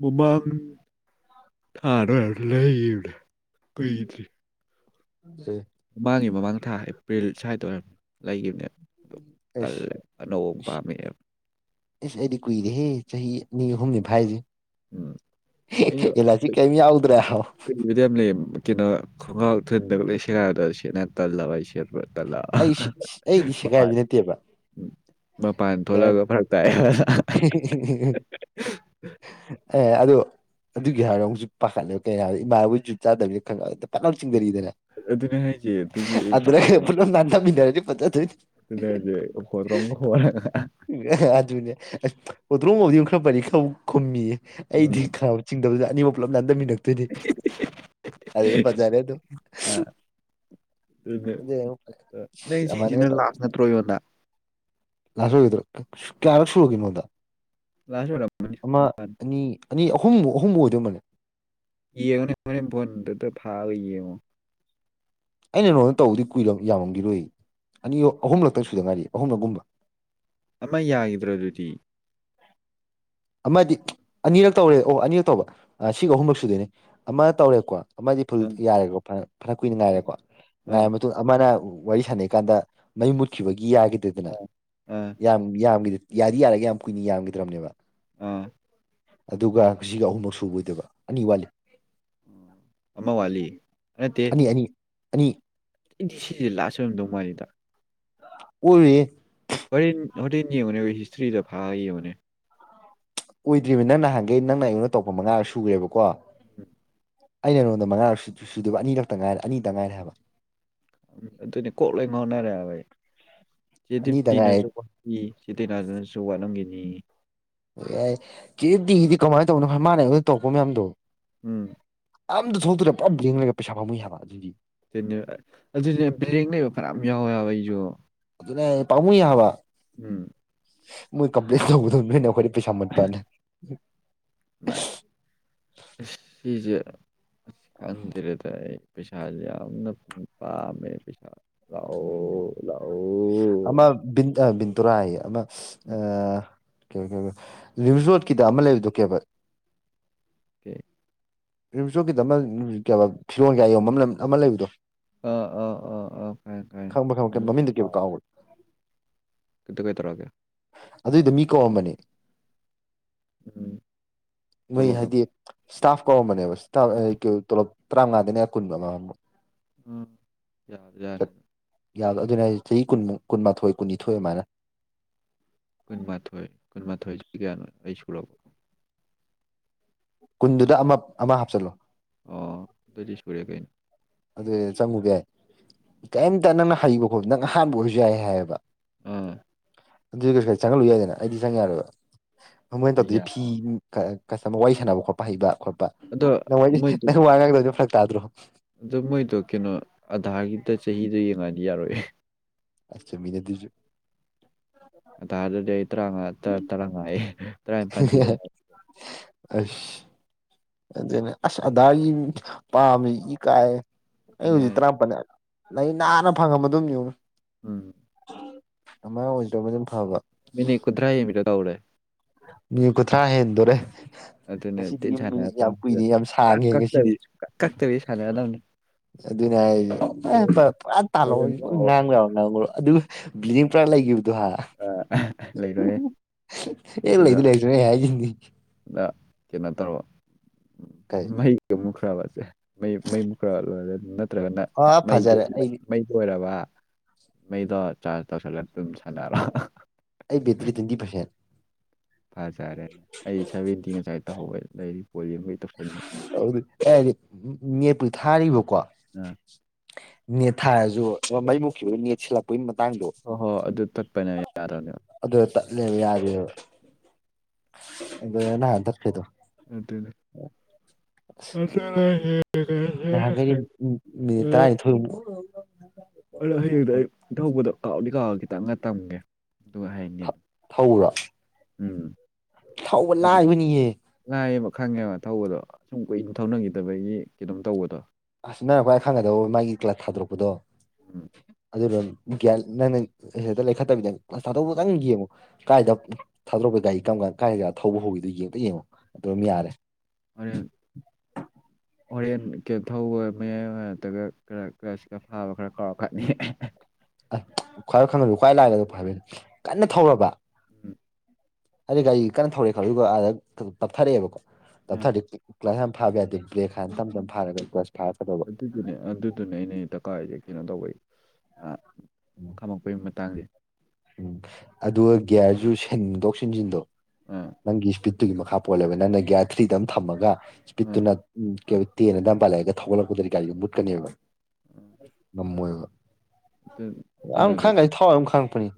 ꯃꯃꯥꯡ ꯊꯥꯔ ꯂꯩꯈꯤꯔꯅꯦ ꯀꯨꯏꯗ꯭ꯔꯤ ꯎ ꯃꯃꯥꯡꯒꯤ ꯃꯃꯥꯡ ꯊꯥ ꯑꯦꯄ꯭ꯔꯤꯜ ꯁ꯭ꯋꯥꯏꯗ ꯑꯣꯏꯔꯝꯅꯤ ꯂꯩꯈꯤꯕꯅꯦ ꯑꯦꯁ ꯄꯥꯝꯃꯛꯑꯦꯕ ꯏꯁ ꯑꯩꯗꯤ ꯀꯨꯏꯔꯦ ꯍꯦ ꯆꯍꯤ ꯑꯅꯤ ꯑꯍꯨꯝꯅꯤ ꯐꯥꯏꯁꯦ ꯎꯝ ꯑꯩꯅ ꯑꯦꯂꯥꯁꯇꯤꯛ ꯀꯩꯝ ꯌꯥꯎꯗ꯭ꯔꯦ ꯍꯥꯏꯕ ꯀꯩꯅꯣꯗ ꯌꯥꯝ ꯂꯩꯌꯦ ꯀꯩꯅꯣ ꯈꯣꯡꯒ꯭ꯔꯥꯎ ꯊꯨꯗꯒ ꯂꯣꯏ ꯁꯦꯒꯥꯏꯕꯗꯣ ꯁꯦꯠꯅ ꯇꯜꯂꯕ ꯑꯩ ꯁꯦ ꯑꯩ ꯇꯂꯛꯑ ꯑꯩꯗꯤ ꯁꯦꯒꯥꯏꯕꯗꯤ ꯅꯠꯇꯦꯕ [unintelligible] ꯃꯄꯥꯟ ꯀꯩ ꯊꯣꯂꯛꯒ ꯍꯥꯏꯅꯤ ꯐꯔꯛ ꯇꯥꯏ ꯑꯦ ꯑꯗꯨ ꯑꯗꯨꯒꯤ ꯍꯥꯏꯔꯣ ꯍꯧꯖꯤꯛ ꯄꯥꯈꯠꯂꯦ ꯀꯩ ꯍꯥꯏ ꯏꯃꯥꯟꯅꯕꯣꯏ ꯖꯨꯠ ꯆꯥꯗꯕꯅꯤꯅ ꯈꯧꯡꯒꯥꯎ ꯄꯥꯛꯂꯥꯎ ꯆꯤꯡꯊꯔꯛꯏꯗꯅ ꯑꯗꯨꯅꯦ ꯍꯥꯏꯁꯦ ꯑꯗꯨꯒꯤ ꯑꯩ ꯑꯗꯨꯔꯩ ꯄꯥꯈꯠꯂꯦ ꯄꯨꯠ ꯂꯥꯎ ꯅꯥꯟꯊꯥꯃꯤꯟꯅꯔꯗꯤ ꯐꯖꯗꯣꯏꯅꯤ ꯑꯗꯨꯅꯦ ꯍꯥꯏꯁꯦ ꯍꯣꯠꯇ꯭ꯔꯣꯡꯒ ꯍꯣꯠꯂ ꯑꯗꯨꯅꯦ ꯑꯁ ꯍꯣꯇ꯭ꯔꯣꯡ ꯍꯣꯕꯗꯤ ꯈꯔ ꯐꯔꯤ ꯈꯕꯨ ꯈꯨꯝꯃꯤꯌꯦ ꯑꯩꯗꯤ ꯎꯝ ꯈꯧ ꯆꯤꯡꯗꯕꯗ ꯑꯅꯤꯃꯛ ꯄꯨꯂꯞ ꯅꯟꯗꯃꯤꯟꯅ ꯇꯣꯏꯅꯤ ꯑꯗꯨꯗꯩ ꯐꯖꯔꯦ ꯑꯗꯨꯝ ꯑꯗꯨ ꯅꯪ ꯑꯗꯨꯃꯥꯏꯅꯒ ꯁꯤꯁꯤꯅ ꯇꯧꯔꯦ ꯂꯥꯁ ꯅꯠꯇ꯭ꯔꯣ ꯌꯣꯅ ꯗꯨꯒꯤꯗꯣ ꯀꯌꯥꯔꯛ ꯁꯨꯔꯒ ꯅꯣꯟꯗ ꯂꯥꯁ ꯑꯣꯏꯔꯝꯃꯅꯤ ꯑꯃ ꯃꯥꯅꯤ ꯑꯅꯤ ꯑꯅꯤ ꯑꯍꯨꯝꯨꯛ ꯑꯍꯨꯝꯃꯨ ꯑꯣꯏꯗꯧꯃꯜꯅꯦ ꯌꯦꯡꯉꯨꯅꯦ ꯍꯣꯔꯦꯟ ꯕꯣꯟ ꯗꯛ ꯗꯛ ꯊꯔ ꯌꯦꯡꯉꯣ ꯑꯩꯅ ꯅꯣꯡꯅ ꯇꯧꯕꯗꯤ ꯀꯨꯏꯔ ꯌꯥꯃꯝꯒꯤꯔꯣꯏ ꯑꯅꯤ ꯑꯍꯨꯝꯂꯛꯇ ꯁꯨꯗ ꯉꯥꯏꯔꯤ ꯑꯍꯨꯝꯂꯛꯒꯨꯝꯕ ꯑꯃ ꯌꯥꯈꯤꯗ꯭ꯔꯗꯨꯗꯤ ꯑꯃꯗꯤ ꯑꯅꯤꯔꯛ ꯇꯧꯔꯦ ꯑꯣ ꯑꯅꯤꯔꯛ ꯇꯧꯕ ꯁꯤꯒ ꯑꯍꯨꯝꯂꯛ ꯁꯨꯗꯣꯏꯅꯦ ꯑꯃ ꯇꯧꯔꯦꯀꯣ ꯑꯃꯗꯤ ꯐꯨꯜ ꯑꯪ ꯌꯥꯔꯦꯀꯣ ꯐꯅ ꯀꯨꯏꯅ ꯑꯪ ꯉꯥꯏꯔꯦꯀꯣ ꯑꯥ ꯉꯥꯏꯔ ꯃꯇꯨꯡ ꯑꯃꯅ ꯋꯥꯔꯤ ꯁꯥꯟꯅꯩ ꯀꯥꯟꯗ ꯃꯩ ꯃꯨꯠꯈꯤꯕꯒꯤ ꯌꯥꯈꯤꯗꯦꯗꯅ ꯑꯥ ꯑꯥ ꯌꯥꯝ ꯌꯥꯝꯒꯤꯗ ꯌꯥꯗꯤ ꯌꯥꯔꯒꯦ ꯌꯥꯝ ꯀꯨꯏꯅ ꯌꯥꯝꯈꯤꯗ꯭ꯔꯕꯅꯦꯕ ꯑꯥ ꯑꯗꯨꯒ ꯁꯤꯒ ꯑꯍꯨꯝꯂꯛ ꯁꯨꯕ ꯐꯣꯏꯗꯣꯏꯕ ꯑꯅꯤ ꯋꯥꯠꯂꯤ ꯑꯃ ꯋꯥꯂꯤ ꯅꯠꯇꯦ ꯑꯅꯤ ꯑꯅꯤ ꯑꯅꯤ ꯑꯩꯗꯤ ꯁꯤꯁꯦ ꯂꯥꯁ ꯑꯣꯏꯔꯝꯗꯧ ꯃꯥꯜꯂꯤꯗ ꯑꯣꯏ ꯍꯣꯔꯦꯟ ꯍꯣꯔꯦꯟ ꯌꯦꯡꯕꯅꯦ ꯑꯩꯈꯣꯏ ꯍꯤꯁꯇ꯭ꯔꯤꯗ ꯐꯥ ꯌꯦꯡꯕꯅꯦ ꯀ ꯑꯣꯏꯗ꯭ꯔꯤꯕꯅꯦ ꯅꯪꯅ ꯍꯪꯒꯦ ꯅꯪꯅ ꯑꯉꯣꯟ ꯅ ꯇꯧꯛꯄ ꯃꯉꯥꯔ ꯁꯨꯨꯔ꯭ꯔꯦꯕꯀꯣ ꯑꯩꯅ ꯅꯉꯣꯟꯗ ꯃꯉꯥꯔꯛ ꯁ ꯁꯨꯗꯕ ꯑꯅꯤꯈꯛꯇ ꯉꯥꯏꯔꯦ ꯑꯅꯤꯗ ꯉꯥꯏꯔꯦ ꯍꯥꯏꯕ ꯑꯗꯨꯅꯤ ꯀꯣꯛ ꯂ ꯍꯣꯠꯅꯔꯦꯕꯩ ꯆꯦꯗꯤꯤ ꯑꯅꯤꯇ ꯉꯥꯏꯔꯦ ꯇꯤꯅꯁꯨ ꯋꯥꯄꯤ ꯆꯦ ꯇꯤꯅꯥꯗꯨꯅꯁꯨ ꯋꯥꯠꯂꯝꯈꯤꯅꯤ ꯑꯣ ꯌꯥꯏ ꯀꯦꯗꯤꯗꯤ ꯀꯃꯥꯏꯅ ꯇꯧꯅꯣ ꯃꯥꯥꯟꯅ ꯇꯧꯔꯛꯄ ꯃꯌꯥꯝꯗꯣ ꯎꯝ ꯑꯝꯇ ꯊꯣꯛꯇꯣꯔꯦ ꯄꯨꯂꯞ ꯌꯦꯡꯂꯉꯒ ꯄꯩꯁꯥ ꯐꯝꯃꯨꯏ ꯍꯥꯏꯕ ꯑꯗꯨꯗꯤ ꯑꯗꯨꯅꯦ ꯕꯔꯦꯡ ꯂꯩꯕ ꯐꯔꯥ ꯌꯥꯎꯋꯦ ꯌꯥꯎꯕ ꯑꯩꯁꯨ ꯄꯥꯨꯡ ꯌꯥ ꯑꯍꯕꯕꯥ ꯎꯝ ꯃꯣꯏ ꯀꯝꯄꯂꯤ ꯇꯧꯕꯗꯅꯦꯈ ꯄꯩꯁꯥ ꯃꯄꯅꯦ ꯃꯥ ꯁꯤꯁꯨ ꯀꯥꯟ ꯊꯔꯦ ꯇ ꯄꯁꯥ ꯌꯥꯝꯅ ꯄꯝꯃꯦ ꯄꯁꯥ ꯑꯃꯟ ꯟꯗꯨꯔꯥ ꯍꯥꯏ ꯑ ꯑ ꯔꯤꯝꯁ ꯔꯣꯗꯀꯤꯗ ꯑꯃ ꯂꯩꯕꯗꯣ ꯀꯦꯕ ꯀ ꯔꯤꯝꯆꯣꯛꯀꯤꯗ ꯑꯃ ꯐꯤꯔꯣꯟ ꯀꯌꯥ ꯌꯦ ꯑꯃ ꯂꯩꯕꯗꯣ ꯑꯥ ꯑꯥ ꯑꯥ ꯑꯥ ꯈꯪꯉꯦ ꯈꯪꯕ ꯈꯪꯕ ꯈꯪꯉꯦ ꯃꯃꯤꯡꯗ ꯀꯦ ꯀꯥꯎꯕ ꯀꯗ ꯀꯩ ꯇꯔꯥꯒ ꯑꯗꯨꯏꯗ ꯃꯤ ꯀꯧꯑꯝꯕꯅꯤ ꯎꯝ ꯃꯣꯏ ꯇꯣꯂꯣꯞꯅ ꯍꯥꯏꯗꯤ ꯏꯁꯇꯥꯐ ꯀꯧꯔꯝꯕꯅꯦꯕ ꯏꯁꯇꯥ ꯇꯣꯂꯣꯞ ꯇꯔꯥꯃꯉꯥꯗꯅꯦ ꯑ ꯀꯨꯟꯕ ꯑꯃ ꯑꯝ ꯌꯥꯔ ꯌꯥꯅꯤꯅ ꯌꯥꯗ ꯑꯗꯨꯅꯦ ꯆꯍꯤ ꯀꯨꯟꯃꯛ ꯀꯨꯟꯃꯥꯊꯣꯏ ꯀꯨꯟꯅꯤꯊꯣꯏ ꯑꯗꯨꯃꯥꯏꯅ ꯀꯨꯟꯃꯥꯊꯣꯏ ꯀꯨꯟꯃꯥꯊꯣꯏꯁꯤ ꯀꯌꯥꯅꯣ ꯑꯩ ꯁꯔꯕ ꯀꯨꯟꯗꯨꯗ ꯑꯃ ꯑꯃ ꯍꯥꯞꯆꯤꯜꯂꯣ ꯑꯣ ꯗꯤ ꯁꯨꯔꯌꯥ ꯀꯩꯅ ꯑꯗꯨꯏ ꯆꯪꯉꯨꯕ ꯌꯥꯏ ꯀꯩꯝꯇ ꯅꯪꯅ ꯍꯩꯕ ꯈꯣꯠꯄ ꯅꯪ ꯑꯍꯥꯟꯕ ꯑꯣꯏꯔꯁꯨ ꯌꯥꯏ ꯍꯥꯏꯌꯦꯕ ꯎꯝ ꯑꯗꯨꯏ ꯀꯩꯁꯨ ꯀ ꯆꯪꯍꯜꯂꯨ ꯌꯥꯏꯗꯅ ꯑꯩꯗꯤ ꯆꯪꯉ ꯌꯥꯔꯣꯏꯕ ꯑꯗꯨꯃꯥꯏꯅ ꯇꯧꯗꯣꯏꯁꯦ ꯐꯤ ꯌꯥꯝꯃꯦ ꯀꯁ ꯋꯥꯔꯤ ꯁꯥꯟꯅꯕ ꯈꯣꯠꯄ ꯍꯩꯕ ꯈꯣꯠꯄ ꯑꯗꯣ ꯅꯪ ꯅꯪ ꯋꯥ ꯉꯥꯡꯗꯣꯏ ꯑꯗꯨꯝ ꯐꯔꯛ ꯇꯥꯗ꯭ꯔꯣ ꯑꯗꯨ ꯃꯣꯏꯗꯣ ꯀꯩꯅꯣ ꯑꯙꯥꯒꯤꯗ ꯆꯍꯤꯗꯣ ꯌꯦꯡꯉꯗꯤ ꯌꯥꯔꯣꯏꯦ ꯑꯆꯥ ꯃꯤꯅꯖ ꯇꯥꯔꯗꯗꯤ ꯑꯩꯔꯥ ꯇꯔꯥꯉ ꯇꯔꯥꯅꯤꯄꯥꯜ ꯑꯁ ꯑꯗꯨꯅ ꯑꯁ ꯑꯗꯥꯒꯤ ꯄꯥꯝꯃꯦ ꯏ ꯀꯥꯏ ꯑꯩ ꯑꯗꯨꯅꯦ ꯍꯧꯖꯤꯛ ꯇꯔꯥꯃꯄꯜ ꯂꯩ ꯅꯥꯟꯅ ꯐꯪꯉꯝꯕ ꯑꯗꯨꯝ ꯌꯦꯨꯅ ꯎꯝ ꯑꯃ ꯑꯣꯏꯗ꯭ꯔꯣꯃ ꯑꯗꯨꯝ ꯐꯕ ꯃꯤꯅꯤꯠ ꯀꯨꯟꯊ꯭ꯔꯥ ꯍꯦꯟꯕꯤꯗꯣ ꯇꯧꯔꯦ ꯃꯤ ꯀꯊ꯭ꯔꯥ ꯍꯦꯟꯗꯔꯦ ꯑꯗꯨꯅ ꯌꯥꯝ ꯁꯥꯡꯉꯦ ꯁꯥꯟꯅꯔꯅꯤ ꯀꯛꯇꯕꯤ ꯁꯥꯟꯅꯔꯗꯕꯅꯤ ꯑꯗꯨꯅꯦ ꯍꯣꯔꯦꯟ ꯍꯥꯏꯔꯤꯁꯦ ꯄꯨꯔꯥ ꯇꯥꯜꯂꯣꯑꯣ ꯍꯣꯔꯦꯟ ꯂꯥꯛꯑꯣ ꯉꯥꯡꯈ꯭ꯔꯣ ꯅꯥꯡꯈ꯭ꯔꯣ ꯑꯗꯨ ꯭ꯂꯤꯤꯡ ꯄꯔꯥ ꯂꯩꯌ ꯑ ꯂꯩꯔꯣꯏꯦ ꯏꯜ ꯏ ꯂꯩꯗꯅꯦ ꯍꯦꯒꯤꯟ ꯀꯩꯅꯣ ꯇꯧꯔꯕ ꯀꯩ ꯃꯩꯒ ꯑꯃꯨꯛ ꯨ꯭ꯔꯕꯁꯦ ꯃꯩ ꯃꯨꯛ ꯈ꯭ꯔꯥꯕ ꯂꯣꯏꯔꯦ ꯅꯠꯇ꯭ꯔꯒꯅ ꯑꯥ ꯃꯩ ꯐꯖꯔꯦ ꯑꯩ ꯃꯩ ꯂꯣꯏꯔꯕ ꯃꯩꯗꯣ ꯆꯥꯔꯖ ꯇꯧꯁꯜꯂꯒ ꯑꯗꯨꯝ ꯁꯥꯟꯅꯔꯣ ꯑꯩ ꯕꯦꯇꯔꯤ ꯇꯤꯟꯗꯤ ꯐꯁꯦꯟ ꯐꯖꯔꯦꯅꯦ ꯑꯩ ꯁꯚꯦꯟꯇꯤ ꯉꯁꯥꯏ ꯇꯧꯍꯧꯧꯕ ꯂꯩꯔꯤ ꯄꯣꯜꯂꯤ ꯑꯃꯒꯤ ꯇꯧꯁꯟꯕ ꯑꯦ ꯎ ꯃꯤ ꯄꯨ ꯊꯔꯔꯤꯕ ꯀꯣ ꯑ ꯅꯦꯠ ꯊꯥꯔꯁꯨ ꯃꯩꯃꯨꯛꯀꯤ ꯑꯣꯏꯅ ꯅꯦꯠ ꯁꯤꯜꯂꯛꯄꯒꯤ ꯃꯇꯥꯡꯗꯣ ꯍꯣꯏ ꯍꯣꯏ ꯑꯗꯨ ꯇꯠꯄꯅꯦ ꯌꯥꯔꯅꯤ ꯑꯗꯨꯗ ꯇꯠꯂꯦꯕ ꯌꯥꯗꯦꯕ ꯑꯗꯨ ꯅꯍꯥꯟ ꯇꯠꯀꯦꯗꯣ ꯑꯗꯨꯅꯦ ꯎꯝ ꯅꯍꯥꯟꯈꯩꯗꯤ ꯃꯤꯅꯤꯠ ꯎꯝ ꯇꯔꯥꯅꯤꯊꯣꯏꯃꯨꯛ ꯑꯗꯣ ꯍꯌꯦꯡꯛꯇ ꯑꯩ ꯏꯊꯧꯕꯗꯣ ꯀꯥꯎꯗꯤ ꯀꯥꯎꯑꯒ ꯈꯤꯇꯪꯒ ꯇꯝꯒꯦ ꯑꯗꯨꯒ ꯍꯥꯏꯅꯤ ꯑꯗꯨ ꯍꯧꯔ ꯎꯝ ꯊꯧꯕ ꯍꯥꯏꯗꯤ ꯂꯥꯛꯕꯅꯤꯌꯦ ꯂꯥꯏꯌꯦꯕ ꯈꯪꯉꯦꯕ ꯊꯧꯕꯗꯣ ꯁꯁꯨꯝ ꯀꯨꯏꯅ ꯊꯧꯅꯈꯤꯗꯕꯒꯤ ꯀ ꯑꯗꯨꯝ ꯇꯧꯕꯗꯣ ꯑꯁ ꯅ ꯑꯩꯏ ꯈꯪꯒꯗꯧꯕ ꯃꯥꯒꯤ ꯀ꯭ꯂꯥꯁ ꯊꯥꯗꯣꯔꯛꯄꯗꯣ ꯎꯝ ꯑꯗꯨꯅ ꯒ꯭ꯌꯥꯟ ꯅꯪꯅ ꯍꯦꯛꯇ ꯂꯩꯈꯠꯇꯕꯤꯗ ꯀ꯭ꯂ ꯊꯥꯗꯣꯛꯗꯪ ꯌꯦꯡꯉꯨ ꯀꯗꯥꯥꯏꯗ ꯊꯥꯗꯣꯛ ꯑꯗꯨꯒ ꯒꯥꯔꯤ ꯀꯝꯥꯟ ꯀꯥꯏꯔꯒ ꯊꯧꯕ ꯍꯧꯈꯤꯕꯗꯣ ꯌꯦꯡꯗ ꯌꯦꯡꯉꯣ ꯑꯗꯨꯝ ꯌꯥꯔꯦ ꯔ ꯑꯣꯔꯦꯟ ꯀꯦ ꯊꯧꯕ ꯃꯌꯥꯏ ꯑꯣꯏꯔ ꯅꯠꯇ꯭ꯔꯒ ꯀ ꯐꯥꯕ ꯈꯔ ꯀꯥꯎꯔꯀꯅꯤ ꯈ ꯈꯪꯕ ꯈ꯭ꯋꯥꯏ ꯂꯥꯛꯒꯗ ꯍꯥꯏꯕꯅꯤ ꯀꯟꯅ ꯊꯧꯔꯕ ꯎꯝ ꯑꯗꯨ ꯒꯥꯔꯤ ꯀꯟꯅ ꯊꯧꯔꯛꯑꯦ ꯈ ꯑꯗꯨꯒ ꯑꯥꯗ ꯇꯞꯊꯔꯛꯑꯦꯕꯀꯣ ꯑꯥ ꯇꯞꯊ ꯀ꯭ꯂꯥꯁ ꯌꯥꯝ ꯐꯥꯕ ꯌꯥꯗꯦ ꯄ꯭ꯂꯦ ꯈꯥꯏꯅ ꯇꯝ ꯇꯅ ꯐꯥꯔꯒꯗꯤ ꯀ꯭ꯂꯥꯁ ꯑꯗꯨꯗꯨꯅꯦ ꯑꯗꯨꯗꯨꯅꯦ ꯑꯩꯅ ꯗꯀꯥꯔꯁꯦ ꯀꯩꯅꯣ ꯇꯧꯕꯩ ꯈꯝꯃꯛꯄꯩꯒꯤ ꯃꯇꯥꯡꯁꯦ ꯎꯝ ꯑꯗꯨꯒ ꯒꯤꯌꯥꯔꯁꯨ ꯁꯦꯡꯗꯣꯛ ꯁꯤꯟꯖꯤꯟꯗꯣ ꯑꯥ ꯅꯪꯒꯤ ꯏꯁꯄꯤꯠ ꯑꯗꯨꯒꯤ ꯃꯈꯥ ꯄꯣꯜꯂꯦꯕ ꯅꯪꯅ ꯒ꯭ꯌꯥꯔ ꯊ꯭ꯔꯤꯗ ꯑꯃ ꯊꯝꯃꯒ ꯑꯥ ꯏꯁꯄꯤꯠꯇꯨꯅ ꯇꯦꯅ ꯑꯗꯨꯝ ꯄꯥꯜꯂꯛꯑꯒ ꯊꯧꯒꯠꯂꯛꯄꯗꯗꯤ ꯒꯥꯔꯤꯗꯣ ꯃꯨꯠꯀꯅꯦꯕ ꯉꯝꯃꯣꯏꯕ ꯑꯗꯨ ꯑ ꯈꯪꯉꯁꯤ ꯊꯥꯎꯋꯥꯏ ꯑꯃ ꯈꯪꯉꯛꯄꯅꯤ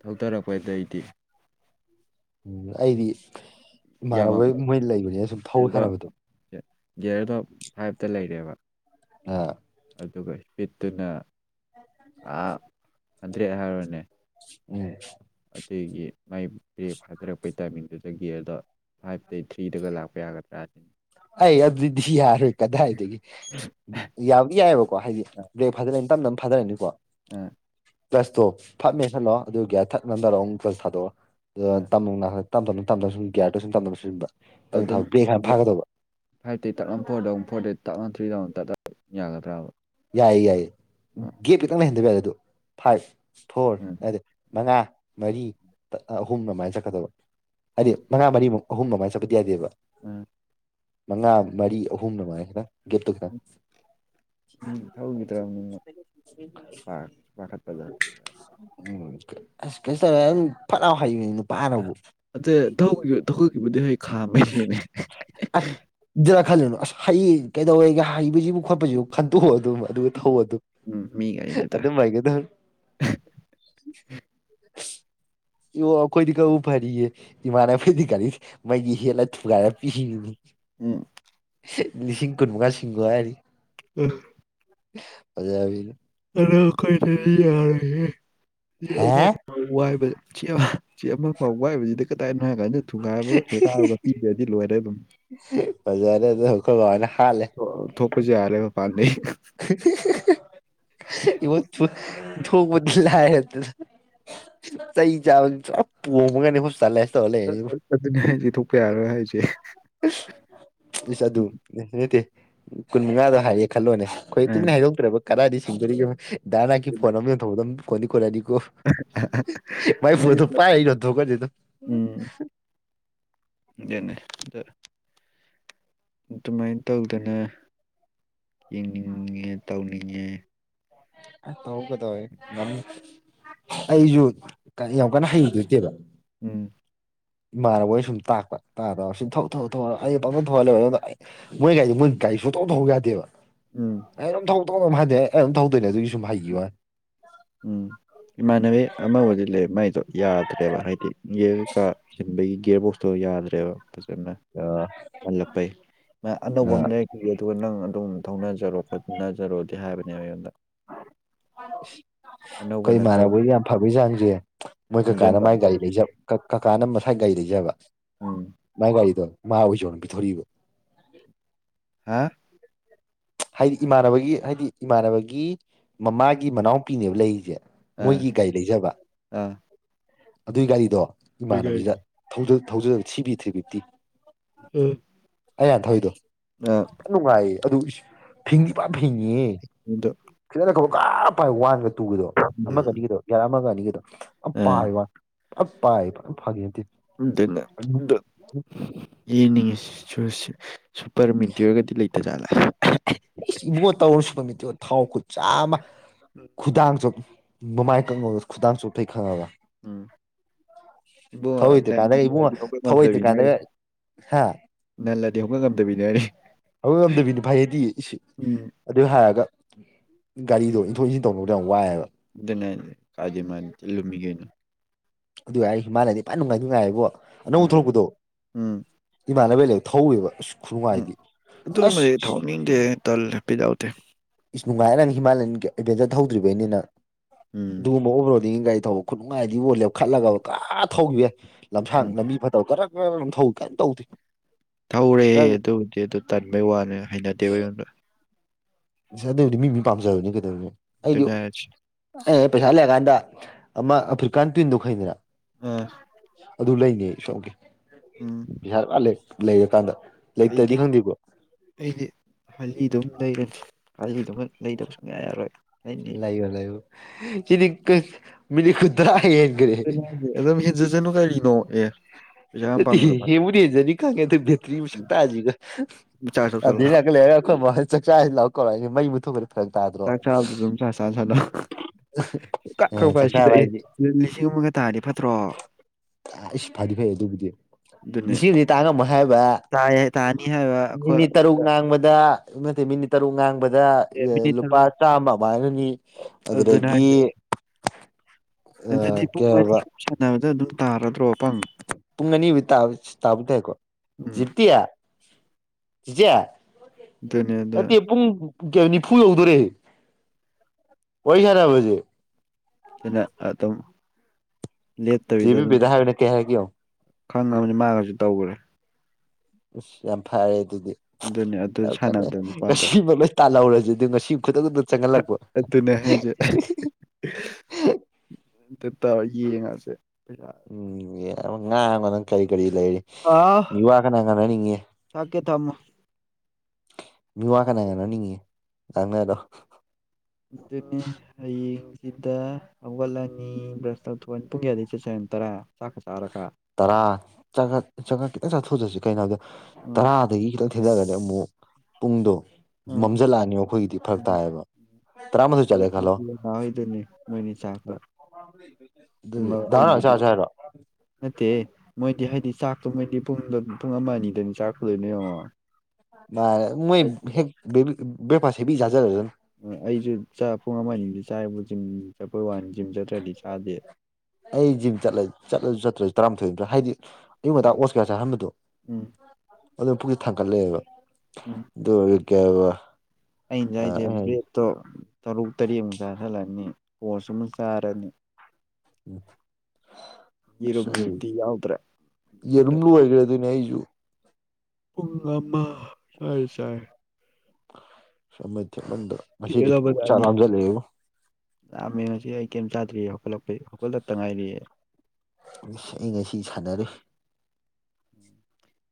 ꯊꯧꯊꯔꯛꯄꯗꯩꯗꯤ ꯎꯝ ꯑꯩꯗꯤ ꯏꯃꯥꯟꯅꯕ ꯃꯣꯏ ꯂꯩꯕꯅꯤꯅ ꯁꯨꯝ ꯊꯧ ꯁꯥꯟꯅꯕꯗꯣ ꯒꯤꯒꯌꯔꯗꯣ ꯐꯥꯏꯚꯇ ꯂꯩꯔꯦꯕ ꯑ ꯑꯗꯨꯒ ꯄꯠꯇꯅ [inaudible] ꯍꯟꯇ꯭ꯔꯦꯠ ꯍꯥꯏꯔꯣꯏꯅꯦ ꯎꯝ ꯑꯗꯨꯒꯤ ꯃꯥꯏ ꯕ꯭ꯔꯦꯛ ꯍꯥꯏꯊꯔꯛꯄꯩ ꯇꯥꯏꯃꯤꯡꯗꯨꯗ ꯒꯤꯒꯌꯔꯗ ꯐꯥꯏꯚꯇꯩ ꯊ꯭ꯔꯤꯗꯒ ꯂꯥꯛꯄ ꯌꯥꯒꯗ꯭ꯔꯥ ꯑꯗꯨꯅꯤ ꯑꯩ ꯑꯗꯨꯗꯤ ꯌꯥꯔꯣꯏ ꯀꯗꯥꯏꯗꯒꯤ ꯌꯥꯕꯗꯤ ꯌꯥꯏꯑꯕꯀꯣ ꯍꯥꯏꯗꯤ ꯕ꯭ꯔꯦꯛ ꯐꯥꯗꯔꯅꯤ ꯇꯞꯅꯞꯅ ꯐꯥꯗꯔꯅꯤꯀꯣ ꯎꯝ ꯄ꯭ꯂꯁꯇꯣ ꯐꯠꯃꯦ ꯈꯜꯂꯛꯑꯣ ꯑꯗꯨꯒꯤ ꯊꯠꯅꯟꯗꯔꯣ ꯑꯃꯨꯛ ꯄ꯭ꯂꯁ ꯊꯥꯗꯣꯛꯛꯑꯣ ꯑꯗꯨꯒ ꯑꯥ ꯇꯨ ꯇꯝ ꯇꯅ ꯇꯝꯅ ꯁꯨꯝ ꯌꯥꯔꯣ ꯁꯨꯝ ꯇꯝꯅ ꯁ ꯇ ꯕ꯭ꯔꯦꯛꯅ ꯐꯥꯒꯗꯕ ꯐꯥꯏꯚꯇ ꯇꯞꯅ ꯐꯣꯔꯗꯧꯨ ꯐꯣꯔꯗ ꯇꯞꯅ ꯊ꯭ꯔꯤꯗ ꯑꯃꯨꯛ ꯇꯠꯂ ꯌꯥꯒꯗ꯭ꯔꯕ ꯌꯥꯏꯌꯦ ꯌꯥꯏꯌꯦ ꯑꯥ ꯒꯦꯞꯀꯤ ꯈꯪ ꯂꯩ ꯍꯟꯊꯕ ꯌꯥꯦ ꯑꯗꯨ ꯐꯥꯏꯚ ꯐꯣꯔ ꯎꯝ ꯍꯥꯏꯗꯗꯤ ꯃꯉꯥ ꯃꯔꯤ ꯑꯍꯨꯝ ꯑꯗꯨꯃꯥꯏꯅ ꯆꯠꯀꯗꯕ ꯍꯥꯏꯗꯤ ꯃꯉꯥ ꯃꯔꯤꯃꯨꯛ ꯑꯍꯨꯝ ꯑꯗꯨꯃꯥꯏꯅ ꯆꯠꯄꯗꯤ ꯌꯥꯗꯦꯕ ꯑꯥ ꯃꯉꯥ ꯃꯔꯤ ꯑꯍꯨꯝꯅ ꯃꯥꯁꯤꯔ ꯒꯦꯠꯇꯨ ꯈꯗ ꯎꯝ ꯊꯧꯈꯤꯗ꯭ꯔꯕꯅꯤꯅ ꯄꯥꯈꯠꯄꯗꯅꯤꯗ ꯎ ꯑꯁ ꯀꯩꯁꯨ ꯇꯧꯔꯦ ꯐꯠꯥꯎ ꯍꯥꯏꯅꯤ ꯑ ꯊꯧꯠꯈꯤꯕꯗꯤ ꯍꯣꯏ ꯈꯥꯝꯃ ꯍꯦꯅꯦ ꯈꯜꯂꯅꯨ ꯑꯁ ꯍꯩ ꯀꯩꯗꯧꯋꯦꯒ ꯍꯩꯕꯁꯤꯕꯨ ꯈꯣꯠꯄꯁꯤꯕꯨ ꯈꯟꯇꯣꯛ ꯑꯗꯨꯝ ꯑꯗꯨꯒ ꯊꯧꯕ ꯑꯗꯨ ꯎꯝ ꯃꯤ ꯒꯥꯔꯤꯗꯨꯗ ꯑꯗꯨꯝ ꯍꯥꯏꯥꯏꯒꯗꯕ ꯏꯣ ꯑꯩꯈꯣꯏꯗꯤ ꯀ ꯐꯔꯤꯌꯦ ꯏꯃꯥꯟꯅꯅꯕꯩꯗꯤ ꯀꯔꯤꯦ ꯃꯒꯤ ꯏꯂꯥꯏ ꯊꯨꯒꯒꯥꯔ ꯄꯤ ꯍ ꯂꯤꯁꯤꯡ ꯀꯨꯟꯃꯉꯥ ꯁꯤꯡꯒꯣ ꯍꯥꯏꯗꯤ ꯎꯝ ꯃꯖ ꯀꯩ ꯌꯥꯔ ꯍꯥ ꯋꯥꯏꯕ ꯆꯦ ꯆꯦ ꯑꯃ ꯐꯥꯎꯕ ꯋꯥꯏꯕꯁꯤꯗꯤ ꯀꯗꯥꯏꯅꯣ ꯍꯥꯏ ꯀꯥꯟꯗ ꯊꯨꯒꯥꯏꯕꯒ ꯈꯦꯀꯥꯔꯒ ꯄꯤꯕꯗꯤ ꯂꯣꯏꯔꯦ ꯑꯗꯨ ꯃꯖꯔꯦ ꯐꯅ ꯊꯣꯛꯣꯄꯖꯦ ꯌꯥꯔꯦ ꯄꯥꯥꯟꯅꯤ ꯏ ꯊꯣꯡ ꯃꯂ ꯍꯥꯏ ꯆꯩ ꯆꯥꯕ ꯄꯣꯝꯃꯒꯅꯤ ꯍꯣꯁ ꯆꯠꯂꯦꯁ ꯑꯗꯨꯅꯦ ꯍꯥꯏꯗꯤ ꯊꯣꯛꯣꯛꯄ ꯌꯥꯔꯣꯏ ꯍꯥꯏꯁꯦ ꯏꯁ ꯑꯗꯨ ꯅꯠꯇꯦ ꯀꯨꯟ ꯃꯉꯥꯗꯣ ꯍꯥꯏꯔꯦ ꯈꯜꯂꯣꯅꯦ ꯑꯩꯈꯣꯏ ꯑꯥ ꯇꯨꯃꯤꯟꯅ ꯍꯥꯏꯗꯣꯛꯇ꯭ꯔꯕ ꯀꯗꯥꯏꯗꯤ ꯁꯤꯡꯗꯣꯔꯤꯒꯦꯗꯥ ꯅꯅꯥꯀꯤ ꯑꯗꯨꯅꯦ ꯐꯣꯟ ꯑꯃ ꯊꯧꯕꯗꯝ ꯀꯣꯟꯅꯤ ꯀꯣꯅꯅꯤ ꯃꯥꯏ ꯐ ꯄꯥꯏꯩꯅ ꯊ ꯀꯁꯤꯗ ꯎꯝ ꯑꯗꯨꯅꯦ ꯑꯗꯨꯃꯥꯏꯅ ꯇꯧꯗꯅ ꯌꯦꯡꯅꯤꯡꯉꯦ ꯇꯧꯅꯤꯡꯉꯦ ꯑꯁ ꯇꯧꯒ ꯇꯧꯋꯦ ꯑꯩꯁꯨ ꯌꯥꯝ ꯀꯟꯅ ꯍꯩꯗꯣꯏꯇꯦꯕ ꯎꯝ ꯏꯃꯥꯟꯅꯕꯣꯏ ꯁꯨꯝ ꯇꯥꯛꯄ ꯇꯥꯗ ꯁꯨꯝ ꯊꯧ ꯑꯩ ꯄꯥꯎꯗ ꯊꯧꯍꯜꯂꯦꯕ ꯑꯗꯨ ꯃꯣꯏ ꯀꯩꯗꯤ ꯃꯣꯏ ꯀꯔꯤ ꯁ ꯇꯧ ꯊꯧ ꯌꯥꯗꯦꯕ ꯎꯝ ꯑꯩ ꯑꯗꯨꯝ ꯊꯧ ꯇꯧ ꯍꯗꯦ ꯑꯩ ꯑꯗꯨꯝ ꯊꯧꯗꯣꯏꯅꯦ ꯑꯗꯨꯒꯤ ꯁꯨꯝ ꯍꯩꯈꯤꯕ ꯋꯥ ꯎꯝ ꯏꯃꯥꯟꯅꯕꯤ ꯑꯃ ꯑꯣꯏꯁꯤꯜꯂꯦ ꯃꯥꯏꯗꯣ ꯌꯥꯗ꯭ꯔꯦꯕ ꯍꯥꯏꯗꯤ ꯌꯦꯔ ꯀꯥ ꯆꯟꯕꯒꯤ ꯒꯤꯒꯔꯕꯣꯛꯁꯇꯣ ꯌꯥꯗ꯭ꯔꯦꯕ ꯑꯗꯨꯅ ꯑ ꯍꯜꯂꯛꯄꯩ ꯑꯅꯧꯕ ꯑ ꯑꯃ ꯂꯩꯔꯛꯈꯤꯒꯦ ꯑꯗꯨꯒ ꯅꯪ ꯑꯗꯨꯝ ꯊꯧꯅꯖꯔꯣ ꯈꯣꯠꯅꯖꯔꯣꯗꯤ ꯍꯥꯏꯕꯅꯦꯕ ꯑꯩꯉꯣꯟꯗ ꯍ ꯑꯅꯧꯕ ꯑꯩꯈꯣꯏ ꯅꯠꯇ꯭ꯔꯒ ꯏꯃꯥꯟꯅꯕꯣꯏꯗꯤ ꯌꯥꯝ ꯐꯕꯩ ꯆꯥꯡꯁꯦ ꯃꯣꯏ ꯀꯀꯥꯅ ꯁꯦꯝꯖꯤꯟꯕ ꯑꯝ ꯃꯥꯏ ꯒꯥꯔꯤ ꯇꯧ ꯂꯩꯖꯛ ꯀꯀꯥꯅ ꯃꯁꯥꯏ ꯒꯥꯔꯤ ꯂꯩꯖꯕ ꯎꯝ ꯃꯥꯏ ꯒꯥꯔꯤꯗꯣ ꯃꯥ ꯑꯣꯏ ꯌꯣꯟ ꯄꯤꯊꯣꯔꯏꯕ ꯍꯥꯥ ꯍꯥꯏꯗꯤ ꯏꯃꯥꯟꯅꯕꯒꯤ ꯍꯥꯏꯗꯤ ꯏꯃꯥꯟꯅꯕꯒꯤ ꯃꯃꯥꯒꯤ ꯃꯅꯥꯎꯄꯤꯅꯦꯕ ꯂꯩꯔꯤꯁꯦ ꯑꯥ ꯃꯣꯏꯒꯤ ꯒꯥꯔꯤ ꯂꯩꯖꯕ ꯑꯥ ꯑꯗꯨꯏ ꯒꯥꯔꯤꯗꯣ ꯏꯃꯥꯟꯅꯕꯕꯤꯁꯤꯗ ꯑꯗꯨꯒꯥꯏꯗꯣ ꯊꯧꯖ ꯊꯕꯤ ꯊꯤꯕꯤꯛꯇꯤ ꯑꯥ ꯑꯩꯩꯅꯥꯟ ꯊꯧꯏꯗꯣ ꯑꯥ ꯌꯥꯝ ꯅꯨꯡꯉꯥꯏꯌꯦ ꯑꯗꯨ ꯐꯤꯡ ꯐꯤꯡꯉꯤ ꯑꯗꯣ ꯁꯤꯗꯅ ꯈꯕꯔ ꯈꯔ ꯄꯥꯏ ꯋꯥꯟꯒ ꯇꯨꯒꯗꯣ ꯑꯃꯒ ꯎꯝ ꯑꯅꯤꯒꯤꯗꯣ ꯌꯥꯔ ꯑꯃꯒꯅꯤ ꯗ ꯑꯥ ꯄꯥꯏ ꯄꯥꯏ ꯐꯥꯒꯦ ꯎ ꯌꯦꯅꯤꯡꯉ ꯆꯁꯤ ꯁꯨꯄꯔ ꯃꯤꯟꯇꯤꯌ ꯑꯣꯏꯔꯒꯗꯤ ꯂꯩꯇꯖꯥꯠꯂ ꯏꯁ ꯏꯕꯣꯠ ꯇꯧꯔ ꯁꯨꯄ ꯃꯤꯠꯇꯣ ꯊꯥꯎ ꯈꯨꯠ ꯆꯥꯃ ꯈꯨꯗꯥꯡ ꯆ ꯃꯃꯥꯏ ꯀꯉꯒ ꯈꯨꯗꯥꯡ ꯆꯊꯩ ꯈꯪꯉꯒ ꯎꯝ ꯏꯕꯣꯗ ꯊꯧꯔꯣꯏꯗ꯭ꯔꯀꯥꯟꯗꯒ ꯏꯕꯨꯡꯉꯣ ꯅꯜꯂꯗꯤ ꯍꯣꯡꯒ ꯊꯧꯔꯣꯏꯗ꯭ꯔꯀꯥꯟꯗꯒ ꯍꯥ ꯉꯝꯗꯕꯤꯅꯦ ꯍꯥꯏꯅꯤ ꯁꯤ ꯑꯗꯨ ꯍꯥꯏꯔꯒ ꯒꯥꯔꯤꯗꯣ ꯏꯟꯊꯣꯛ ꯏꯟꯁꯤꯟ ꯇꯧꯅꯕꯗ ꯌꯥꯝ ꯋꯥꯏꯑꯦꯕ ꯀꯥꯗꯦ ꯃꯥꯅꯤ ꯆ ꯂꯨꯃꯤꯒꯦꯅ ꯑꯗꯨ ꯌꯥꯔ ꯍꯤꯃꯥꯂꯌꯥꯗꯤ ꯐ ꯅꯨꯡꯉꯥꯏ ꯅꯨꯡꯉꯥꯏ ꯍꯥꯏꯕꯣ ꯑꯅꯧ ꯎꯝ ꯊꯣꯛꯣꯔꯛꯄꯗꯣ ꯎꯝ ꯏꯃꯥꯟꯅꯕꯩ ꯂꯩ ꯊꯧꯋꯦꯕ ꯎꯝ ꯈꯨꯅꯨꯡꯉꯥꯏꯗꯤ ꯑꯗꯨ ꯃ ꯑꯁ ꯊꯥꯎꯃꯤꯦ ꯇꯜ ꯄꯤꯖꯦ ꯏꯁ ꯅꯨꯡꯉꯥꯏꯔꯦ ꯅꯪ ꯍꯤꯃꯥꯂꯌꯥꯟꯒꯤ ꯑꯦꯗꯚꯦꯟꯆꯔ ꯇꯧꯗ꯭ꯔꯤꯕꯩꯅꯤꯅ ꯎꯝ ꯑꯗꯨꯒꯨꯝꯕ ꯑꯣꯕꯔꯣꯗꯤꯡ ꯥꯏ ꯊꯧꯕ ꯈꯨꯠ ꯅꯨꯡꯉꯥꯏꯗꯤ ꯑꯣꯜꯂꯦꯞ ꯈꯠꯂꯒ ꯀ ꯊꯧꯈꯤꯕꯦ ꯂꯝꯁꯥꯡ ꯎꯝ ꯂꯝꯕꯤ ꯐꯠꯇꯕ ꯀ ꯀ ꯇꯧꯗꯦ ꯊꯧꯔꯦ ꯅꯪ ꯑꯗꯨꯕꯨꯗꯤ ꯑꯗꯨ ꯇꯟꯕꯩ ꯋꯥꯅꯤ ꯍꯩꯅꯗꯦꯕ ꯑꯩꯉꯣꯟꯗ ꯗ ꯍꯧꯗꯤ ꯃꯤ ꯃꯤ ꯄꯥꯝꯖꯕꯅꯦ ꯀꯩꯗꯧꯔꯦ ꯀꯗꯥꯖ ꯑꯦ ꯄꯩꯁꯥ ꯂꯦ ꯀꯗ ꯑꯃꯃ ꯑꯐꯀꯅ ꯇꯗꯨ ꯈꯥꯏꯗꯅ ꯑꯥ ꯑꯗꯨ ꯂꯩꯅꯤ ꯁꯣꯝꯒꯤ ꯎꯝ ꯄꯩꯁꯥ ꯂꯥꯜꯂꯦ ꯂꯩꯔꯀꯥꯟꯗ ꯂꯩꯇꯗꯤ ꯑꯩꯗꯤ ꯈꯪꯗꯦꯀꯣ ꯑꯩꯗꯤ ꯍꯂꯤ ꯑꯗꯨꯝ ꯂꯩꯔꯅꯤ ꯍꯥꯏꯗꯤꯗꯨꯣꯏ ꯂꯩꯇꯕ ꯁꯨꯡꯌꯥ ꯌꯥꯔꯣꯏ ꯑꯩꯗꯤ ꯂꯩꯥꯏꯌꯣ ꯂꯩꯥꯏꯌꯣ ꯆꯅꯤ ꯃꯤꯅꯤ ꯈꯨꯗ ꯦ ꯑꯗꯨꯝ ꯍꯤꯟꯖꯤꯠꯁꯤꯅꯨ ꯀꯔꯤꯅꯣ ꯑꯦ ꯄꯩꯁꯥ ꯌꯥꯝ ꯄꯥꯡꯕꯗꯣ ꯍꯕꯨꯅꯦꯖꯅꯤ ꯀꯉꯦ ꯦꯇ꯭ ꯁ ꯍꯧꯖꯤꯒ ꯆꯥꯔꯖ ꯑ ꯇꯧꯁꯜꯂꯣ ꯗꯤꯅꯦ ꯑꯀꯂ ꯂꯩꯔꯣꯏ ꯃ ꯆ ꯆꯥꯏ ꯂꯧꯀ ꯃ ꯃꯊ ꯐꯔꯦ ꯆꯥꯛ ꯆꯜꯗ ꯆꯨꯝ ꯆ ꯁꯥ ꯁꯥꯗ ꯁ ꯑꯦ ꯀꯛꯈꯛꯄ ꯆꯥꯛ ꯆꯥꯕ ꯁꯤꯗꯑ ꯍꯥꯏꯗꯤ ꯂꯤꯁꯤꯡ ꯑꯃꯒ ꯇꯥꯅꯤ ꯐꯠꯇ꯭ꯔꯣ ꯑ ꯐꯥꯏꯗꯤ ꯐ ꯑꯗꯨ ꯑꯗꯨꯕꯨꯗꯤ ꯑꯗꯨꯅꯦ ꯂꯤꯁꯤꯡꯕꯨꯗꯤ ꯇꯥꯡꯉꯝꯃ ꯍꯥꯏꯕ ꯇꯥꯏꯌꯦ ꯇꯥꯅꯤ ꯍꯥꯏꯕ ꯑꯩꯈꯣꯏ ꯃꯤꯅꯤꯅꯤ ꯇꯔꯨꯛ ꯑꯁꯤꯗ ꯉꯥꯡꯕꯗ ꯅꯠꯇꯦ ꯃꯤꯅꯤꯠ ꯇꯔꯨꯛ ꯉꯥꯡꯕꯗꯤ ꯑꯦ ꯃꯤꯅꯤꯠ ꯂꯨꯄꯥ ꯇꯔꯨꯛ ꯆꯥꯝꯃ ꯑꯗꯨꯥꯏꯅꯅꯤ ꯑꯗꯨꯅꯦ ꯑꯗꯨꯗꯒꯤ ꯍꯥꯏꯁꯦ ꯑꯗꯨꯗꯤ ꯄꯨꯡ ꯀꯩ ꯑꯅꯤ ꯍꯥꯏꯕ ꯁꯨꯝ ꯁꯥꯟꯅꯕꯗ ꯑꯗꯨꯝ ꯇꯥꯔꯗ꯭ꯔꯣ ꯄꯪ ꯄꯨꯡ ꯑꯅꯤꯃꯨꯛ ꯇꯥ ꯇꯥꯕ ꯇꯥꯏꯀꯣ ꯎꯝ ꯆꯖꯤꯞꯇꯤꯌꯥ ꯆꯤꯆꯦ ꯅꯤꯌꯥꯗ ꯅꯠꯇꯦ ꯄꯨꯡ ꯅꯤꯐꯨ ꯌꯧꯗꯣꯔꯦ ꯋꯥꯔꯤ ꯁꯥꯕꯁꯦ ꯩꯅ ꯑꯗꯨꯝ ꯆꯦ ꯂꯦꯞꯇꯕꯤꯗ ꯑꯗꯨꯝ ꯕꯦꯕꯦꯗ ꯍꯥꯏꯕꯅ ꯀꯩ ꯍꯥꯏꯔꯛꯀꯦ ꯌꯦꯡꯉꯣ ꯈꯪꯕꯅꯤ ꯃꯥꯉꯁꯨ ꯇꯧꯈ꯭ꯔꯦ ꯑ ꯌꯥꯝ ꯐꯔꯦ ꯑꯗꯨꯗꯤ ꯑꯗꯨꯅꯤ ꯑꯗꯨ ꯌꯥꯝ ꯀꯩ ꯁꯥꯟꯅꯕꯗ ꯅꯨꯄꯥꯗꯣ ꯉꯁꯤꯃ ꯂꯣꯏ ꯇꯥꯜꯍꯧꯔꯁꯤꯦ ꯉꯁꯤꯪ ꯑꯗꯨꯅꯦ ꯍꯥꯏꯁꯦ ꯇꯥꯎ ꯌꯦꯡꯉꯁꯦ ꯄꯩꯁꯥ ꯎꯝ ꯌꯥ ꯉꯥꯡꯕ ꯅꯪ ꯀꯔꯤ ꯀꯔꯤ ꯂꯩꯔꯤ ꯑꯥ ꯃꯤ ꯋꯥ ꯀꯅꯥ ꯉꯥꯡꯅꯅꯤꯡꯉꯦ ꯊꯥꯛꯀꯦ ꯊꯝꯃꯣ ꯃꯤ ꯋꯥ ꯀꯅꯥ ꯀꯅꯣ ꯅꯤꯡꯉꯤ ꯉꯥꯡꯅꯗꯣ ꯑꯗꯨꯅꯦ ꯍꯌꯦꯡꯁꯤꯗ ꯍꯧꯒꯠꯂꯅꯤ ꯕ꯭ꯔꯁ ꯇꯧꯊꯣꯛꯑꯅꯤ ꯄꯨꯡ ꯀꯌꯥꯗꯩ ꯆꯠꯁ ꯍꯥꯏ ꯅ ꯇꯔꯥ ꯆꯥꯛꯀ ꯆꯥꯔꯒ ꯇꯔꯥ ꯆꯉ ꯆꯉ ꯈꯤꯇꯪ ꯆꯥꯊꯣꯛꯆꯁꯤ ꯀꯩꯅꯣꯗ ꯎꯝ ꯇꯔꯥꯗꯒꯤ ꯈꯤꯇꯪ ꯊꯦꯡꯅꯒꯅꯤ ꯑꯃꯨꯛ ꯄꯨꯡꯗꯣ ꯎꯝ ꯃꯝꯖꯜꯂꯛꯑꯅꯤꯣ ꯑꯩꯈꯣꯏꯒꯤꯗꯤ ꯐꯔꯛ ꯇꯥꯏꯌꯦꯕ ꯇ꯭ꯔꯥꯃꯁꯨ ꯆꯂ ꯈꯂꯣ ꯍꯣꯏꯗꯨꯅꯤ ꯃꯣꯏꯅꯤ ꯆꯥꯛꯇꯣ ꯄꯨꯡ ꯑꯗꯨꯗꯤ ꯅ ꯆ ꯑꯩꯕꯨꯗꯤ ꯆ ꯍꯥꯏꯔꯣ ꯅꯠꯇꯦ ꯃꯣꯏꯗꯤ ꯍꯥꯏꯗꯤ ꯆꯥꯛꯇꯣ ꯃꯣꯏꯗꯤ ꯄꯨꯡ ꯄꯨꯡ ꯑꯃ ꯑꯅꯤꯗꯅꯤ ꯆꯥꯛꯀꯗꯣꯏꯅ ꯌꯦꯡꯉꯣ ꯃꯥ ꯃꯣꯏ ꯑꯩꯗꯤ ꯍꯦꯛꯕꯤ ꯦ ꯄꯁꯤ ꯍꯦꯕꯤ ꯌꯥꯥꯖꯔꯖ ꯑꯩꯁꯨ ꯆ ꯄꯨꯡ ꯑꯃ ꯑꯅꯤꯗꯤ ꯆꯥꯔꯤꯕ ꯖꯤꯝ ꯆꯠꯄꯩ ꯋꯥꯅꯤ ꯖꯤꯝ ꯆꯠꯇ꯭ꯔꯗꯤ ꯆꯥꯗꯦ ꯑꯩ ꯖꯤꯝ ꯆꯠꯂ ꯆꯠꯂꯁꯨ ꯆꯠꯇ꯭ꯔꯁꯨ ꯇꯔꯥꯃꯥꯊꯣꯏ ꯍꯥꯏꯗꯤ ꯑꯌꯨꯛ ꯉꯟꯥꯛ ꯑꯣꯁ ꯀꯌꯥ ꯆꯥꯍꯟꯕꯗꯣ ꯎꯝ ꯑꯗꯨ ꯄꯨꯛꯁꯤ ꯊꯥꯡꯒꯠꯂꯛꯑꯦꯕ ꯑꯗꯨꯣ ꯍꯧ ꯀ ꯍꯥꯏ ꯑꯩꯩꯅꯁ ꯑꯩꯁꯦ ꯕ꯭ꯔꯦꯠꯇꯣ ꯇꯔꯨꯛ ꯇꯔꯦꯠꯃꯨꯛ ꯆꯥꯥꯁꯜꯂꯛꯑꯅꯤ ꯄꯣꯁꯃ ꯆꯥꯔꯅꯤ ꯎꯝ ꯁ ꯌꯦꯔꯨꯝꯗꯤ ꯌꯥꯎꯗ꯭ꯔꯦ ꯑꯗꯨꯅ ꯌꯦꯔꯝꯂꯨ ꯑꯣꯏꯒꯔꯦ ꯑꯗꯨ ꯅ ꯑꯏꯁꯨ ꯄꯨꯡꯃ ꯁꯥꯏ ꯁꯥꯏ ꯁꯃꯟ ꯁꯃꯟꯗꯣ ꯉꯁꯤꯗꯤ ꯄꯨꯛ ꯆꯥ ꯂꯥꯖꯜꯂꯛꯑꯦꯕ ꯌꯥꯝꯃꯦ ꯉꯁꯤ ꯑꯩ ꯀꯩꯝ ꯆꯥꯗ꯭ꯔꯤꯑ ꯍꯧꯒꯠꯂꯛꯄꯩ ꯍꯧꯒꯠꯂꯛꯇ ꯉꯥꯏꯔꯤꯑꯦ ꯑꯩ ꯉꯁꯤ ꯁꯥꯟꯅꯔꯦ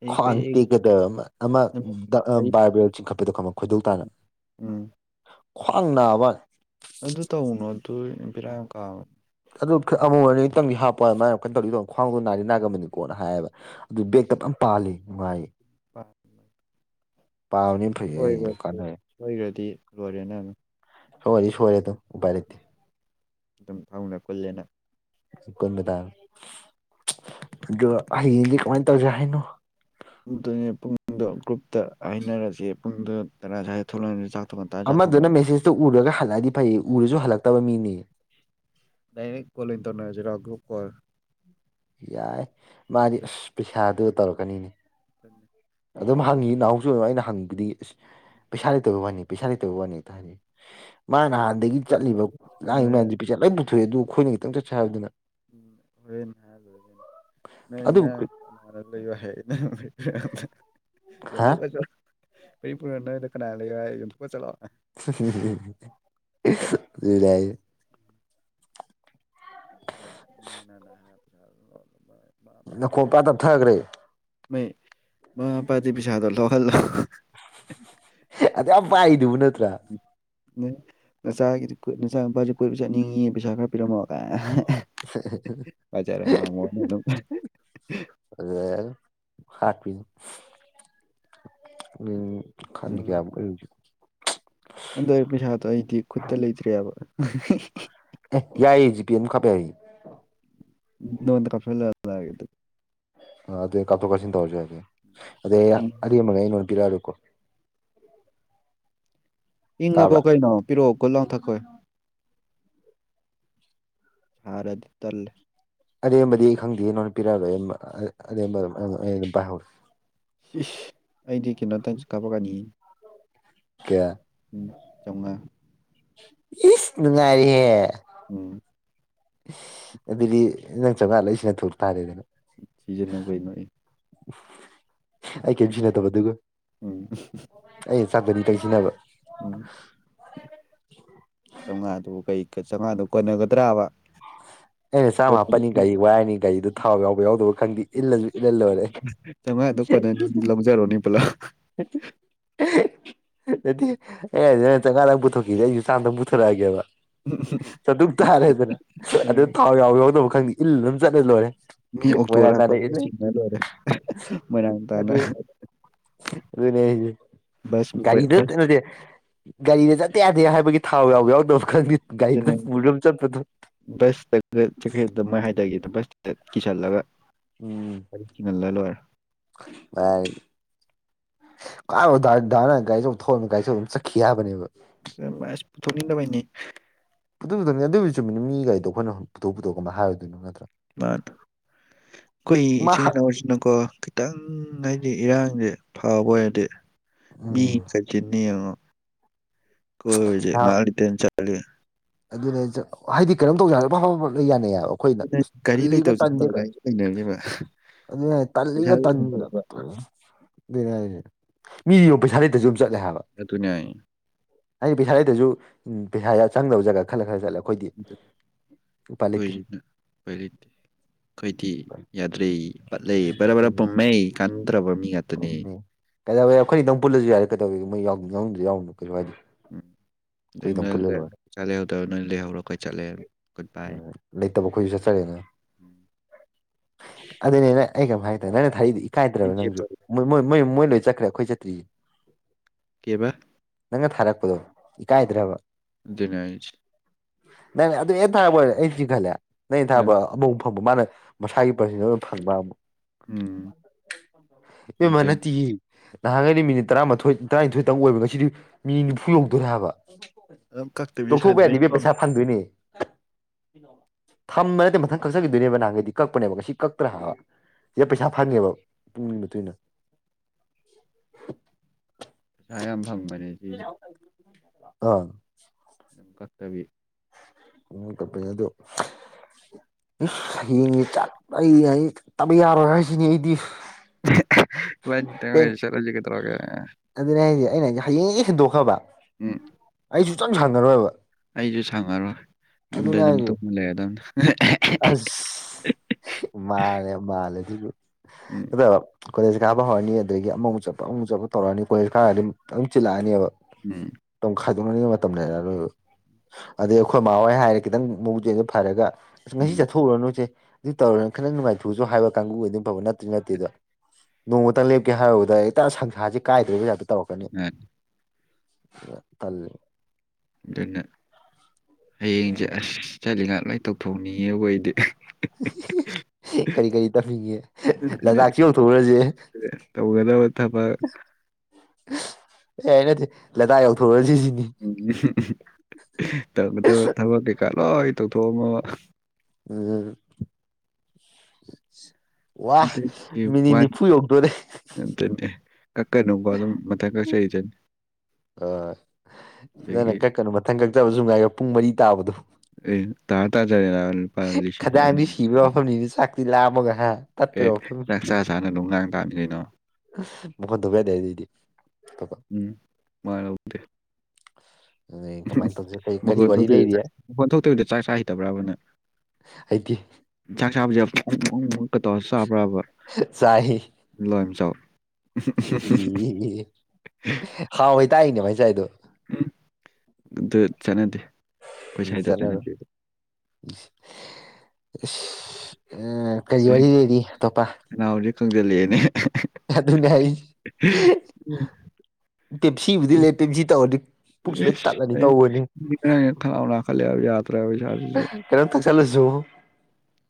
ꯑꯩꯈꯣꯏ ꯈ꯭ꯋꯥꯡ ꯑꯩ ꯇꯦꯛꯀꯗꯕ ꯑꯃ ꯅꯨꯃꯤꯠ ꯑꯃ ꯃꯔꯤ ꯕꯥꯏꯕꯦꯜ ꯆꯤꯡꯈꯠꯄꯗꯣ ꯈꯃ ꯈꯣꯏꯗꯧ ꯇꯥꯅ ꯎꯝ ꯈ꯭ꯋꯥꯡ ꯅꯥꯕ ꯑꯗꯨ ꯇꯧꯅꯨ ꯑꯗꯨ ꯄꯕꯤꯔꯥ ꯌꯥꯝ ꯀꯥꯕ ꯑꯗꯨ ꯑꯃ ꯑꯣꯏꯔꯅꯤꯇꯪꯗꯤ ꯍꯥꯞꯄ ꯍꯥꯏ ꯃꯥꯏꯅ ꯀꯩꯅ ꯇꯧꯔꯤꯗꯣ ꯈ꯭ꯋꯥꯡꯗꯣ ꯅꯥꯔꯤ ꯅꯥꯔꯝꯕꯅꯤꯀꯣꯅ ꯍꯥꯏꯌꯦꯕ ꯑꯗꯨ ꯕꯦꯛꯇ ꯄꯥꯂꯤ ꯅꯨꯡꯥꯏ ꯍ ꯄꯥꯕꯅꯤ ꯐꯩ ꯑꯩ ꯀꯥꯟꯅ ꯂꯔꯦꯅꯦꯅ ꯍꯔꯤ ꯁꯍꯔꯦ ꯑꯗꯨ ꯎꯄꯥꯏꯔꯠꯇꯦ ꯑꯗꯨꯝ ꯊꯧꯅ ꯀꯨꯜꯂꯦꯅ ꯣꯏꯗꯥ ꯀꯃꯥꯏꯅ ꯇꯧꯖ ꯍꯥꯏꯅ ꯑꯗꯨꯅꯦ ꯄꯨꯡꯗꯣ ꯒ꯭ꯔꯨꯞꯇ ꯍꯥꯏꯅꯔꯁꯤꯦ ꯄꯨꯡꯗꯨꯣ ꯇꯔꯥ ꯁ꯭ꯋꯥꯗ ꯊꯣꯛꯂꯛꯑ ꯑꯃꯗꯨꯅ ꯃꯦꯁꯦꯁꯇꯨ ꯎꯔꯒ ꯍꯜꯂꯛꯑꯗꯤ ꯐꯩꯌꯦ ꯎꯔꯁꯨ ꯍꯜꯂꯛꯇꯕ ꯃꯤꯅꯤ ꯗꯅꯤꯛ ꯀꯣꯂ ꯇꯅꯖꯤ ꯔꯘꯨ ꯀꯔ ꯌꯥꯏ ꯃꯥꯗꯤ ꯑꯁ ꯄꯩꯁꯥꯗꯨ ꯇꯧꯔꯛꯀꯅꯤꯅꯦ ꯊꯃꯦ ꯑꯗꯨꯝ ꯍꯪꯉꯤ ꯅꯍꯥꯟꯁꯨ ꯑꯗꯨꯝ ꯑꯩꯅ ꯍꯪꯕꯗꯤ ꯑꯁ ꯄꯩꯁꯥ ꯂꯩꯇꯕ ꯋꯥꯅꯤ ꯄꯩꯁꯥ ꯂꯩꯇꯕ ꯋꯥꯅꯤ ꯍꯥꯏꯗꯤ ꯃꯥꯅ ꯑꯗꯒꯤ ꯆꯠꯂꯤꯕ ꯂꯥꯡꯉ ꯀꯩꯅꯣꯅꯦ ꯃꯌꯥꯝꯗꯨꯦ ꯄꯩꯖꯥꯠ ꯂꯣꯏ ꯄꯨꯊꯣꯛꯑꯦ ꯑꯗꯨ ꯑꯩꯈꯣꯏꯅ ꯈꯤꯇꯪ ꯆꯠꯁꯦ ꯍꯥꯏꯕꯗꯨꯅ ꯎꯝ ꯍꯣꯔꯦꯟ ꯂ ꯅꯣꯏ ꯑꯗꯨꯕꯨ ꯉꯔꯥꯡ ꯂꯩꯌ ꯍꯥꯏ ꯍꯥ ꯌꯣꯟꯊꯣꯛꯑꯁꯨ ꯃꯔꯤ ꯄꯨꯔꯣ ꯅꯣꯏꯗ ꯀꯅꯥꯅ ꯂꯩꯌꯣ ꯍꯥꯏ ꯌꯣꯟꯊꯣꯛꯄ ꯆꯠꯂꯣꯑꯣ ꯑꯗꯨꯗ ꯑꯩ ꯑ ꯃꯤꯅꯅ ꯍꯥꯏꯦ ꯅꯈꯣꯛ ꯀꯥ ꯇꯞꯊꯈ꯭ꯔꯦ ꯃꯩ ꯃ ꯄꯗꯤꯕꯤ ꯁꯥꯥꯗꯣꯂꯣ ꯍꯜꯂꯣ ꯄꯥꯏꯗ ꯅꯠꯇ꯭ꯔ ꯉꯁꯥꯏꯒꯤꯗꯤ ꯅꯁꯆꯥꯥ ꯅꯨꯄꯥꯁꯨ ꯀꯣꯏꯕ ꯆꯥꯅꯤꯡꯉꯤ ꯄꯩꯁꯥ ꯈꯔ ꯄꯤꯔꯝꯃꯒꯥꯏ ꯑꯆꯔꯦ ꯃꯥꯥꯡꯃ ꯑꯗꯨ ꯑꯗꯨ ꯍꯥ ꯄ ꯎ ꯈ ꯀꯦ ꯑꯗꯨ ꯄꯩꯁꯥꯗꯣ ꯑꯩꯗꯤ ꯈꯨꯠꯇ ꯂꯩꯇ꯭ꯔꯦꯕ ꯑꯦ ꯌꯥꯏꯌꯦ ꯖꯤꯄꯤꯤꯅ ꯈꯄꯦ ꯑꯩ ꯏꯣꯗ ꯀꯐꯂ ꯍꯥꯏꯦ ꯑꯗꯨꯩ ꯀꯥꯞꯊꯣꯛ ꯀꯥꯞꯁꯤꯟ ꯇꯧꯔꯁꯨ ꯑꯗꯨꯦ ꯑꯗꯩ ꯎꯝ ꯑꯔꯤ ꯑꯃꯒ ꯑꯩꯅ ꯏꯤꯔꯔꯨꯀꯣ ꯏꯪꯉꯕꯣ ꯀꯩꯅꯣ ꯄꯤꯔꯛꯑꯣ ꯀ ꯂꯥꯎꯊꯛꯈꯣꯏ ꯁꯥꯔꯗꯤ ꯇꯜꯂꯦ ꯑꯗꯦꯝꯕꯗꯤ ꯑꯩ ꯈꯪꯗꯦ ꯅꯣꯟꯗ ꯄꯤꯔꯛꯑꯔꯣꯏ ꯑꯦꯝꯕ ꯑꯗꯨꯝ ꯑꯩ ꯑꯗꯨꯝ ꯄꯥꯏꯍꯧꯔ ꯑꯩꯗꯤ ꯀꯣꯝꯇꯪ ꯀꯥꯞꯄ ꯀꯅꯤ ꯀꯌꯥ ꯆꯣꯡꯉꯥ ꯏ ꯅꯨꯡꯉꯥꯏꯔꯤꯍꯦ ꯎꯝ ꯑꯗꯨꯗꯤ ꯅꯪ ꯆꯕ ꯑꯂ ꯏꯁꯤꯡꯅ ꯊ ꯎꯔ ꯇꯥꯔꯦ ꯑꯗꯨꯅ ꯆꯤꯖ ꯂ ꯀ ꯅꯣꯏ ꯑꯩ ꯀꯔꯤꯝ ꯁꯤꯟꯅꯗꯕ ꯑꯗꯨꯒ ꯎꯝ ꯑꯩ ꯆꯥꯟꯗꯅꯤ ꯇ ꯁꯤꯟꯅꯕ ꯎꯝ [inaudible] [inaudible] ꯇꯤꯛꯀꯦꯠ ꯆꯥꯃꯉꯥꯗꯨ ꯀꯣꯟꯅꯒꯗ꯭ꯔꯥꯕ ꯑꯩꯅ ꯆꯥꯝꯃ ꯍꯥꯞꯄꯅꯤ ꯒꯥꯔꯤ ꯋꯥꯏꯔꯅꯤ ꯒꯥꯔꯤꯗꯨ ꯊꯥꯎ ꯌꯥꯎꯕ ꯌꯥꯎꯗꯕ ꯈꯪꯗꯦ ꯏꯜꯂꯁꯨ ꯏꯜꯍꯜ ꯂꯣꯏꯔꯦ ꯅꯨꯡꯉꯥꯗ ꯀ ꯑꯅꯤꯗꯤ ꯂꯧꯖꯔꯣꯅꯦ ꯄꯨꯂꯞ [inaudible] ꯑꯗꯨꯗꯤ ꯑꯩ ꯅ ꯆꯉꯥꯗ ꯄꯨꯊꯣꯛꯈꯤꯗꯦ ꯑꯩꯁꯨ ꯆꯥꯝꯗ ꯄꯨꯊꯣꯔꯛꯑꯒꯦꯕ ꯆꯠꯇꯛ ꯇꯥꯔꯦꯗꯅ ꯑꯗꯨ ꯊꯥꯎ ꯌꯥꯎꯕ ꯌꯥꯎꯗꯕ ꯈꯪꯗꯦ ꯏꯜꯂ ꯑꯗꯨꯝ ꯆꯠꯂꯦ ꯂꯣꯏꯔꯦ ꯃꯤ ꯑꯣꯛꯇꯣ ꯃꯣꯏꯔꯥꯡ ꯍꯥꯄ ꯇꯥꯟꯅ ꯏꯜꯂꯦ ꯆꯤꯡꯅ ꯂꯣꯏꯔꯦ ꯃꯣꯏꯅꯥꯥꯡ ꯇꯥꯅ ꯑꯗꯨ ꯑꯗꯨꯅꯦ ꯕꯁ ꯀꯒꯥꯔꯤꯗ ꯕꯁ ꯅꯗꯤ ꯒꯥꯔꯤꯗ ꯆꯠꯇ ꯌꯥꯗꯦ ꯍꯥꯏꯕꯒꯤ ꯊꯥꯎ ꯌꯥꯎꯕ ꯌꯥꯎꯗꯕ ꯈꯪꯗ ꯁꯇ ꯆꯩꯗ ꯃ ꯍꯥꯏꯇꯥꯒꯦꯁ ꯀꯁꯜꯂꯒ ꯑ ꯅ ꯀꯥꯏꯁꯨ ꯊꯣꯡꯅ ꯀꯥꯏꯁꯨ ꯑꯗꯨꯝ ꯆꯠꯈꯤ ꯍꯥꯏꯕꯅꯦꯕ ꯃꯁ ꯄꯊꯅꯤꯗ ꯄꯥꯏꯅꯤ ꯄꯨꯁꯨꯊꯛꯅꯤ ꯑꯗꯨꯒꯤꯁꯨ ꯆꯨꯝꯃꯤꯅꯤ ꯃꯤꯒꯤꯒꯗꯣ ꯑꯩꯈꯣꯏꯅ ꯄꯨꯊꯣꯛ ꯄꯨꯊꯣꯛꯄ ꯑꯃ ꯍꯥꯏꯔꯗꯣꯏꯅꯣ ꯅꯠꯇ ꯃꯥ ꯑꯩꯈꯣꯏ ꯃꯥ ꯏꯆꯤꯟ ꯏꯅꯥꯎꯁꯤꯅꯀꯣ ꯈꯤꯇꯪ ꯑꯩꯗꯤ ꯏꯔꯥꯡꯁꯦ ꯐꯕ ꯑꯣꯏꯔꯗꯤ ꯃꯤ ꯎꯝ ꯀꯩꯆꯤꯅꯤ ꯌꯦꯡꯉꯣ ꯀꯕꯤꯖ ꯉꯂꯤ ꯇꯔ ꯆꯂꯤ ꯑꯗꯨ ꯍꯥꯏꯗꯤ ꯀꯔꯝ ꯇꯧꯖ ꯑꯐ ꯌꯥꯅꯤꯌꯦ ꯑꯩꯈꯣꯏꯅ ꯑꯗꯨꯅ ꯒꯥꯔꯤ ꯀꯜꯂꯤꯒ ꯂꯩꯇꯕꯁꯤꯅ ꯇꯜꯂꯦ ꯇꯟꯗꯦꯒ ꯒꯥꯔꯤꯁꯨ ꯂꯩꯅꯔꯤꯕ ꯑꯗꯨ ꯌꯥ ꯇꯜꯂꯤꯒ ꯄꯩꯁꯥꯁꯨ ꯇꯟ ꯂꯩꯅꯔꯤꯕ ꯑꯗꯨ ꯃꯤꯁꯤꯕ ꯄꯩꯁꯥ ꯂꯩꯇꯁꯨ ꯑꯦ ꯑꯗꯨꯅꯌꯥꯥꯏ ꯍꯥꯏꯗꯤ ꯄꯩꯁꯥꯗꯗꯁꯨ ꯄꯩꯁꯥ ꯆꯪꯗꯕ ꯖꯒꯥ ꯈꯜꯂ ꯈꯔ ꯆꯠꯂꯦ ꯑꯩꯈꯣꯏꯗꯤ ꯎꯄꯥꯏ ꯂꯩꯇꯦ ꯀꯈꯣꯏꯁꯤꯅ ꯀꯇꯦ ꯑꯩꯣꯏꯗꯤ ꯌꯥꯗ꯭ꯔꯦ ꯄꯠꯂ ꯕꯔ ꯔꯞ ꯄꯨꯝꯃꯩ ꯀꯟꯗ꯭ꯔꯕ ꯃꯤ ꯉꯥꯛꯇꯅꯤ ꯄꯝꯃꯦ ꯀꯩꯗꯧꯋꯦ ꯑꯩꯈꯣꯏꯅ ꯏ ꯅꯪ ꯄꯨꯜꯂꯁꯨ ꯌꯥꯔꯦ ꯀꯩꯗꯧꯋꯦ ꯃꯣꯏꯎꯅꯁꯨ ꯌꯥꯎꯅꯨ ꯀꯕꯥ ꯅ ꯆꯠꯂꯧꯗ ꯅꯣꯏ ꯂꯩꯍꯧꯔꯣ ꯑꯩꯣꯏ ꯆꯠꯂꯦ ꯒꯨꯠ ꯕꯥꯏ ꯑꯗꯨꯅꯦꯅ ꯑꯩ ꯀꯩꯝ ꯍꯥꯏꯗꯦ ꯅꯪꯅ ꯊꯔꯤꯗꯤ ꯏꯀꯥꯏꯗ꯭ꯔꯕ ꯅꯪꯁꯨ ꯣꯏ ꯃꯣꯏꯣꯏ ꯃꯣꯏ ꯂꯣꯏ ꯆꯠꯈ꯭ꯔꯦ ꯑꯩꯈꯣꯏ ꯆꯠꯇ꯭ꯔꯤꯁ ꯀꯦꯕ ꯅꯪꯅ ꯊꯥꯔꯛꯄꯗꯣ ꯏꯀꯥꯏꯗ꯭ꯔꯕ ꯅꯥꯏꯖ ꯅ ꯑꯗꯨ ꯊꯥꯕ ꯆꯤꯡꯒꯂ ꯅ ꯊꯥꯕ ꯑꯃꯨꯛ ꯐꯪꯕ ꯃꯥꯅ ꯃꯁꯥꯒꯤ ꯄꯔꯁꯤꯗ ꯐꯪꯕ ꯑꯃ ꯎꯝ ꯑꯗꯨ ꯃꯅ ꯇꯌꯦ ꯅꯍꯥꯟꯈꯩꯩꯅ ꯃꯤꯅꯤꯠ ꯇꯔꯥꯃꯥꯊꯣꯏ ꯇꯔꯥꯅꯤꯊꯣꯏꯇꯪꯛ ꯑꯣꯏꯕ ꯉꯁꯤꯗꯤ ꯃꯤꯅꯤ ꯅꯤꯐꯨ ꯌꯧꯗꯣꯏꯦ ꯍꯥꯏꯕ ꯑꯗꯨꯝ ꯀꯛꯇꯕꯤ ꯇꯣꯛꯊꯣꯛꯄ ꯌꯥꯗꯕ ꯁꯥꯟꯅꯗꯣꯏꯅꯤꯀꯣ ꯄꯩꯁꯥ ꯐꯪꯗꯣꯏꯅꯦ ꯊꯝꯕ ꯅꯠꯇꯦ ꯃꯊꯪ ꯀꯛꯆꯈꯤꯗꯣꯏꯅꯦꯕ ꯅꯍꯥꯟꯒꯩꯗꯤ ꯀꯛꯄꯅꯦꯕ ꯉꯁꯤ ꯀꯛꯇ꯭ꯔꯥ ꯍꯥꯏꯕ ꯌꯥꯝ ꯄꯩꯁꯥ ꯐꯪꯉꯦꯕ ꯄꯨꯡꯒꯤ ꯃꯇꯨꯡ ꯏꯟꯅ ꯈꯌꯥꯝ ꯐꯪꯕꯅꯦ ꯁꯤꯁꯦ ꯑꯥ ꯑꯗꯨ ꯀꯛꯇꯕꯤ ꯎ ꯀꯄ ꯑꯗꯨꯣ ꯍꯌꯦꯡ ꯆꯠ ꯑꯩ ꯑꯩ ꯆꯠꯇꯕ ꯌꯥꯔꯣꯏ ꯍꯥꯏꯁꯤꯅꯤ ꯑꯩꯗꯤ ꯇ ꯇꯦꯟ ꯁꯔꯣꯖꯤ ꯀ ꯇꯔꯣꯒ ꯑꯗꯨꯅꯦ ꯍꯥꯏꯁꯦ ꯑꯩꯅꯁꯦ ꯍꯌꯦꯡ ꯍꯟꯗꯣꯛꯈ꯭ꯔꯕ ꯍ ꯆꯪ ꯁꯥꯟꯅꯔꯣꯏꯕ ꯑꯩꯁꯨ ꯁꯪꯉꯔꯣꯏ ꯌꯨꯝꯗ ꯑꯗꯨꯝ ꯍꯥꯏꯁꯦ ꯇꯨꯝꯕ ꯂꯩꯦꯗꯅ ꯃꯥꯅꯦꯦ ꯃꯥꯂꯦ ꯊ ꯎꯝ ꯑꯗ ꯀꯣꯂꯦꯖ ꯀꯥꯕ ꯍꯧꯔꯅꯤ ꯑꯗꯨꯗꯒꯤ ꯑꯃꯨꯃꯨꯛ ꯆꯠꯄ ꯑꯃꯨꯛ ꯆꯠꯄ ꯇꯧꯔꯛꯑꯅꯤ ꯀꯣꯂꯦꯖ ꯈꯔꯒ ꯑꯗꯨꯝ ꯆꯜꯂꯛꯑꯅꯦꯕ ꯎꯝ ꯆꯣꯛꯅꯅꯤꯡꯉ ꯃꯇꯝꯅꯤ ꯃꯇꯝꯅꯦꯅ ꯂꯣꯏꯕ ꯑꯗꯩ ꯑꯩꯈꯣꯏꯃꯥ ꯍꯣꯏ ꯍꯥꯏꯔꯦ ꯈꯤꯇꯪ ꯃꯕꯨ ꯆꯦꯜꯗ ꯐꯔꯒ ꯑꯁ ꯉꯁꯤ ꯎꯝ ꯆꯠꯊꯎꯨꯔꯅꯨꯁꯦ ꯑꯗꯨ ꯇꯧꯔꯅ ꯈꯈꯤꯅꯪ ꯅꯨꯡꯉꯥꯏꯊꯣꯛꯑꯁꯨ ꯍꯥꯏꯕ ꯀꯥꯡꯕꯨꯒꯤ ꯑꯗꯨꯝ ꯐꯕ ꯅꯠꯇ꯭ꯔ ꯅꯠꯇꯦꯗꯣ ꯅꯣꯡꯃꯇꯪ ꯂꯦꯞꯀꯦ ꯍꯥꯏꯔꯨꯕꯗ ꯏ ꯁꯪꯁꯥꯁ ꯀꯥꯏꯗ ꯄꯩꯥꯇ ꯇꯧꯔꯛꯀꯅꯤꯜꯂꯤ ꯃꯥꯅꯤ ꯑꯗꯨꯅ ꯍꯌꯦꯡꯁꯦ ꯑ ꯑꯁ ꯆꯠꯂꯤꯉꯥꯛ ꯂꯣꯏꯇꯧꯊꯣꯛꯅꯤꯡꯉꯦꯕ ꯑꯩꯗꯤ ꯀꯔꯤ ꯀꯔꯤ ꯇꯝꯅꯤꯡꯉꯦ ꯑꯗꯨꯅ ꯂꯗꯥꯛꯁꯤ ꯑꯃ ꯊꯣꯛꯎꯔꯁꯦ ꯑꯣꯏ ꯊꯕ ꯑꯦ ꯅꯠꯇꯦ ꯂꯗꯥꯥꯛ ꯌꯧꯊꯣꯔꯁꯤꯁꯤ ꯎ ꯇꯧ ꯇꯕ ꯊꯕꯛ ꯀꯩꯀꯥ ꯂꯣꯏ ꯇꯧꯊꯣꯛꯑꯝꯃꯕ ꯎꯝ ꯋꯥ ꯃꯤꯅꯤꯅꯤ ꯐꯨꯣꯛꯗ ꯗ ꯀꯛꯀꯔꯅꯅꯨꯡꯕ ꯑꯗꯨꯝ ꯃꯊꯪ ꯀꯆꯗꯅꯤ ꯑ ꯅꯪꯅ ꯀꯛꯀꯅꯨ ꯃꯊꯪ ꯀꯛꯆꯕꯁꯨ ꯉꯥꯏꯈꯦ ꯄꯨꯡ ꯃꯔꯤ ꯇꯥꯕꯗꯣ ꯑꯦ ꯇꯥ ꯇꯥ ꯈꯈꯤꯗꯥꯡꯗꯤ ꯁꯤꯕ ꯃꯐꯝꯅꯤꯅ ꯆꯥꯛꯇꯤ ꯂꯥꯑꯝꯃꯒ ꯍꯥꯏ ꯑꯦ ꯆꯥꯛ ꯆꯥ ꯆꯥꯅ ꯅꯨꯡ ꯉꯥꯡ ꯇꯥꯃꯤ ꯀꯩꯅꯣ ꯃ ꯕꯗꯦꯗꯤ ꯄ ꯎꯝ ꯃꯥ ꯂꯧꯗꯦ ꯀꯔꯤ ꯃꯈꯣꯟ ꯋꯥꯔꯤ ꯂꯩꯔꯤ ꯊꯣꯛꯇꯣꯏꯗ ꯃꯈꯣꯟꯜ ꯊꯣꯛꯇꯕꯤꯗꯣ ꯆꯥꯛ ꯆꯥ ꯍꯩꯇꯕ꯭ꯔꯥꯕꯅ ꯍꯥꯏꯗꯤ ꯏ ꯆꯥꯛ ꯁꯥꯥꯕꯖ ꯑꯟꯏꯟꯇꯦꯜꯂꯤꯖꯦꯕꯜ ꯆꯥꯏ ꯏ ꯍꯥꯎ ꯍꯣꯏ ꯇꯥꯛꯏꯅꯦ ꯃꯥꯏꯁꯥꯏꯗꯣ ꯎꯝ ꯑꯗꯨ ꯆꯠꯅꯗꯦ ꯑꯩꯈꯣꯏ ꯁ꯭ꯋꯥꯏꯗ ꯖꯅꯔꯣꯜ ꯆꯠꯅꯗꯦ ꯎ ꯀꯔꯤ ꯑꯦ ꯋꯥꯔꯤ ꯂꯩꯔꯤ ꯑꯇꯣꯞꯄ ꯈꯅꯥꯎꯁꯦ ꯀꯪꯖꯜꯂꯛꯑꯦꯅꯦ ꯑꯗꯨꯅꯦ ꯍꯥꯏꯁ ꯄꯦꯞꯁꯤꯕꯨꯗꯤ ꯂꯩ ꯄꯦꯞꯖꯤ ꯇꯧꯔꯗꯤ ꯄꯨꯛꯁꯨ ꯂꯣꯏ ꯇꯠꯂꯅꯤ ꯇꯧꯕꯅꯤ ꯑꯩ ꯊꯔꯥꯎ ꯅꯥꯈꯠꯂꯦꯕ ꯌꯥꯗ꯭ꯔꯦꯕ ꯏꯁꯥꯁꯤꯁꯨ ꯆꯂꯁꯨꯨ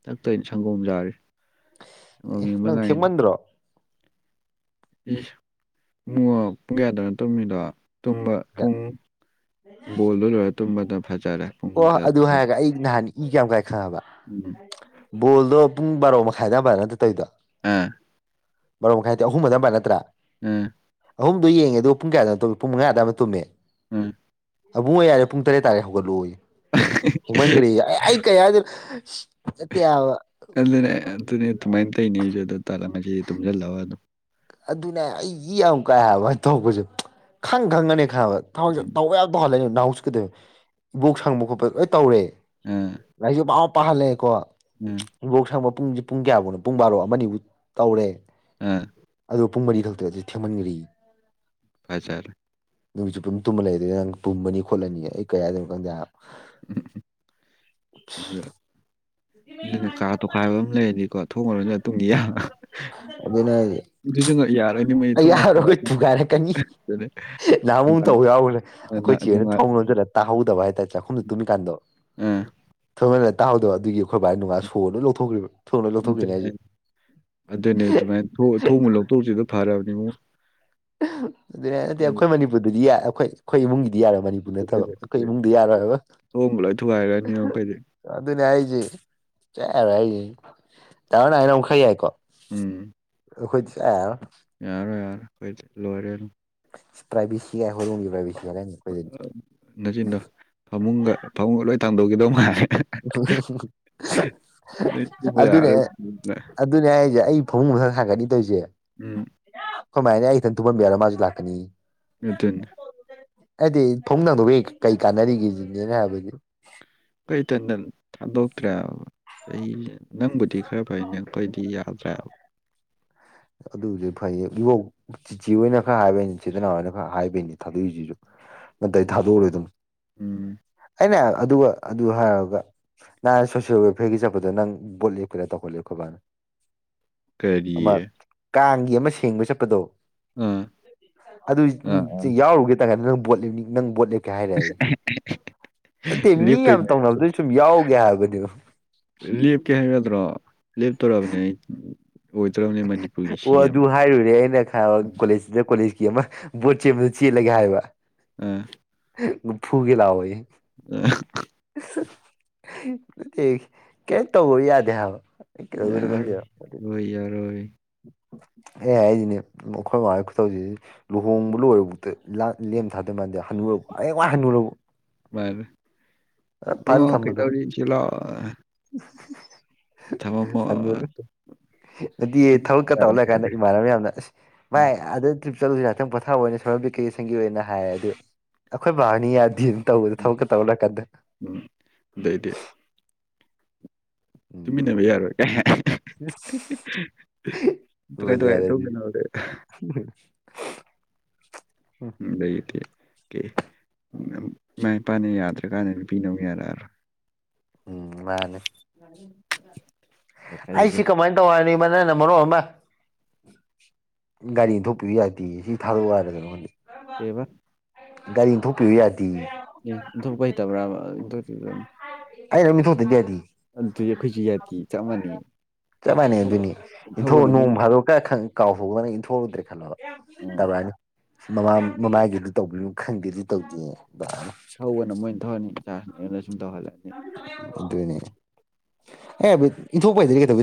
ꯇꯛꯇꯣꯏꯅ ꯁꯪꯒꯣꯝ ꯌꯥꯥꯔꯤ ꯁꯪꯒꯣꯝ ꯌꯦꯡꯕ ꯅꯪ ꯉꯥꯏꯅꯤ ꯊꯦꯡꯃꯟꯗ꯭ꯔꯣ ꯏꯁ ꯏꯕꯨꯡꯉꯣ ꯄꯨꯡ ꯀꯌꯥꯗꯧꯅ ꯇꯨꯝꯃꯤꯗꯣ ꯇꯨꯝꯕ ꯄꯨꯡ ꯕꯣꯜꯗꯣ ꯂꯣꯏꯔ ꯇꯨꯝꯕꯅ ꯐꯖꯔꯦ ꯄꯨꯡ ꯑꯣ ꯀꯌꯥꯃ ꯑꯗꯨ ꯍꯥꯏꯔꯒ ꯑꯩ ꯅꯍꯥꯟ ꯏ ꯀꯌꯥꯝ ꯀꯥꯏ ꯈꯪꯉꯕ ꯕꯣꯜꯗꯣ ꯄꯨꯡ ꯕꯥꯔꯣ ꯃꯈꯥꯏꯗꯕꯥ ꯅꯠꯇ ꯇꯧꯔꯤꯗꯣ ꯑꯥ ꯃꯔꯨꯞ ꯃꯈꯥꯏꯗꯤ ꯑꯍꯨꯝ ꯑꯗꯨꯥꯏꯏ ꯅꯠꯇ꯭ꯔꯥ ꯎꯝ ꯑꯗꯨꯣ ꯌꯦꯉ ꯑꯣ ꯄꯨꯡ ꯀꯌꯥꯗꯅ ꯇꯝꯃꯦ ꯄꯨꯡ ꯃꯉꯥꯗ ꯑꯃ ꯇꯨꯝꯃꯦ ꯎꯝ ꯑꯕꯨꯡ ꯑꯣꯏꯌꯥꯏꯔꯦ ꯄꯨꯡ ꯇꯔꯦꯠ ꯇꯥꯔꯦꯠ ꯍꯧꯒꯠꯂꯛꯑꯣ ꯍꯧꯣꯡꯍꯟꯈ꯭ꯔꯦ ꯑꯩ ꯀꯌꯥꯗ ꯑꯦꯠꯇ ꯌꯥꯕ ꯑꯗꯨꯅꯦ ꯑꯗꯨꯅꯦ ꯑꯗꯨꯃꯥꯏꯅ ꯇꯧꯅꯦ ꯑꯩꯁꯨ ꯑꯗꯨ ꯇꯥꯔꯛꯁꯤ ꯇꯨꯝꯁꯤꯜꯂꯑꯣ ꯑꯗꯨꯝ ꯑꯗꯨꯅꯦ ꯑꯩꯒꯤ ꯌꯥꯝ ꯀꯥ ꯍꯥꯏꯕ ꯇꯧꯕꯁꯨ ꯈꯪ ꯈꯪꯉꯅꯤ ꯈ ꯊ ꯎꯝ ꯇꯧꯕ ꯌꯥꯝ ꯇꯧꯍꯜꯂꯦꯅꯦ ꯅꯍꯥꯎꯁꯨ ꯀꯩꯗꯧꯅꯦ ꯏꯕꯣꯛ ꯁꯪꯕ ꯈꯣꯠꯄ ꯂꯣꯏ ꯇꯧꯔꯦ ꯑꯥ ꯉꯁꯨꯥꯎ ꯄꯍꯜꯂꯦ ꯀꯣ ꯎꯝ ꯃꯣꯛ ꯁꯕ ꯄꯨꯡꯁꯦ ꯄꯨꯡ ꯀꯌꯥꯐꯧꯅ ꯄꯨꯡ ꯕꯥꯔꯣ ꯑꯃꯅꯤꯕꯨ ꯇꯧꯔꯦ ꯑꯥ ꯑꯗꯨꯗ ꯄꯨꯡ ꯃꯔꯤ ꯈꯛꯇ ꯑꯗꯨꯗꯤ ꯊꯦꯡꯃꯟꯈ꯭ꯔꯤꯋꯦ ꯄꯖꯔ ꯅꯨꯃꯤꯠꯁꯨ ꯄꯨꯝ ꯇꯨꯝꯃ ꯂꯩꯗꯅ ꯅꯪ ꯄꯨꯝꯃꯅꯤ ꯈꯣꯠꯂꯅꯤ ꯑꯩ ꯀꯌꯥꯗꯅꯣ ꯈꯪꯗꯦ ꯎꯝ ꯎꯝ ꯑꯗꯨꯅ ꯀꯥ ꯇꯣꯈꯥꯏꯕ ꯑꯃ ꯂꯩꯔꯅꯤꯀꯣ ꯊꯣꯡꯉꯔꯣꯏꯅ ꯃꯇꯨꯡꯨꯡꯒꯤ ꯑꯗꯨꯅ ꯑꯩ ꯊꯣꯡꯉ ꯊꯣꯡꯉ ꯌꯥꯎꯔꯒꯣꯏ ꯊꯨꯒꯥꯏꯔꯛꯀꯅꯤ ꯑꯦ ꯅꯍꯃꯨ ꯅꯨꯡꯉꯥꯏ ꯇꯧ ꯌꯥꯎꯕꯅꯦ ꯅ ꯑꯩꯈꯣꯏ ꯆꯦꯅ ꯅꯨꯡꯉꯥꯏ ꯊꯣꯡ ꯂꯣꯖꯜꯂ ꯇꯥꯍꯧꯗꯕ ꯍꯥꯏꯇꯥꯔꯦ ꯆꯥꯛꯈꯨꯝꯁꯨ ꯇꯨꯝꯃꯤꯀꯥꯟꯗꯣ ꯑꯝ ꯑꯩ ꯇꯥꯍꯧꯗꯕ ꯑꯗꯨꯒꯤ ꯑꯩꯈꯣꯏ ꯕꯥꯏꯅ ꯅꯨꯡꯉ ꯁꯣꯅ ꯂꯧꯊꯣꯛꯈ꯭ꯔꯤꯕ ꯊꯨꯅ ꯂꯧꯊꯣꯛꯈꯤꯕꯅꯤ ꯑꯗꯨꯅꯦ ꯍꯥꯏꯁꯦ ꯑꯗꯨꯅꯦ ꯑꯗꯨꯃꯥꯏꯅ ꯊꯣꯡꯎ ꯂꯧꯊꯣꯛꯎꯁꯤꯗ ꯐꯔꯕꯅꯤ ꯏꯕꯉꯛ ꯑꯗꯨ ꯅꯠꯇꯦ ꯑꯩꯈꯣꯏ ꯃꯅꯤꯄꯨꯔꯗꯗꯤ ꯌꯥꯏ ꯑꯩꯈꯣꯏ ꯑꯩꯈꯣꯏ ꯏꯃꯨꯡꯒꯤꯗꯤ ꯗꯤ ꯌꯥꯔꯣꯏ ꯃꯅꯤꯄꯨꯔ ꯅꯠꯇꯕ ꯀ ꯏꯃꯨꯡꯗꯤ ꯌꯥꯔꯣꯏꯕ ꯊꯣꯡꯕ ꯂꯣꯏ ꯊꯨꯒꯥꯏꯔꯅꯤ ꯑꯩꯈꯣꯏꯗꯤ ꯑꯗꯨꯅꯦ ꯍꯥꯏꯁꯦ ꯆꯥꯏꯔꯣꯏ ꯑꯩꯁꯦ ꯇꯃꯣꯅ ꯍꯥꯏꯅ ꯑꯃꯨꯛꯈ ꯌꯥꯏꯀꯣ ꯎꯝ ꯑꯩꯈꯣꯏꯗꯤꯁꯨꯛ ꯌꯥ ꯌꯥꯔꯔꯣꯏ ꯌꯥꯔꯔꯣꯏ ꯀꯣꯏ ꯂꯣꯏꯔꯦꯅ ꯆꯄ꯭ꯔꯥꯏꯕꯤꯁꯤ ꯑꯟꯏꯟꯇꯦꯜꯂꯤꯖꯦꯕꯜ ꯇꯥꯡꯗꯧꯈꯤꯗꯧ ꯃꯥ ꯅꯣꯏ ꯊꯨꯕ ꯑꯗꯨ ꯑꯗꯨꯅꯦ ꯑꯗꯨ ꯌꯥꯔꯣꯏꯅ ꯑꯗꯨ ꯅꯏꯖ ꯑꯩ ꯐꯃꯨꯡꯕꯊꯛ ꯁꯥꯒꯠꯅꯤ ꯇꯧꯔꯤꯁꯦ ꯎꯝ ꯀꯃꯥꯏꯅ ꯑꯩ ꯏꯈꯤꯇꯪ ꯊꯨꯝꯍꯟꯕꯤ ꯌꯥꯔꯒ ꯃꯥꯁꯨ ꯂꯥꯛꯀꯅꯤ ꯃꯠꯇꯅꯤ ꯑꯩꯗꯤ ꯊꯣꯡꯅꯥꯪꯗꯩ ꯀꯩ ꯀꯥꯟꯅꯔꯤꯒꯦꯁꯤꯅꯦꯅ ꯍꯥꯏꯕꯗꯤ ꯀꯩꯇꯟꯇ ꯊꯥꯗꯣꯛꯇ꯭ꯔꯦꯕ ꯅꯪꯕꯨꯗꯤ ꯈꯔ ꯐꯩ ꯅꯦꯛꯛꯄꯩꯗꯤ ꯌꯥꯗ꯭ꯔꯦꯕ ꯑꯗꯨꯁꯨ ꯐꯩꯌꯦ ꯏꯧ ꯆꯤꯆꯤ ꯑꯣꯏꯅ ꯈꯔ ꯍꯥꯏꯕꯩꯅꯤ ꯆꯤꯗꯅꯥ ꯑꯣꯏꯅ ꯈꯔ ꯍꯥꯏꯕꯩꯅꯤ ꯊꯥꯗꯣꯛꯏꯁꯤꯁꯨ ꯅꯇꯩ ꯊꯥꯗꯣꯛꯎꯔꯣꯏ ꯑꯗꯨꯝ ꯎꯝ ꯑꯩꯅ ꯑꯗꯨꯒ ꯑꯗꯨ ꯍꯥꯏꯔꯒ ꯅꯍ ꯁꯣꯁꯦꯜ ꯋꯦꯜꯐꯤꯌꯥꯔꯒꯤ ꯆꯠꯄꯗ ꯅꯪ ꯕꯣꯠ ꯂꯦꯞ ꯀꯔ ꯇꯧꯈꯠꯂꯦꯞ ꯈꯣꯠꯕꯥꯅ [inaudible] ꯀꯔꯤꯌꯦ ꯀꯥꯡꯒꯤ ꯑꯃ ꯁꯦꯡꯕ ꯆꯠꯄꯗꯣ ꯑꯥ ꯑꯗꯨ ꯑꯥ ꯌꯥꯎꯔꯨꯒꯦ ꯇꯥꯅ ꯅꯪ ꯣ ꯅꯪ ꯣꯠ [inaudible] ꯃꯤ ꯂꯦꯞꯇꯣꯏ ꯌꯥꯝ ꯇꯧꯅꯕꯗꯨ ꯁꯨꯝ ꯌꯥꯎꯒꯦ ꯍꯥꯏꯕꯅꯦꯕ ꯂꯦꯞꯀꯦ ꯍꯥꯏꯒꯗ꯭ꯔꯣ ꯂꯦꯞꯇꯣꯔꯛꯑꯕꯅꯦ ꯑꯩ ꯑꯣꯏꯗꯣꯔꯕꯅꯦ ꯃꯅꯤꯄꯨꯔꯒꯤ ꯑꯣ ꯁꯤ ꯑꯦꯝ ꯑꯗꯨ ꯍꯥꯏꯔꯨꯔꯦ ꯑꯩꯅ ꯈ ꯀꯣꯂꯦꯖꯁꯤꯗ ꯀꯣꯂꯦꯖ ꯣꯆꯦ ꯆꯤ ꯂꯩꯒꯦꯕ ꯐꯨꯒ ꯂꯥꯎꯑꯣꯣꯏ ꯑ ꯀꯩ ꯇꯧꯕ ꯌꯥꯗꯦ ꯍꯥꯏꯕ ꯌꯥꯔꯣꯏ ꯔ ꯌꯥꯔꯣꯏ ꯌꯥꯔꯣꯏ ꯑꯦ ꯍꯥꯏꯔꯤꯁꯤꯅꯦ ꯑꯩꯈꯣꯏ ꯃ ꯈꯨꯧꯁꯤꯗꯤ ꯂꯨꯍꯣꯡꯕ ꯂꯣꯏꯔꯕꯨꯥꯎ ꯂꯦꯝ ꯊꯥꯗꯕ ꯃꯥꯥꯟꯗꯦ ꯍꯅꯨꯔꯄ ꯑꯩ ꯀ ꯍꯥꯟꯅ ꯂꯔꯕꯣ ꯃꯔ ꯊꯝꯕꯗꯣ ꯀꯩꯗꯧ ꯆꯂ ꯊꯃ ꯑꯗꯨꯗꯤ ꯊꯕꯛꯀ ꯇꯧ ꯂꯩꯔꯀꯥꯟꯗ ꯏꯃꯥꯟꯅꯕ ꯌꯥꯝꯅ ꯑꯁ ꯎꯝ ꯃꯥꯏ ꯑꯗꯨ ꯆꯠꯂꯁꯤ ꯉꯍꯇꯪ ꯄꯣꯊꯥꯕ ꯑꯣꯏꯅ ꯁꯣꯏꯣꯔꯝ ꯕꯤꯀꯦꯁꯟꯒꯤ ꯑꯣꯏꯅ ꯍꯥꯏꯌꯦ ꯑ ꯑꯗꯨ ꯑꯩꯈꯣꯏ ꯕꯥꯔꯅꯤ ꯌꯥꯗꯦ ꯇꯧꯗ ꯎꯝ ꯊꯧꯛ ꯇꯧꯔꯛꯗꯦ ꯎꯝ ꯑꯗꯗꯤ ꯇꯨꯃꯤꯟꯅꯕ ꯎꯝ ꯌꯥꯔꯣꯏ ꯀ ꯀꯥꯏꯗ ꯀꯥꯏ ꯕꯖꯥꯔꯗꯗꯤ ꯇꯧꯒꯅꯦ ꯎ ꯂꯩꯗꯤ ꯀꯦ ꯏꯃꯥ ꯏꯄꯥꯅ ꯌꯥꯗ꯭ꯔꯀꯥꯟꯗ ꯅꯨꯄꯤꯅ ꯑꯃꯨꯛ ꯌꯥꯔꯛꯑꯔꯣꯏ ꯎꯝ ꯃꯥꯅꯦ ꯁꯥꯏꯀꯜꯁꯦ ꯑꯁꯤ ꯀꯃ ꯇꯧ ꯋꯥꯅꯤ ꯃ ꯅ ꯅ ꯃꯔꯨꯞ ꯑꯃ ꯒꯥꯔꯤ ꯊꯣꯛꯄꯤꯗꯨ ꯌꯥꯇꯦꯌꯦ ꯁꯤ ꯊꯥꯗꯣꯛꯎ ꯍꯥꯏꯔꯗꯅ ꯈꯗꯤ ꯐꯦꯕ ꯒꯥꯔꯤꯅ ꯊ ꯊꯣꯛꯄꯤꯕꯨ ꯌꯥꯏꯦ ꯑꯦ ꯑꯗꯨꯄ ꯍꯩꯇꯕ꯭ꯔꯥ ꯑꯔꯃꯤꯁꯨꯣꯇꯦ ꯌꯥꯗꯤ ꯑꯗꯨꯗꯤ ꯑꯩꯈꯣꯏꯁꯨ ꯌꯥꯇꯤ ꯆꯞ ꯃꯥꯟꯅꯩ ꯆꯞ ꯃꯥꯟꯅꯩ ꯑꯗꯨꯅꯤ ꯊꯧꯕꯅ ꯏꯟꯊꯣꯛꯎꯑꯣ ꯃꯣꯏ ꯅꯣꯡ ꯐꯥꯗꯣꯛ ꯈ ꯈ ꯀꯥꯎꯊꯣꯛꯗꯅ ꯏꯟꯊꯣꯛꯎꯨꯗ꯭ꯔꯦ ꯈꯜꯂꯣꯕ ꯇꯧꯕꯔꯅꯤ ꯃꯃ ꯃꯃꯥꯏꯒꯤꯗꯨ ꯇꯧꯕꯤꯌꯨ ꯈꯪꯗꯦ ꯑꯗꯨ ꯇꯧꯗꯦꯕ ꯊꯧꯕꯅ ꯃꯣꯏꯅ ꯊꯧꯍꯅꯤ ꯏꯆꯥꯁꯤꯅ ꯑꯩꯉꯣꯟꯗ ꯁꯨꯝ ꯇꯧꯍꯜꯂꯅꯤ ꯑꯗꯨꯅꯦ ꯑꯦ ꯏꯁꯨ ꯄꯥꯏꯗꯔꯤꯒꯦ ꯇ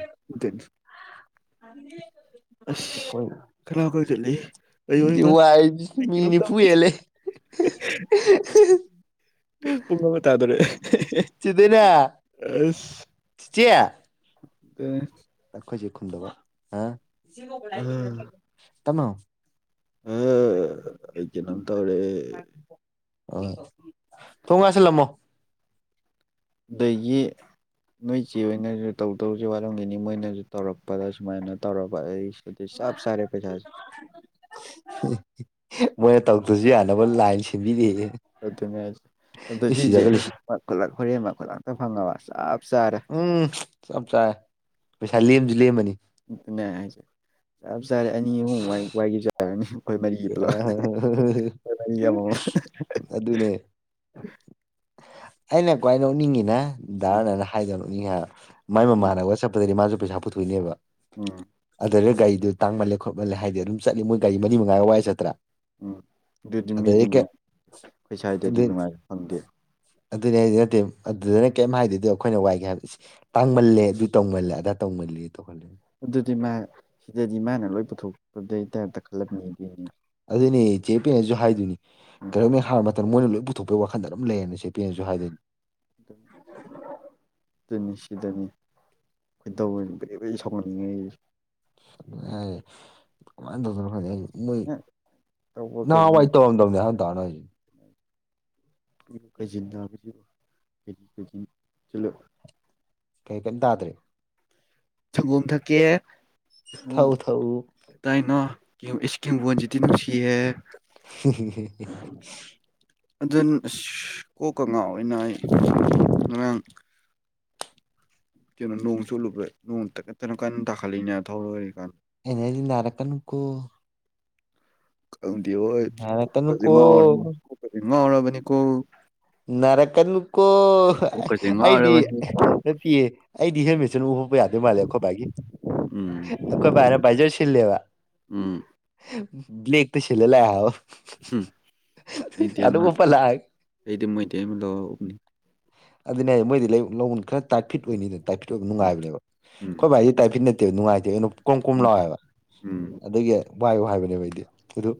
[inaudible] ꯑꯗꯨꯗꯤ ꯑꯁ ꯈꯅꯥꯎ ꯀꯪꯁꯤꯜꯂꯤ ꯑꯩꯌꯣ ꯏꯃꯥ ꯋꯥ ꯑꯩ ꯀꯩꯅꯣꯝ ꯇꯧꯔꯦ ꯃꯤꯅꯤꯄꯨꯦ ꯂꯩꯦ [unintelligible] [unintelligible] ꯄꯨꯕ ꯇꯥꯗꯔꯦ ꯆꯤꯗꯅ ꯆ ꯆꯌꯥ ꯑꯗꯨ ꯣꯏꯗꯕ ꯑ ꯇꯃꯣ [inaudible] ꯑ ꯑꯩ ꯀꯩꯅꯣꯝ ꯇꯧꯔꯦ ꯑꯣ ꯊꯣꯡꯉꯥꯏꯁꯤꯂꯝꯃꯣ ꯗꯒꯤ ꯅꯣꯏ ꯏꯆꯦ ꯑꯣꯏꯅꯁꯨ ꯇꯧꯗꯧꯁꯦ ꯋꯥꯠꯂꯝꯈꯤꯅꯤ ꯃꯣꯏꯅꯁꯨ ꯇꯧꯔꯛꯄꯗ ꯁꯨꯃꯥꯏꯅ ꯇꯧꯔꯕ ꯑꯩ ꯗꯤꯁ ꯁꯔꯦ ꯄꯩꯁꯖ ꯃꯣꯏꯅ ꯇꯧꯗ꯭ꯔꯁꯨ ꯌꯥꯅꯕ ꯂꯥꯏꯟ ꯁꯦꯝꯕꯤꯔꯛ ꯑꯗꯨꯅꯦ ꯑ ꯁꯤꯁꯦ ꯂꯩꯁꯤ ꯍ ꯈꯨꯠꯂꯛ ꯍꯣꯔꯦꯟ ꯑꯃ ꯈꯨꯠꯂꯛꯇ ꯐꯪꯉꯕ ꯆꯞ ꯆꯥꯔꯦ ꯎꯝ ꯆꯞ ꯆꯥꯔꯦ ꯄꯩꯁꯥ ꯂꯦꯝꯁꯨ ꯂꯦꯝꯃꯅꯤ ꯅꯦ ꯍꯥꯏꯁꯦ ꯆꯞ ꯆꯥꯔꯦ ꯑꯅꯤ ꯑꯍꯨꯝꯏ ꯋꯥꯏꯈꯤꯕ ꯆꯥꯔꯅꯤ ꯑꯗꯨ ꯃꯔꯤꯒꯤ ꯑꯃꯃꯝ ꯑꯗꯨꯅꯦ [inaudible] ꯑꯩꯅ ꯀ꯭ꯋꯥꯏ ꯅꯣꯛꯅꯤꯡꯉꯤꯅ ꯗꯥꯔꯅꯅ ꯍꯥꯏꯗꯧꯅ ꯎꯛꯅꯤꯡꯉꯤ ꯍꯥꯏ ꯃꯥꯏ ꯎꯝ ꯃꯃꯥꯅꯒꯠ ꯆꯠꯄꯗꯗꯤ ꯃꯥꯁꯨ ꯁ ꯄꯨꯊꯣꯛꯅꯦꯕ ꯎꯝ ꯑꯗꯨꯗ ꯒꯥꯔꯤꯗꯨꯣ ꯇꯥꯡꯃꯜꯂꯦ ꯈꯣꯠꯜꯂꯦ ꯍꯥꯏꯗꯤ ꯑꯗꯨꯝ ꯆꯠꯂꯤ ꯃꯣꯏ ꯒꯥꯔꯤ ꯃꯔꯤ ꯉꯪꯋꯥꯏ ꯆꯠꯇ꯭ꯔꯥ ꯎꯝ ꯑꯗꯨꯗꯤ ꯃꯤꯗꯤ ꯑꯗꯨꯗꯩ ꯀꯩ ꯅꯨꯡꯉꯥꯏ ꯀꯩꯁꯥꯏꯗꯗꯤ ꯑꯗꯨ ꯅꯨꯡꯉꯥꯏꯕ ꯐꯪꯗꯦ ꯑꯗꯨꯅꯦ ꯑꯩꯗꯤ ꯅꯠꯇꯦ ꯑꯗꯨꯗꯅ ꯀꯩꯝ ꯍꯥꯏꯗꯗꯤ ꯑꯩꯈꯣꯏꯅ ꯋꯥꯏꯒꯦ ꯍꯥꯏꯕ ꯇꯥꯡꯃꯜꯂꯦ ꯑꯗꯨ ꯇꯧꯃꯜꯂꯦ ꯑꯗꯥ ꯇꯧꯃꯜꯂꯦ ꯌꯦ ꯇꯣꯈꯦ ꯑꯗꯨꯗꯤ ꯃꯥ ꯁꯤꯗꯗꯤ ꯃꯥꯅ ꯂꯣꯏ ꯄꯨꯊꯣꯛꯄꯗꯩ ꯇꯥꯏꯞꯇ ꯈꯜꯂꯝꯕꯅꯤ ꯑꯗꯨꯅꯦ ꯏꯆꯦ ꯄꯦꯅꯁꯨ ꯍꯥꯏꯗꯣꯏꯅꯤ ꯎꯝ ꯀꯔꯝꯅ ꯍꯥꯏꯕ ꯃꯇꯝꯗ ꯃꯣꯏ ꯂꯣꯏ ꯄꯨꯊꯣꯛꯄꯒꯤ ꯋꯥꯈꯟꯗ ꯑꯗꯨꯝ ꯂꯩꯔꯦ ꯑꯦꯄꯟ ꯖꯨꯍꯍꯤꯗꯤꯟ ꯁꯤꯅꯤ ꯁꯤꯗꯅꯤ ꯀꯩ ꯇꯧ ꯕꯩ ꯕꯩ ꯁꯥꯎꯍꯟꯅꯤꯡꯉꯦ ꯀꯃꯥꯏ ꯈ ꯃꯣꯏ ꯁꯨꯃꯥꯏꯅ ꯇꯧꯕ ꯀꯩꯒꯤꯅꯣ ꯅꯍꯥꯟꯋꯥꯏ ꯇꯧꯔꯝꯗꯕꯅꯦ ꯑꯍꯥꯟ ꯇꯅꯁ ꯀꯖꯤꯟ ꯅꯥꯕꯣ ꯀꯖꯤ ꯀꯖꯤꯟ ꯆꯂ ꯀꯩ ꯀꯔꯤꯝ ꯇꯥꯗ꯭ꯔꯦ ꯁꯪꯒꯣꯝ ꯊꯛꯀꯦ ꯁꯪꯒꯣꯝ ꯊꯛꯎ ꯊꯛꯎ ꯀꯗꯥꯏꯅꯣ ꯏꯁꯀꯤꯝꯕꯨꯣꯟꯁꯤꯗꯤꯤ ꯅꯨꯡꯁꯤꯌꯦꯦ [inaudible] ꯑꯗꯨꯅ ꯑꯁ ꯀꯣꯛ ꯀꯉꯥ ꯑꯣꯏꯅ ꯑꯩ ꯉꯔꯥꯡ ꯀꯩꯅꯣ ꯅꯣꯡ ꯆꯨꯠꯂꯨꯕ꯭ꯔꯥ ꯅꯣꯡ ꯀꯩꯅꯣ ꯀꯟꯅ ꯇꯥꯈꯠꯂꯤꯛꯅꯦ ꯊꯧꯔ ꯀꯥꯟꯗ ꯑꯦꯩꯅꯗꯤꯟꯅꯔ ꯀꯀꯣ ꯑꯗꯨꯗꯤ ꯍꯣꯏ ꯀꯣꯛꯄ ꯅꯥꯔꯛꯀꯅꯨꯀꯣ ꯉꯥꯎꯅꯤ ꯀꯣꯛꯄꯁ ꯉꯥꯎꯔꯕꯅꯤꯀꯣ ꯅꯔꯀ ꯀꯣ ꯀꯣꯛꯀꯁꯦ ꯑꯩꯗꯤ ꯉꯥꯎꯔꯕꯅꯤ ꯅꯠꯇꯦ ꯑꯩꯗꯤ ꯍꯦꯃꯦꯠꯁꯤꯅ ꯎꯍꯄ ꯌꯥꯗꯣꯏ ꯃꯥꯜꯂꯦ ꯈꯣ ꯕꯥꯒꯤ ꯎꯝ ꯑꯩꯈꯣꯏ ꯄꯥꯏꯅ ꯄꯖꯔꯁꯤꯜ ꯂꯩꯦꯕ ꯎꯝ ꯕ꯭ꯂꯦꯦꯛ ꯇ ꯁꯤꯦꯂ ꯂ ꯎꯝ ꯑꯩꯗꯤ ꯑꯃ ꯎꯞꯄ ꯂꯥꯛꯑꯦ ꯑꯩꯗꯤ ꯃꯣꯏꯇꯩ ꯑꯃ ꯂꯧꯔꯕꯅꯤ ꯑꯗꯨꯅꯦ ꯃꯣꯏꯗꯤ ꯂꯧꯣꯟ ꯈꯔ ꯇꯥꯏꯐꯤꯠ ꯑꯣꯏꯅꯤꯅ ꯇꯥꯏꯐꯤꯠ ꯑꯣꯏꯕ ꯅꯨꯡꯉꯥꯏꯕꯅꯦꯕ ꯑꯩ ꯎꯝ ꯍꯣꯏ ꯚꯥꯏꯁꯗꯤ ꯇꯥꯏꯐꯤꯠꯅ ꯂꯩꯇꯦ ꯅꯨꯡꯉꯥꯏꯇꯦ ꯑꯗꯨꯩꯅꯣ ꯀꯝ ꯀꯝ ꯎꯝ ꯂꯥꯎꯋꯦꯕ ꯎꯝ ꯎꯝ ꯑꯗꯨꯒꯤ ꯚꯏꯌꯨ ꯍꯥꯏꯕꯅꯦꯕ ꯑꯩꯗꯤ ꯑꯗꯨ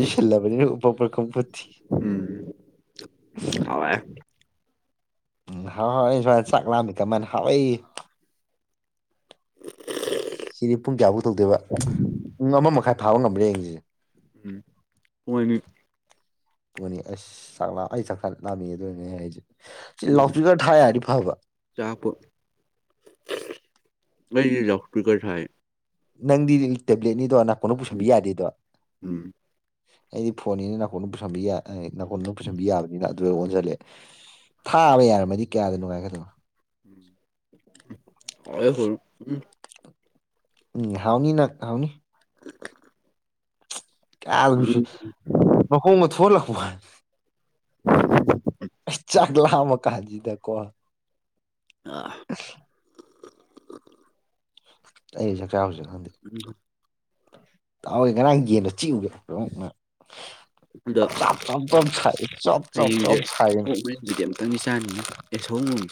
ꯖꯁꯂꯕꯅꯤꯄꯔ ꯀꯝꯄꯠꯇ ꯍ ꯎꯝ ꯍꯥꯎ ꯍꯥꯎ ꯁ ꯆꯥꯛꯂꯑꯃꯤ ꯀꯃꯥꯏꯅ ꯍꯥꯎꯏ ꯁꯤꯗꯤ ꯄꯨꯡ ꯀꯌꯥꯐꯨꯛ ꯇꯧꯗꯣꯏꯦꯕ ꯄꯨꯡ ꯑꯃ ꯃꯈꯥꯏ ꯊꯥꯕ ꯉꯝꯕ꯭ꯔꯦ ꯌꯦꯡꯁꯤꯁꯦ ꯎꯝ ꯍꯣꯏꯅꯤ ꯄꯨꯅꯤ ꯑꯁ ꯁ ꯑꯩ ꯁꯛ ꯂꯥꯃꯤꯒꯗꯣꯏꯅꯦ ꯍꯥꯏꯁꯦ ꯎꯝ ꯂꯥꯎꯐꯤꯒ ꯊ ꯌꯥꯔꯤ ꯐꯕ ꯆꯥꯛꯄ ꯑꯩ ꯂ ꯀꯁ ꯅꯪꯗꯤ ꯇꯦꯕ꯭ꯂꯦꯠꯅꯤꯗꯣ ꯅꯅꯥ ꯀꯣꯟꯅ ꯄꯨꯁꯟꯕꯤ ꯌꯥꯗꯦꯗꯣ ꯎꯝ ꯑꯩꯗꯤ ꯐꯣꯟꯅꯤꯅ ꯅꯥꯀꯣꯟꯗ ꯄꯨꯁꯟ ꯅꯥꯀꯣꯟꯗ ꯑꯃꯝ ꯄꯨꯁꯟꯕꯤ ꯌꯥꯕꯅꯤꯅ ꯑꯗꯨ ꯑꯣꯟꯁꯤꯜꯂꯦ ꯊꯥ ꯑꯃ ꯌꯥꯔꯝꯃꯗꯤ ꯀꯌꯥꯗ ꯅꯨꯡꯉꯥꯏꯒꯗꯅꯣ ꯑꯣ ꯍꯜ ꯎꯝ ꯎꯝ ꯍꯥꯎꯅꯤ ꯅ ꯍꯥꯎꯅꯤ ꯀꯗꯁ ꯎꯝ ꯂꯀꯣ ꯊ ꯂꯀ ꯍꯥꯏ ꯎ ꯀꯥꯖꯤꯗ ꯀꯣꯣ ꯑꯥ ꯑꯩꯁꯦ ꯀꯧꯁꯨꯦ ꯎꯝ ꯇꯒꯦ ꯀꯔꯥꯡ ꯌꯦꯟꯗꯣ ꯆꯤꯎꯒꯦ ꯑꯗꯣ ꯆꯞ ꯆꯞ ꯍꯌꯦꯡꯁꯦ ꯁꯥꯏ ꯑꯣꯣꯛ ꯃꯔꯤꯁꯤꯗꯤ ꯑꯃꯨꯛꯇꯪꯗꯤ ꯆꯥꯅꯤꯡꯉꯤ ꯑꯦꯁ ꯆꯠꯂꯟ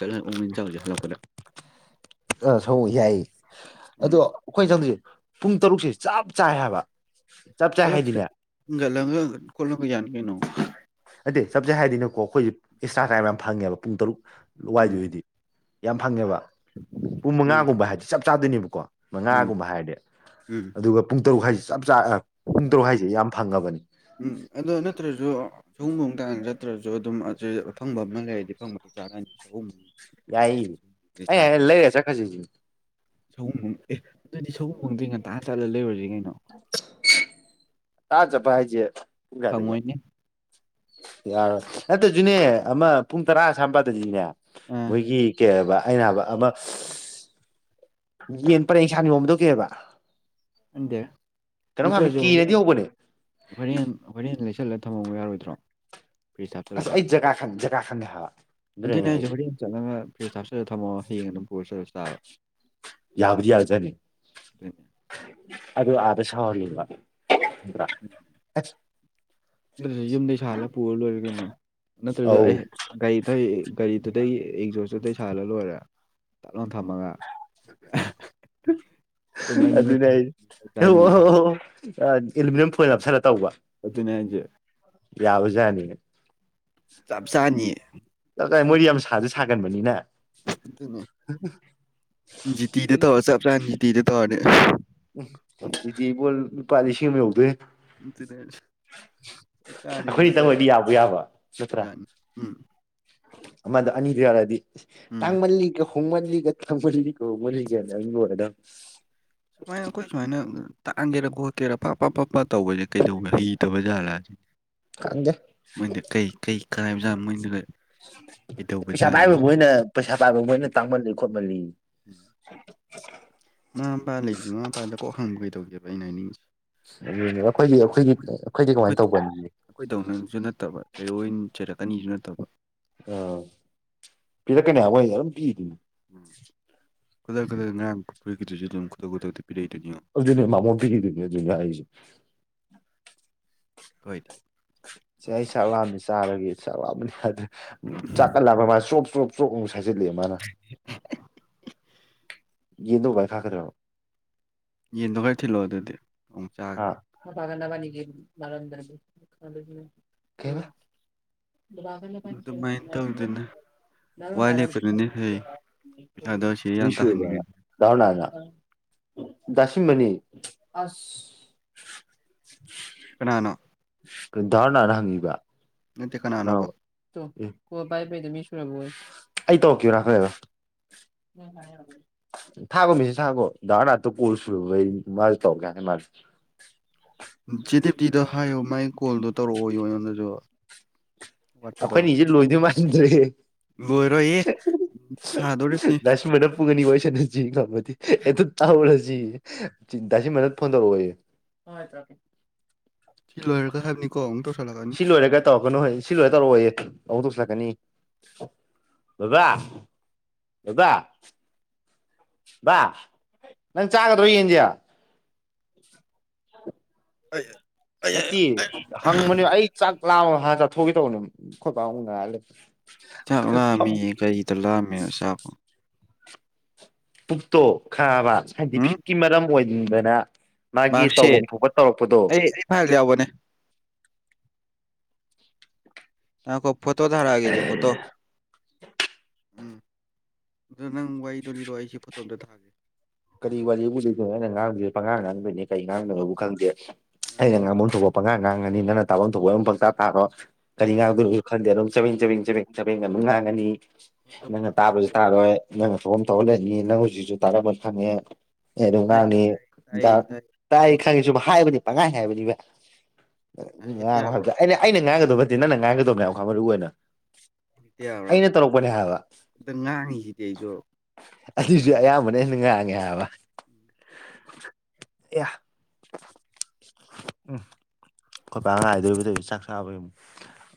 ꯆꯜꯂꯁꯦ ꯍꯜꯂꯛꯄꯗ ꯑ ꯁ ꯌꯥꯏꯌꯦ ꯎꯝ ꯑꯗꯣ ꯑꯩꯈꯣꯏꯅ ꯆꯪꯗꯣꯏꯁꯦ ꯄꯨꯡ ꯇꯔꯨꯛꯁꯦ ꯆꯞ ꯆꯥꯏ ꯍꯥꯏꯕ ꯆꯞ ꯆꯥꯏ ꯑ ꯍꯥꯏꯗꯤꯅꯦ ꯀꯣꯂꯅ ꯀꯖꯅꯤꯅꯣ ꯦ ꯆꯞ ꯆꯦ ꯍꯥꯏꯗꯤꯅꯀꯣ ꯑꯩꯈꯣꯏꯁꯦ ꯑꯦꯛꯁꯇ꯭ꯔꯥ ꯀꯥꯏꯝ ꯌꯥꯝ ꯐꯪꯉꯦꯕ ꯄꯨꯡ ꯇꯔꯨꯛ ꯎꯝ ꯂꯋꯥꯏꯗꯨ ꯑꯣꯏꯗꯤ ꯌꯥꯝ ꯐꯪꯉꯦꯕ ꯄꯨꯡ ꯎꯝ ꯃꯉꯥꯒꯨꯝꯕ ꯍꯥꯏꯗꯤ ꯆꯞ ꯆꯥꯗꯣꯏꯅꯦꯕꯀꯣ ꯎꯝ ꯃꯉꯥꯒꯨꯝꯕ ꯍꯥꯏꯔꯗꯤ ꯎꯝ ꯑꯗꯨꯒ ꯄꯨꯡ ꯇꯔꯨꯛ ꯍꯥꯏꯁꯤ ꯎꯝ ꯑꯗꯣ ꯅꯠꯇ꯭ꯔꯁꯨ ꯁꯨꯝꯕꯣꯡ ꯇꯥ ꯆꯠꯇ꯭ꯔꯁꯨ ꯑꯗꯨꯝ ꯑꯐꯪꯕ ꯑꯃ ꯂꯩꯔꯗꯤ ꯐꯪꯕꯗꯤ ꯆꯥꯔꯅꯤ ꯌꯥꯏ ꯐꯪꯉꯗꯤ ꯁꯒꯨꯝ ꯆꯥꯁꯦ ꯑ ꯂꯔ ꯆꯈꯁꯤ ꯁꯒꯣꯕ ꯑꯦ ꯑꯗꯨꯗꯤ ꯁꯒꯣꯝꯕꯪꯗꯤ ꯉꯟꯇꯥ ꯆꯠꯂ ꯂꯩꯔꯨꯁꯤ ꯀꯩꯅꯣ ꯇꯥꯖ ꯄꯍꯤꯖꯦ ꯐꯪꯉꯣꯏꯅꯦ ꯌꯥꯔꯣꯏ ꯅꯠꯇ꯭ꯔꯁꯨꯅꯦ ꯑꯃ ꯄꯨꯡ ꯇꯔꯥ ꯁꯝꯄꯥꯗꯁꯤꯅꯦ ꯑ ꯃꯣꯏꯒꯤ ꯀꯦꯕ ꯑꯩꯅꯕ ꯑꯃ ꯌꯦꯟ ꯄꯔꯦꯡꯁꯥꯡ ꯌꯣꯝꯗꯧꯀꯦꯕ ꯗꯦ ꯅꯠꯇ꯭ꯔꯁꯨ ꯍꯔ ꯍꯧꯕꯅꯦ ꯍꯔ ꯍꯔ ꯂꯩ ꯆꯠꯂ ꯊꯝꯃꯃ ꯌꯥꯔꯣꯏꯗ꯭ꯔꯣ ꯐ꯭ꯔꯤꯖ ꯑꯁ ꯍꯥꯞꯆꯤꯜꯂꯒ ꯑꯩ ꯖꯒꯥ ꯈꯪꯉꯦ ꯖꯒꯥ ꯈꯪꯉꯦ ꯍꯥꯏꯕ ꯑꯗꯨꯏ ꯑꯗꯨꯅꯅꯦ ꯅ ꯑꯩꯁꯦ ꯍꯥꯏꯁꯦ ꯋꯥꯔꯤ ꯑꯃ ꯆꯠꯂꯒ ꯐ꯭ꯔꯤꯖ ꯍꯥꯞꯆꯤꯜꯂꯒ ꯊꯃꯑꯣ ꯐꯤꯅ ꯄꯨꯁꯁꯕ ꯌꯥꯕꯨꯗꯤ ꯑꯗꯨ ꯑꯗꯨꯗ ꯑ ꯁꯥꯎꯔꯂꯤꯜ꯭ꯔꯥ ꯅ ꯌꯨꯝꯗꯩ ꯁꯥꯜꯂ ꯄꯨꯔ ꯂꯣꯏꯔ ꯀꯩꯅꯣ ꯅꯠꯇ꯭ꯔꯗ ꯑꯧ ꯑꯩ ꯒꯥꯔꯤꯗ ꯒꯥꯔꯤꯗꯨꯗꯒꯤ ꯑꯦꯡꯖꯣꯔꯁ ꯇꯩ ꯁꯥꯥꯏꯔ ꯂꯣꯏꯔꯦ ꯇꯠꯂ ꯊꯝꯃꯒ ꯄꯨꯡ ꯑꯅꯤ ꯑꯗꯨ ꯑꯍꯨꯝ ꯇꯥꯏ ꯑꯣ ꯆꯥꯅꯤ ꯑꯦꯂꯨꯃꯤꯅꯤꯌꯝ ꯐꯣꯏꯜ ꯑꯁꯅ ꯇꯧꯕ ꯄꯖ ꯌꯥꯎꯖꯅꯤ ꯆꯞ ꯆꯥꯅꯤꯌꯦ ꯥꯏ ꯃꯣꯏꯗꯤ ꯌꯥꯝ ꯁꯥꯁꯨ ꯁꯥꯒꯟꯕꯅꯤꯅ ꯇꯤꯗ ꯊꯔ ꯆ꯭ꯔꯖꯤꯇꯤꯗ ꯇꯔꯦ ꯎ ꯑꯗꯨꯗꯤꯕꯣꯜ ꯂꯨꯄꯥ ꯂꯤꯁꯤꯡ ꯑꯃ ꯌꯧꯗꯦ ꯎ ꯁꯤꯔ ꯑꯩꯈꯣꯏꯅꯤ ꯆꯪ ꯑꯣꯏꯣꯏꯗꯤ ꯌꯥꯕ ꯌꯥꯕ ꯅꯠꯇ꯭ꯔꯥ ꯌꯥꯅꯤ ꯎꯝ ꯃꯗꯨ ꯑꯅꯤꯗꯤ ꯑꯣꯏꯔꯗꯤ ꯎꯝ ꯇꯥꯡꯃꯜꯜꯂꯤꯒ ꯍꯨꯃꯟ ꯂꯤ ꯀ ꯈꯃꯜꯀ ꯍꯃꯅꯤꯒꯦꯗꯥ ꯃꯥꯏ ꯀꯁꯨ ꯃꯅ ꯇꯥꯛꯍꯒꯦꯥ ꯈꯣꯠꯀꯦꯔꯥ ꯄꯞ ꯄ ꯄꯞ ꯄ ꯇꯧꯕꯁꯦ ꯀꯩꯗꯧꯦ ꯍꯩꯗꯕ ꯥꯂꯥꯁꯤ ꯈꯪꯗꯦ ꯃꯣꯏꯗ ꯀꯩ ꯀꯩ ꯀꯥꯏꯕꯖꯥꯠ ꯃꯣꯏꯅ ꯄꯩꯁꯥ ꯄꯥꯏꯕ ꯃꯣꯏꯅ ꯄꯩꯁꯥ ꯄꯥꯏꯕ ꯃꯣꯏꯅ ꯇꯥꯡꯃꯜꯂꯤ ꯈꯣꯠꯃꯜꯂꯤ [inaudible] ꯃꯃ ꯃꯄꯥ ꯂꯩꯁꯦ ꯃꯃꯥ ꯃꯄꯥꯗ ꯀꯣꯛ ꯍꯪꯕ ꯀꯩꯗꯧꯒꯦꯕ ꯑꯩꯅ ꯍꯥꯏꯅꯤꯡꯉꯁꯦ ꯑꯗꯨꯅꯦ ꯑꯩꯈꯣꯏꯗꯤ ꯑꯩꯈꯣꯏꯒꯤ ꯑꯩꯈꯣꯏꯗꯤ ꯀꯃꯥꯏꯅ ꯑꯩꯈꯣꯏꯗꯧ ꯇꯧꯕꯅꯤ ꯑꯅꯤꯁꯨ ꯅꯠꯇꯕ ꯑꯥ ꯄꯤꯔꯛꯀꯅꯤ ꯍꯋꯥꯏꯁ ꯑꯗꯨꯝ ꯄꯤꯗꯅꯤ ꯎꯝ ꯀꯗꯥꯔ ꯈꯨꯗꯔ ꯃꯌꯥꯝꯗꯁꯨ ꯑꯗꯨꯝ ꯈꯨꯗ ꯈꯨꯗ ꯅꯦ ꯃꯥꯃꯣꯇꯤ ꯀ ꯑꯗꯨ ꯍꯥꯏꯁ ꯐꯗ ꯁꯤ ꯑꯩ ꯁꯛ ꯂꯥꯝꯅꯤ ꯆꯥꯔꯒꯤ ꯁꯛ ꯂꯥꯕꯅꯤ ꯑꯗꯨ ꯆꯥꯛꯀꯠꯂꯕ ꯃꯥ ꯆꯣꯞ ꯆꯣꯞ ꯆꯣꯨ ꯍꯥꯏꯖꯤꯂ ꯃꯥꯅ ꯌꯦꯗ ꯏꯈꯥꯈ꯭ꯔꯦꯣ ꯌꯦꯟꯗꯣ ꯈꯔ ꯊꯤꯜꯂꯛꯑꯣ ꯑꯗꯨꯗꯤ ꯑꯃꯨꯛ ꯆꯥꯒꯦ ꯒꯥꯟꯗ ꯄꯅꯤꯒꯤ ꯃꯔꯔꯗ ꯗꯨꯚꯒꯗ ꯄ ꯑꯗꯨꯃꯥꯏꯅ ꯇꯧꯗꯅ ꯋꯥ ꯔ ꯂꯦꯞꯀꯗꯨꯅꯤ ꯐꯩ ꯄꯩꯁꯥꯗꯣ ꯁꯤ ꯌꯥꯝ ꯃꯤꯁꯨꯨꯔ ꯇꯥꯍꯟꯅꯤꯡꯉꯗꯤ ꯗꯔꯨꯅꯥꯔꯅꯥ ꯗꯁꯤꯝꯃꯅꯤ ꯑ ꯄꯨꯅꯥꯅꯣ ꯗꯔꯅꯥꯅꯪꯤꯒ ꯅꯇ ꯀꯅꯥꯅꯨꯕ ꯑꯣ ꯚꯥꯏ ꯐꯩꯗ ꯃꯤ ꯁꯔꯕꯣꯏ ꯑꯩ ꯇꯧꯔꯛꯈꯤꯕ ꯂꯅꯦꯕ ꯊꯥꯒꯣ ꯃꯤꯁꯤ ꯊꯥꯒꯣ ꯗꯗꯥꯔꯅ ꯍꯥꯇ ꯄꯨꯁꯨ ꯃꯥ ꯇꯧ ꯀꯅꯦ ꯃꯥ ꯦꯗꯤꯞꯇꯤꯗꯣ ꯍꯥꯏꯌꯨ ꯃꯒꯤ ꯀꯣꯜꯗꯣ ꯇꯧꯔꯛꯑꯣꯣ ꯑꯩꯉꯣꯟꯗꯁꯨ ꯑꯩꯈꯣꯏꯅ ꯋꯥꯠꯄꯗꯣ ꯏꯁꯦ ꯂꯣꯏꯗꯣꯏ ꯃꯥꯟꯗ꯭ꯔꯦ ꯂꯣꯏꯔꯣꯏꯌꯦ ꯁꯥꯗꯣꯔꯤꯕꯅꯤ ꯗꯁ ꯃꯤꯄꯨꯒꯅꯤ ꯑꯣꯏ ꯅ ꯆ ꯉꯝꯃꯗꯤ ꯍꯦꯛꯇ ꯇꯥꯎꯔꯁꯤ ꯇꯁꯤꯃꯅ ꯐꯣꯟ ꯇꯧꯔꯛꯑꯣꯌꯦꯦ ꯍꯣꯏ ꯇꯀꯦ ꯊꯤ ꯂꯣꯏꯔꯒ ꯍꯥꯏꯕꯅꯤꯀꯣꯨ ꯁꯤ ꯂꯣꯏꯔꯦ ꯀꯥꯏ ꯇꯧꯔꯛꯀꯅꯣ ꯍꯣꯏ ꯁꯤ ꯂꯣꯏꯔ ꯇꯧꯔꯑꯣꯌꯦꯦ ꯑꯃꯨꯛꯇ ꯅꯤ ꯕꯥ ꯕꯥ ꯅꯪ ꯆꯥꯒ ꯑꯗꯨ ꯑꯣꯏ ꯌꯦꯟꯖꯌꯥ ꯍꯣꯏ ꯍꯣꯏ ꯅꯠꯇꯦ ꯍꯪꯕꯅꯦ ꯑꯩ ꯆꯥꯛ ꯂꯥꯕ ꯆꯥꯊꯣꯛꯒꯦ ꯇꯧꯕꯅꯦ ꯈꯣꯠꯄꯇ ꯆꯥꯛ ꯂꯥꯛꯑꯝꯃꯤꯌꯦ ꯀꯔꯤꯗ ꯂꯥꯛꯑꯝꯃꯤꯅꯣ ꯆꯥꯛꯄꯣ ꯄꯨꯛꯇꯣ ꯈꯥꯕ ꯎꯝ ꯁꯥꯏꯟꯇꯤꯐꯤꯛꯀꯤ ꯃꯔꯝ ꯑꯣꯏꯅꯤꯡꯗꯅ ꯃꯥꯒꯤ ꯇꯧꯐꯝ ꯃꯥꯔꯛꯁꯤꯠ ꯊꯣꯛꯄ ꯇꯧꯔꯛꯄꯗꯣ ꯑꯩ ꯑꯩ ꯐꯥꯏꯜ ꯌꯥꯎꯕꯅꯦ ꯑꯈꯣꯏ ꯐꯣꯇꯣ ꯊꯔꯒꯦꯁ ꯐꯣꯇꯣ ꯎꯝ ꯑꯗꯨꯗ ꯅꯪ ꯋꯥꯗꯣ ꯂꯤꯔꯣ ꯑꯩꯁꯦ ꯐꯣꯇꯣꯝꯇ ꯊꯥꯒꯦ ꯀꯔꯤ ꯋꯥꯔꯤ ꯎꯗꯣꯏꯗꯣꯏꯣ ꯑꯩꯅ ꯉꯥꯡꯗꯁꯦ ꯄꯉꯥꯡ ꯉꯥꯡꯗꯣꯏꯅꯤ ꯀ ꯉꯥꯡꯅꯅꯕꯕꯨ ꯈꯪꯗꯦ ꯑꯩꯅ ꯉꯥꯃꯣꯟ ꯊꯣꯛꯄ ꯄꯉꯥꯡ ꯉꯥꯡꯉꯅꯤ ꯅꯪ ꯇꯥꯐꯝ ꯊꯣꯛꯄ ꯑꯗꯨꯝ ꯄꯪꯇꯥ ꯇꯥꯔꯣ ꯀꯔꯤ ꯉꯥꯗꯅꯣ ꯈꯟꯗꯦ ꯑꯗꯨꯝ ꯆꯥꯃꯤꯡ ꯆꯥꯕꯤꯡ ꯆꯡ ꯆꯦꯡ ꯉꯥꯡꯉꯅꯤ ꯐꯣꯇꯣ ꯑꯝꯇ ꯅꯪꯅ ꯇꯥꯕꯁꯨ ꯊꯥꯔꯝꯒꯦꯕ ꯇꯥꯔꯣꯏ ꯅꯪꯅ ꯐꯣꯝ ꯊꯣꯛꯍꯜꯂꯅꯤ ꯅꯪ ꯍꯧꯖꯤꯛꯁꯨ ꯇꯥꯔ ꯈꯪꯉꯦ ꯑꯦ ꯑꯗꯨꯝ ꯇꯥꯏ ꯇꯥꯏ ꯉꯥꯡꯉ ꯇꯥꯏꯌꯦ ꯇꯥꯏ ꯇꯥꯛ ꯐꯣꯇꯣ ꯈꯪꯉꯤ ꯁꯨꯝ ꯑꯝꯇ ꯍꯥꯏꯕꯅꯤ ꯄꯪꯉꯥꯏ ꯍꯥꯏꯕꯅꯤꯕ ꯍꯦꯛꯇ ꯉꯥꯡꯉꯣ ꯌꯥꯕ꯭ꯔꯣ ꯍꯥꯏꯕꯗ ꯑꯩꯅ ꯑꯩꯅ ꯉꯥꯡꯒ ꯐꯗꯤ ꯅꯪ ꯉꯥꯏꯒꯗꯧ ꯃꯌꯥꯝꯈ ꯃꯔꯨ ꯑꯣꯏꯅ ꯏꯇꯦ ꯍꯔꯥꯞ ꯑꯩꯅ ꯇꯧꯔꯛꯄꯅꯦ ꯍꯥꯏꯕ ꯑꯇ ꯉꯥꯡꯉꯤꯁꯤꯗꯤ ꯑꯩꯁꯨ ꯑꯗꯨꯁꯨ ꯑꯌꯥꯝꯕꯅ ꯍꯦꯟꯅ ꯉꯥꯡꯉꯦ ꯍꯥꯏꯕ ꯎꯝ ꯑꯦꯌꯥ ꯎꯝ ꯑꯩꯈꯣꯏꯄ ꯉꯥꯏꯗꯣꯔꯤꯕꯗꯨ ꯆꯥꯛ ꯆꯥꯕꯒꯤ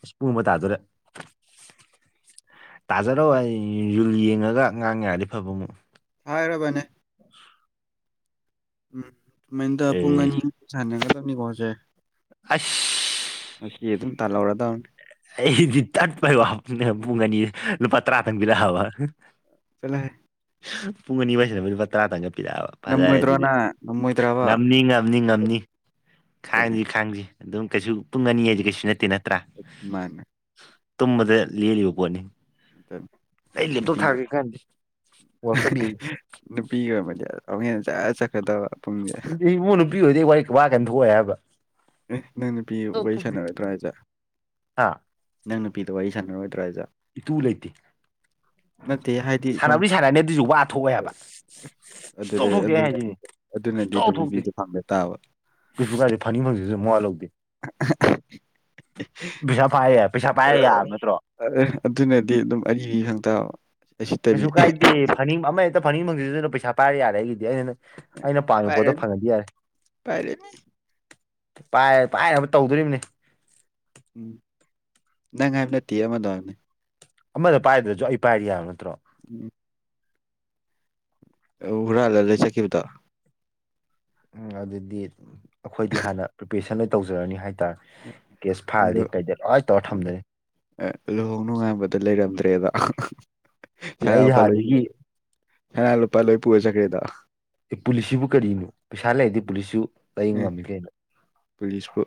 ꯑꯁ ꯄꯕ ꯇꯥꯗꯣꯔꯦ ꯇꯥꯖꯔꯣꯑꯣ ꯑꯩ ꯌꯨꯜ ꯌꯦꯡꯉꯒ ꯉꯥꯡ ꯌꯥ ꯌꯥꯔꯗꯤ ꯐꯕ ꯑꯃꯨꯛ ꯍꯥꯏꯔꯣꯔꯕꯅꯦ ꯑ ꯎꯝ ꯑꯦ ꯃꯨꯅꯤꯡꯅꯤ ꯄꯣꯆꯦ ꯑꯁ ꯌꯦ ꯑꯗꯨꯝ ꯇꯂꯔꯗꯅꯤ ꯑꯩꯗꯤ ꯇꯠꯄꯥꯏꯕ ꯄꯨꯡ ꯑꯅꯤ ꯂꯨꯄꯥ ꯇꯔꯥ ꯊꯪꯕꯤꯔꯛꯑꯕ ꯐꯂ ꯍꯥꯏꯦ ꯄꯨꯡ ꯑꯅꯤꯋꯥꯏꯁꯤꯗ ꯂꯨꯄꯥ ꯇꯔꯥꯇꯪꯠ ꯄꯤꯔꯛꯑꯕ ꯐꯖꯔꯦ ꯉꯝꯃꯣꯏꯗ꯭ꯔꯣ ꯑꯗꯨꯗꯤ ꯅ ꯉꯝꯃꯣꯏꯗ꯭ꯔꯕ ꯉꯝꯅꯤ ꯉꯝꯅꯤ ꯉꯝꯅꯤ ꯑꯗꯨꯅꯦ ꯈꯥꯡꯁꯤ ꯈꯥꯡꯁꯤ ꯑꯗꯨꯝ ꯀꯩꯁꯨ ꯄꯨꯡ ꯑꯅꯤ ꯍꯥꯏꯁꯤ ꯀꯩꯁꯨ ꯅꯠꯇꯦꯅ ꯃꯥꯅꯦ ꯇꯨꯝꯕꯗ ꯂꯦꯜꯂꯤꯕ ꯄꯣꯠꯅꯤ ꯑꯩ ꯂꯦꯞꯇꯣꯞ ꯊꯥꯒꯦ ꯀꯥꯟꯗꯤ ꯅꯨꯄꯤꯒꯤ ꯑꯣꯏꯕꯗꯤ ꯍꯦꯟꯅ ꯆ ꯆꯠꯀꯗꯕ ꯄꯨꯡꯁꯦ ꯏꯃꯨꯡ ꯅꯨꯄꯤꯤ ꯑꯣꯏꯗꯤ ꯑꯩ ꯋꯥꯣꯏ ꯋꯥ ꯀꯩ ꯊꯣꯛꯑꯦ ꯍꯥꯏꯕ ꯑꯦ ꯅꯪ ꯅꯨꯄꯤ ꯁꯨꯛꯊꯣꯛ ꯋꯥꯔꯤ ꯊꯣꯛꯇꯦ ꯁꯥꯟꯅꯔꯗ꯭ꯔꯣ ꯑꯖꯦ ꯍꯥ ꯅꯪ ꯅꯨꯄꯤꯗ ꯋꯥꯔꯤ ꯁꯥꯟꯅ ꯏꯇꯨ ꯂꯩꯇꯦ ꯅꯠꯇꯦ ꯍꯥꯏꯗꯤ ꯁꯨꯝ ꯁꯥꯟꯅꯕꯔꯤ ꯁꯥꯟꯅꯅꯤ ꯑꯗꯨꯁꯨ ꯋꯥ ꯊꯣꯛꯑꯦ ꯍꯥꯏꯕ ꯁꯨꯛꯊꯣꯛ ꯑꯗꯨꯗ ꯊꯣꯛꯇꯦ ꯑꯩ ꯍꯥꯏꯁꯤꯅꯤ ꯑꯗꯨꯅꯗꯤ ꯑꯗꯨ ꯅꯨꯄꯤꯗꯨ ꯐꯪꯗ ꯇꯥꯕ ꯑꯩꯁꯁꯨ ꯀꯒꯥꯔꯤ ꯐꯥ ꯐꯖꯦ ꯄꯩꯁꯥ ꯄꯥꯏꯔꯦ ꯄꯩꯁꯥ ꯄꯥꯏꯔꯦ ꯌꯥ ꯅꯠꯇ꯭ꯔꯣ ꯑꯗꯨꯅꯗꯤ ꯑꯗꯨꯝ ꯑꯔꯤꯕ ꯈꯪ ꯇꯕ ꯀꯩꯁꯨ ꯀꯥꯏꯗꯦ ꯐꯅꯤꯡ ꯑꯃ ꯍꯦꯛꯇ ꯐꯅꯤꯡ ꯐꯪꯗꯗꯗꯅ ꯄꯩꯁꯥ ꯄꯥꯏꯔꯦ ꯌꯥꯔꯦ ꯑꯩꯒꯤꯗꯤ ꯑꯩꯅꯩꯅ ꯑꯩꯅ ꯄꯥꯝꯃꯤꯕ ꯄꯣꯠꯇꯣ ꯄꯥꯏꯔꯅꯤ ꯐꯪꯉꯗꯤ ꯌꯥꯔꯦ ꯄꯥꯏꯔꯅꯤ ꯄꯥꯏ ꯄꯥꯏꯅꯕ ꯇꯧꯗꯣꯔꯤꯕꯅꯤ ꯎꯝ ꯅ ꯉꯥꯏꯅ ꯇꯤꯌꯥ ꯑꯃꯗꯅꯤ ꯑꯃꯗ ꯄꯥꯏꯗ꯭ꯔꯁꯨ ꯑꯩ ꯄꯥꯏꯔꯤ ꯌꯥꯕ ꯅꯠꯇ꯭ꯔꯣ ꯎꯝ ꯎꯔꯥ ꯂꯩ ꯂꯩ ꯆꯦ ꯀꯕꯨꯗ ꯎꯝ ꯑꯗꯨꯗꯤ ꯑꯩꯈꯣꯏꯗꯤ ꯍꯥꯟꯅ ꯄ꯭ꯔꯤꯄꯦꯔꯦꯁꯟ ꯂꯣꯏ ꯇꯧꯖꯔꯅꯤ ꯍꯥꯏ ꯀꯦꯁ ꯐꯥꯏꯜꯗꯤ ꯀꯩꯗ ꯂꯣꯏ ꯇꯧꯔ ꯊꯝꯗꯣꯏꯅꯤ ꯑꯦ ꯂꯨꯍꯣꯡ ꯅꯨꯡꯉꯥꯟꯕꯗ ꯂꯩꯔꯝꯗ꯭ꯔꯦꯗ ꯑꯩ ꯍꯥꯟꯗꯒꯤ ꯅꯍ ꯂꯨꯄꯥ ꯂꯣꯏ ꯄꯨꯔꯦ ꯆꯀ꯭ꯔꯦꯗ ꯑꯦ ꯄꯨꯂꯤꯁꯁꯤꯕꯨ ꯀꯔꯤꯅꯣ ꯄꯩꯁꯥ ꯂꯩꯔꯗꯤ ꯄꯨꯂꯤꯁꯁꯨ ꯂꯩ ꯉꯝꯃꯤ ꯀꯩꯅꯣ ꯐꯁꯕꯨ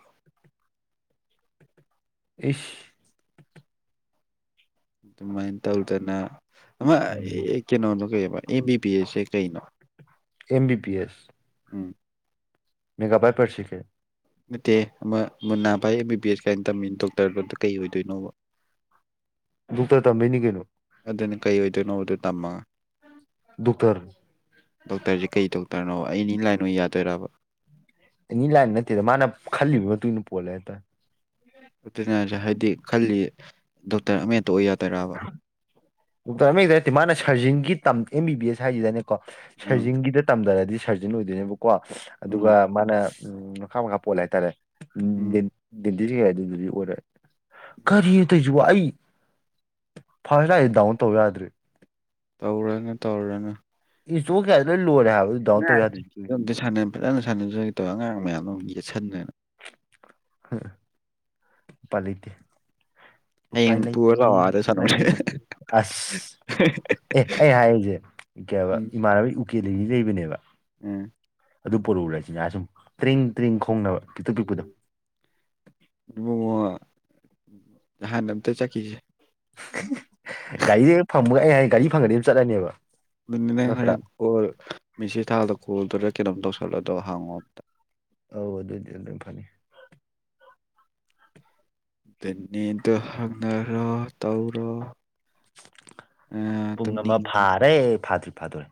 ꯏꯐ ꯏꯟ ꯇ ꯎꯜꯇꯅ ꯑ ꯎꯝ ꯑꯦꯀꯦꯅꯣ ꯕ ꯑꯦ ꯕꯤ ꯄꯤ ꯑꯦꯁꯦ ꯀꯩꯅꯣ ꯑꯦꯦꯝ ꯕꯤ ꯄꯤ ꯑꯦꯁ ꯎꯝ ꯃꯤꯒꯚꯥꯏ ꯄꯁꯤꯀꯦ ꯅꯠꯇꯦ ꯑꯃ ꯃꯨꯅꯥ ꯚꯥꯏ ꯑꯦꯝ ꯕꯤ ꯕꯤ ꯑꯦꯁ ꯀꯥꯏꯅ ꯇꯝꯃꯤ ꯗꯣꯛꯇꯔ ꯂꯇ ꯀꯩ ꯑꯣꯏꯗꯣꯏꯅꯣꯕ ꯛꯇꯔ ꯇꯝꯃꯦꯩꯅꯤ ꯀꯩꯅꯣ ꯑꯗꯨꯅ ꯀꯩ ꯑꯣꯏꯗꯣꯏꯅꯣꯕꯗ ꯇꯝꯃꯒ ꯗꯣꯛꯇꯔ ꯗꯣꯛꯇꯔꯁꯦ ꯀꯩ ꯗꯣꯛꯇꯔꯅꯣꯕ ꯑꯦꯅꯤ ꯂꯥꯏꯟ ꯑꯣꯏ ꯌꯥꯗꯣꯏꯔꯕ ꯅꯅꯤꯂ ꯅ ꯃꯥꯅ ꯈꯥꯂꯤ ꯄꯨꯣꯂꯦꯇ ꯑꯗꯨ ꯍꯥꯏꯗꯤ ꯈꯜꯂꯤ ꯗꯣꯛꯇꯔ ꯑꯃꯦꯛꯇ ꯑꯣꯏ ꯌꯥꯗꯣꯏꯔꯕ ꯗꯣꯛꯇꯔ ꯑꯃꯒꯤꯛꯇ ꯅꯠꯇꯦ ꯃꯥꯅ ꯁꯔꯖꯤꯡꯒꯤ ꯑꯦꯝ ꯕꯤ ꯕꯤ ꯑꯦꯁ ꯍꯥꯏꯁꯤꯗꯅꯦꯀꯣ ꯎꯝ ꯁꯔꯖꯤꯡꯒꯤꯗ ꯇꯝꯗꯔꯗꯤ ꯁꯔꯖꯟ ꯑꯣꯏꯗꯣꯏꯅꯦꯕꯀꯣ ꯎꯝ ꯑꯗꯨꯒ ꯃꯥꯅ ꯎ ꯃꯈꯥ ꯃꯈꯥ ꯄꯣꯜꯂꯦ ꯍꯥꯏꯇꯥꯔꯦ ꯎꯝ ꯎꯝꯗꯤꯦꯗꯨꯗꯤ ꯑꯣꯏꯔꯦ ꯎꯝ ꯀꯔꯤꯅ ꯇꯧꯁꯤꯕ ꯑꯩ ꯐꯁꯗꯥꯎꯟ ꯇꯧꯋꯦꯗ꯭ꯔꯤ ꯇꯧꯔꯅꯦ ꯇꯧꯔꯅꯦ ꯏꯣꯛ ꯀꯌꯥ ꯂꯣꯏ ꯂꯣꯏꯔꯦ ꯍꯥꯏꯕ ꯑꯗꯨꯗꯥꯎ ꯇꯧ ꯌꯥꯗꯣꯏꯁꯨ ꯑꯉꯥꯡꯁꯤꯡꯗꯣ ꯑꯝꯇ ꯁꯥꯟꯅ ꯐꯖꯅ ꯁꯥꯟꯅ ꯇꯧꯋ ꯑꯉꯥꯡ ꯃꯌꯥꯝꯗ ꯌꯦꯠꯁꯟꯗꯅ ꯄ ꯂꯩꯇꯦ ꯎꯄꯥꯏ ꯍꯌꯦꯡ ꯄꯨꯔ ꯂꯩꯇꯦ ꯂꯥꯛꯑꯣ ꯑꯥꯗ ꯎꯄꯥꯏ ꯁꯥꯟꯅꯧꯁꯦ ꯂꯩꯇ ꯑꯁ ꯑꯦ ꯑꯩ ꯍꯥꯏꯔꯤꯁꯦ ꯀ ꯍꯥꯏ ꯎꯝ ꯏꯃꯥꯟꯅꯕ ꯎꯀꯦ ꯂꯩꯗꯤ ꯂꯩꯕꯅꯦꯕ ꯎꯝ ꯑꯗꯨ ꯄꯔꯨꯨꯔꯁꯤꯖ ꯁꯨꯝ ꯇ꯭ꯔꯤꯡ ꯇ꯭ꯔꯤꯡ ꯈꯣꯡꯅꯕ ꯄꯤꯛꯇꯛ ꯄꯤꯛꯄꯗꯣ ꯍꯥꯟ ꯅꯝꯇ ꯆꯀꯤꯁꯦ ꯒꯥꯔꯤꯁ ꯐꯪꯕꯒ ꯑꯩ ꯍꯥꯏ ꯒꯥꯔꯤ ꯐꯪꯉꯗꯤ ꯑꯗꯨꯝ ꯆꯠꯂꯅꯦꯕ ꯂꯅ ꯅꯠꯇ꯭ꯔꯥ ꯍꯔ ꯃꯦꯁꯤ ꯊꯜꯗ ꯀꯣꯜꯗ ꯀꯩꯅꯣꯝ ꯇꯧꯁꯜꯂꯣꯗꯣ ꯍꯥꯡꯉꯣ ꯑꯝꯇ ꯑꯧ ꯑꯗꯨ ꯑꯗꯨ ꯑꯗꯨ ꯑꯗꯨꯝ ꯐꯅꯤ ꯅꯤꯗꯨ ꯍꯪꯅꯔ ꯇꯧꯔ ꯄꯨꯡ ꯑꯃ ꯐꯥꯔꯦ ꯐꯥꯗ꯭ꯔꯤ ꯐꯥꯗꯣꯔꯦ